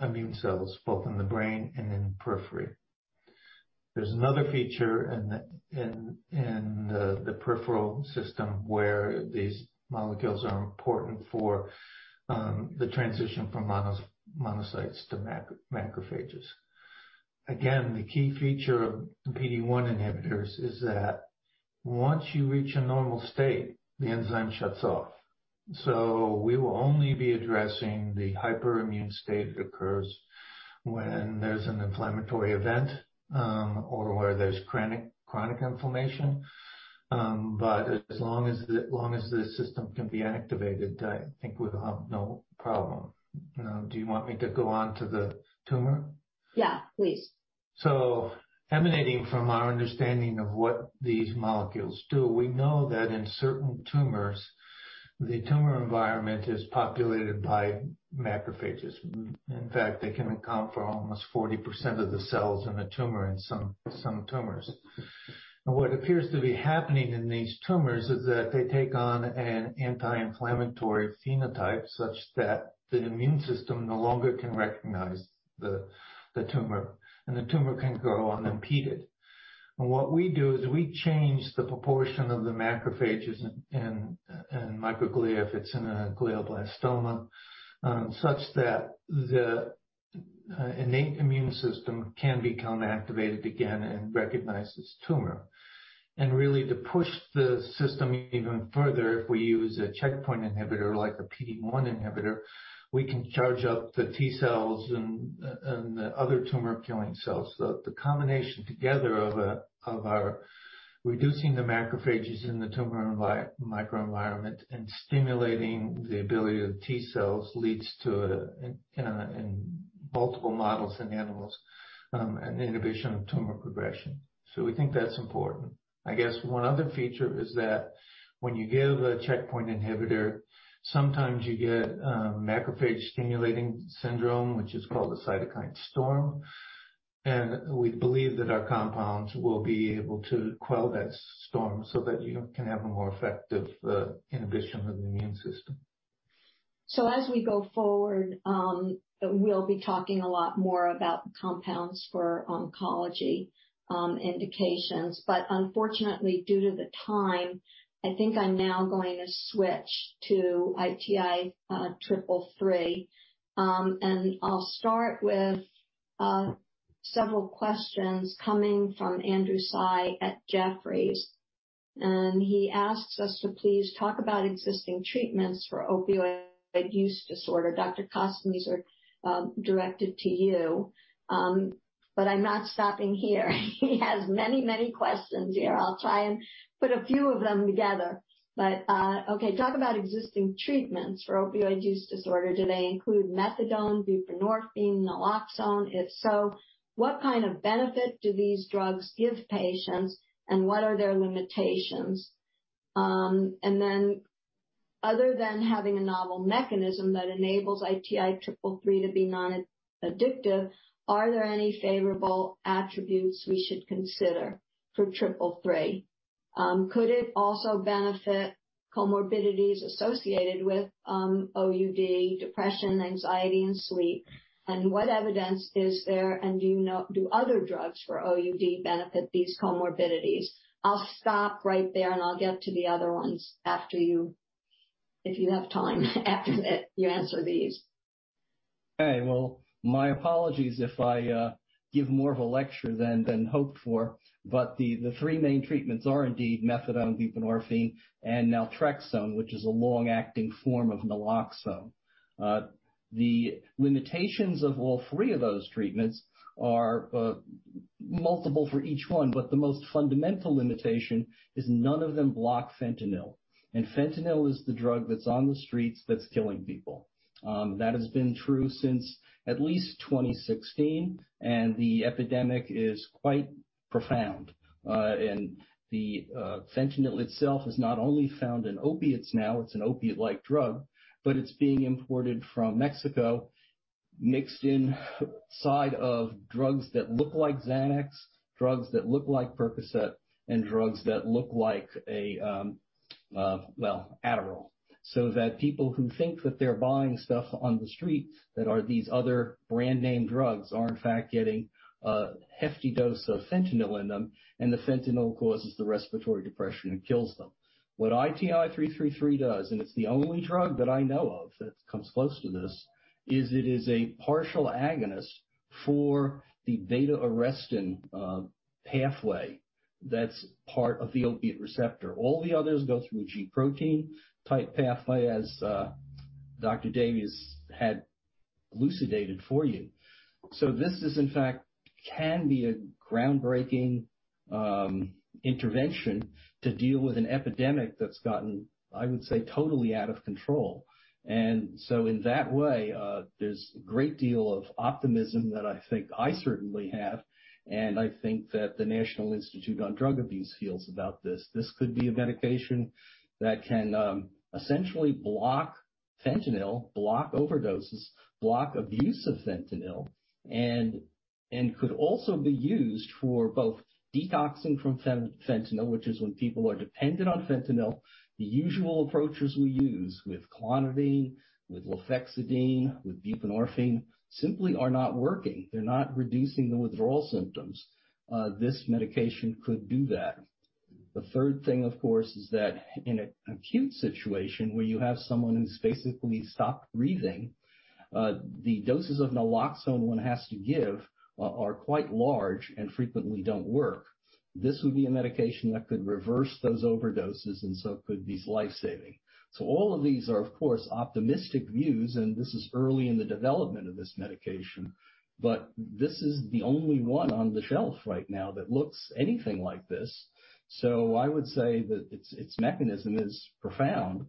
immune cells, both in the brain and in periphery. There's another feature in the peripheral system where these molecules are important for the transition from monocytes to macrophages. Again, the key feature of PDE1 inhibitors is that once you reach a normal state, the enzyme shuts off. We will only be addressing the hyperimmune state that occurs when there's an inflammatory event or where there's chronic inflammation. As long as this system can be activated, I think we'll have no problem. Do you want me to go on to the tumor? Yeah, please. Emanating from our understanding of what these molecules do, we know that in certain tumors, the tumor environment is populated by macrophages. In fact, they can account for almost 40% of the cells in the tumor in some tumors. What appears to be happening in these tumors is that they take on an anti-inflammatory phenotype such that the immune system no longer can recognize the tumor, and the tumor can grow unimpeded. What we do is we change the proportion of the macrophages and microglia, if it's in a glioblastoma, such that the innate immune system can become activated again and recognize this tumor. Really to push the system even further, if we use a checkpoint inhibitor like a PD-1 inhibitor, we can charge up the T cells and the other tumor-killing cells. The combination together of our reducing the macrophages in the tumor microenvironment and stimulating the ability of the T cells leads to, in multiple models in animals, an inhibition of tumor progression. We think that's important. I guess one other feature is that when you give a checkpoint inhibitor, sometimes you get macrophage stimulating syndrome, which is called a cytokine storm, and we believe that our compounds will be able to quell that storm so that you can have a more effective inhibition of the immune system. As we go forward, we'll be talking a lot more about compounds for oncology indications. Unfortunately, due to the time, I think I'm now going to switch to ITI-333. I'll start with several questions coming from Andrew Tsai at Jefferies, and he asks us to please talk about existing treatments for opioid use disorder. Dr. Kosten, these are directed to you. I'm not stopping here. He has many questions here. I'll try and put a few of them together. Okay, talk about existing treatments for opioid use disorder. Do they include methadone, buprenorphine, naloxone? If so, what kind of benefit do these drugs give patients, and what are their limitations? Other than having a novel mechanism that enables ITI-333 to be non-addictive, are there any favorable attributes we should consider for ITI-333? Could it also benefit comorbidities associated with OUD, depression, anxiety, and sleep? What evidence is there, and do other drugs for OUD benefit these comorbidities? I'll stop right there, and I'll get to the other ones after you, if you have time, after you answer these. Okay. Well, my apologies if I give more of a lecture than hoped for, the 3 main treatments are indeed methadone, buprenorphine, and naltrexone, which is a long-acting form of naloxone. The limitations of all 3 of those treatments are multiple for each one, but the most fundamental limitation is none of them block fentanyl. Fentanyl is the drug that's on the streets that's killing people. That has been true since at least 2016, and the epidemic is quite profound. The fentanyl itself is not only found in opiates now, it's an opiate-like drug, but it's being imported from Mexico, mixed inside of drugs that look like Xanax, drugs that look like Percocet, and drugs that look like Adderall. That people who think that they're buying stuff on the street that are these other brand name drugs are, in fact, getting a hefty dose of fentanyl in them, and the fentanyl causes the respiratory depression and kills them. What ITI-333 does, and it's the only drug that I know of that comes close to this, is it is a partial agonist for the β-arrestin pathway that's part of the opiate receptor. All the others go through a G protein type pathway as Dr. Davis had elucidated for you. This, in fact, can be a groundbreaking intervention to deal with an epidemic that's gotten, I would say, totally out of control. In that way, there's a great deal of optimism that I think I certainly have, and I think that the National Institute on Drug Abuse feels about this. This could be a medication that can essentially block fentanyl, block overdoses, block abuse of fentanyl, and could also be used for both detoxing from fentanyl, which is when people are dependent on fentanyl, the usual approaches we use with clonidine, with lofexidine, with buprenorphine, simply are not working. They're not reducing the withdrawal symptoms. This medication could do that. The third thing, of course, is that in an acute situation where you have someone who's basically stopped breathing, the doses of naloxone one has to give are quite large and frequently don't work. This would be a medication that could reverse those overdoses, could be life-saving. All of these are, of course, optimistic views, and this is early in the development of this medication. This is the only one on the shelf right now that looks anything like this. I would say that its mechanism is profound.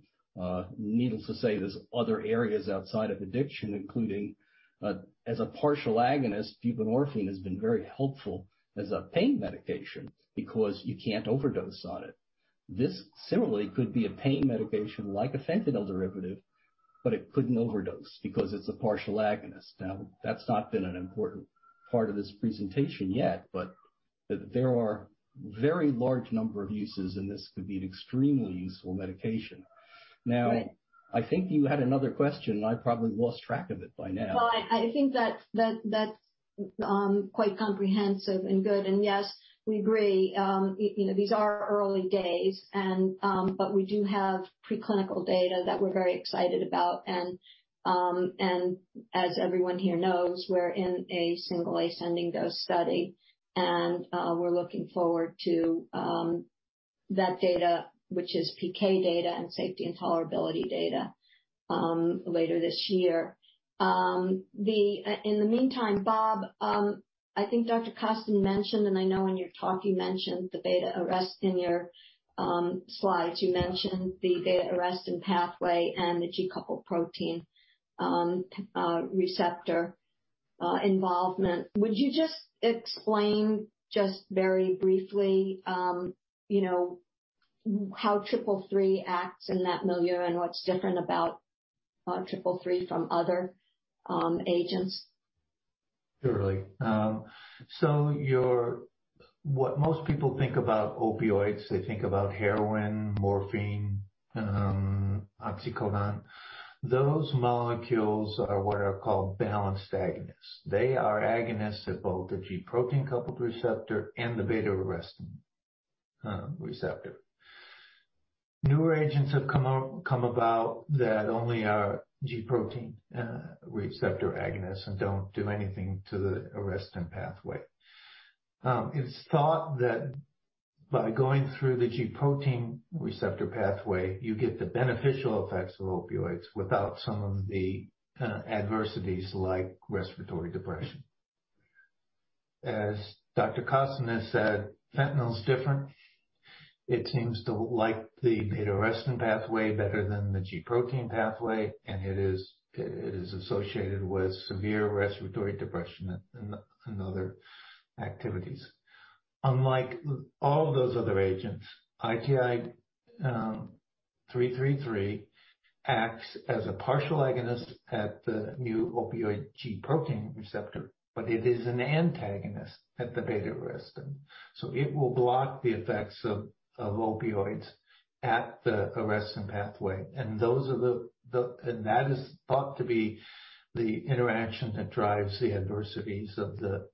Needless to say, there's other areas outside of addiction, including, as a partial agonist, buprenorphine has been very helpful as a pain medication because you can't overdose on it. This similarly could be a pain medication like a fentanyl derivative, but it couldn't overdose because it's a partial agonist. That's not been an important part of this presentation yet, but there are very large number of uses, and this could be an extremely useful medication. I think you had another question. I probably lost track of it by now. I think that's quite comprehensive and good. Yes, we agree. These are early days, but we do have preclinical data that we're very excited about. As everyone here knows, we're in a single ascending dose study, and we're looking forward to that data, which is PK data and safety and tolerability data, later this year. In the meantime, Bob, I think Dr. Kosten mentioned, and I know in your talk you mentioned the β-arrestin your slides. You mentioned the β-arrestin pathway and the G-coupled protein receptor involvement. Would you just explain just very briefly how ITI-333 acts in that milieu and what's different about ITI-333 from other agents? Surely. What most people think about opioids, they think about heroin, morphine, oxycodone. Those molecules are what are called balanced agonists. They are agonists at both the G protein-coupled receptor and the β-arrestin receptor. Newer agents have come about that only are G protein receptor agonists and don't do anything to the β-arrestin pathway. It's thought that by going through the G protein receptor pathway, you get the beneficial effects of opioids without some of the adversities like respiratory depression. As Dr. Kosten has said, fentanyl is different. It seems to like the β-arrestin pathway better than the G protein pathway, and it is associated with severe respiratory depression and other activities. Unlike all of those other agents, ITI-333 acts as a partial agonist at the μ-opioid G protein receptor, but it is an antagonist at the β-arrestin. It will block the effects of opioids at the arrestin pathway. That is thought to be the interaction that drives the adversities of the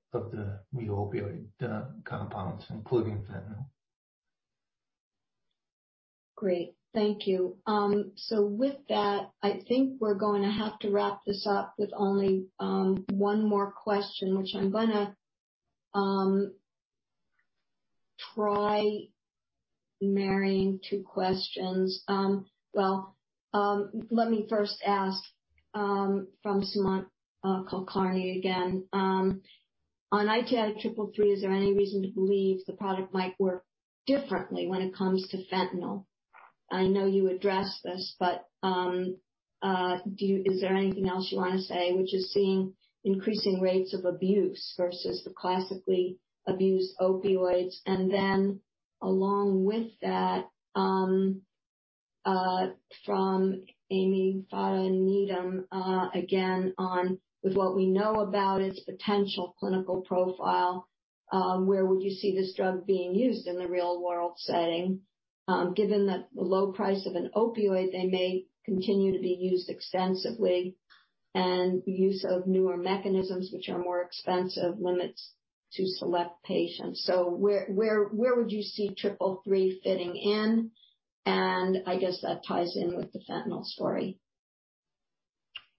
μ-opioid compounds, including fentanyl. Great. Thank you. With that, I think we're going to have to wrap this up with only one more question, which I'm going to try marrying two questions. Well, let me first ask from Sumant Kulkarni again. On ITI-333, is there any reason to believe the product might work differently when it comes to fentanyl? I know you addressed this, is there anything else you want to say, which is seeing increasing rates of abuse versus the classically abused opioids. Along with that, from Ami Fadia, again, on with what we know about its potential clinical profile, where would you see this drug being used in the real-world setting? Given the low price of an opioid, they may continue to be used extensively, and use of newer mechanisms, which are more expensive, limits to select patients. Where would you see ITI-333 fitting in? I guess that ties in with the fentanyl story.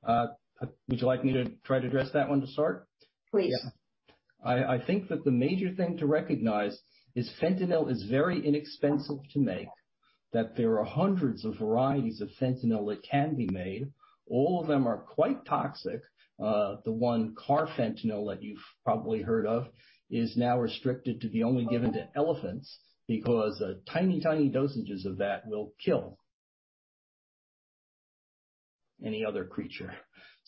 Would you like me to try to address that one to start? Please. Yeah. I think that the major thing to recognize is fentanyl is very inexpensive to make, that there are hundreds of varieties of fentanyl that can be made. All of them are quite toxic. The one carfentanil that you've probably heard of is now restricted to be only given to elephants because tiny dosages of that will kill any other creature.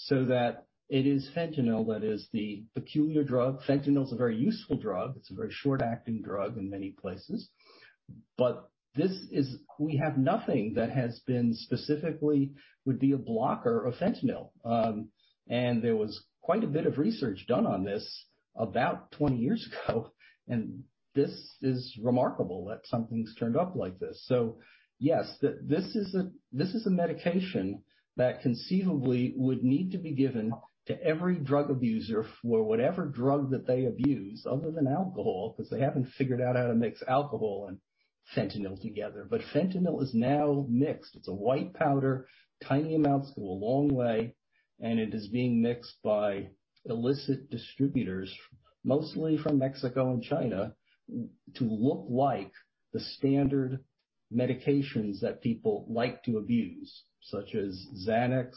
That it is fentanyl that is the peculiar drug. Fentanyl is a very useful drug. It's a very short-acting drug in many places. We have nothing that has been specifically would be a blocker of fentanyl. There was quite a bit of research done on this about 20 years ago, and this is remarkable that something's turned up like this. Yes, this is a medication that conceivably would need to be given to every drug abuser for whatever drug that they abuse, other than alcohol, because they haven't figured out how to mix alcohol and fentanyl together. fentanyl is now mixed. It's a white powder. Tiny amounts go a long way, and it is being mixed by illicit distributors, mostly from Mexico and China, to look like the standard medications that people like to abuse, such as Xanax,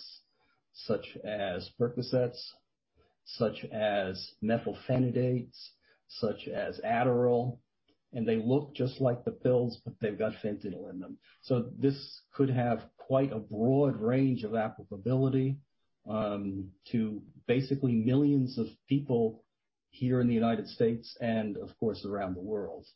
such as Percocet, such as methylphenidate, such as Adderall. They look just like the pills, but they've got fentanyl in them. This could have quite a broad range of applicability to basically millions of people here in the United States and, of course, around the world.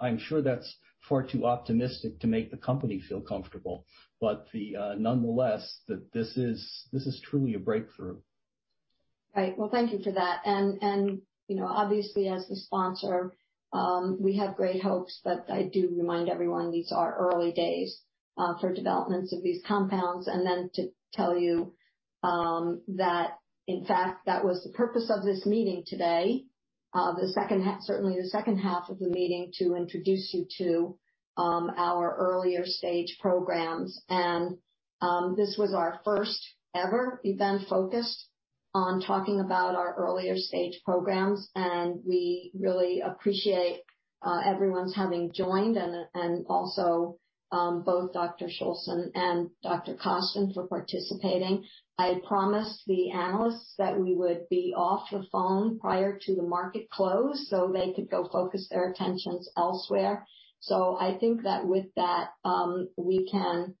I'm sure that's far too optimistic to make the company feel comfortable. Nonetheless, this is truly a breakthrough. Right. Well, thank you for that. Obviously as the sponsor, we have great hopes, but I do remind everyone these are early days for developments of these compounds. Then to tell you that in fact, that was the purpose of this meeting today, certainly the second half of the meeting, to introduce you to our earlier stage programs. This was our first ever event focused on talking about our earlier stage programs, and we really appreciate everyone's having joined and also both Dr. Mates and Dr. Kosten for participating. I promised the analysts that we would be off the phone prior to the market close so they could go focus their attentions elsewhere. I think that with that, we can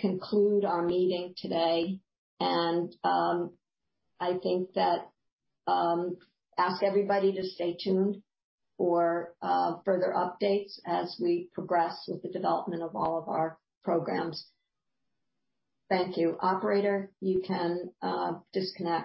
conclude our meeting today and I think that ask everybody to stay tuned for further updates as we progress with the development of all of our programs. Thank you. Operator, you can disconnect.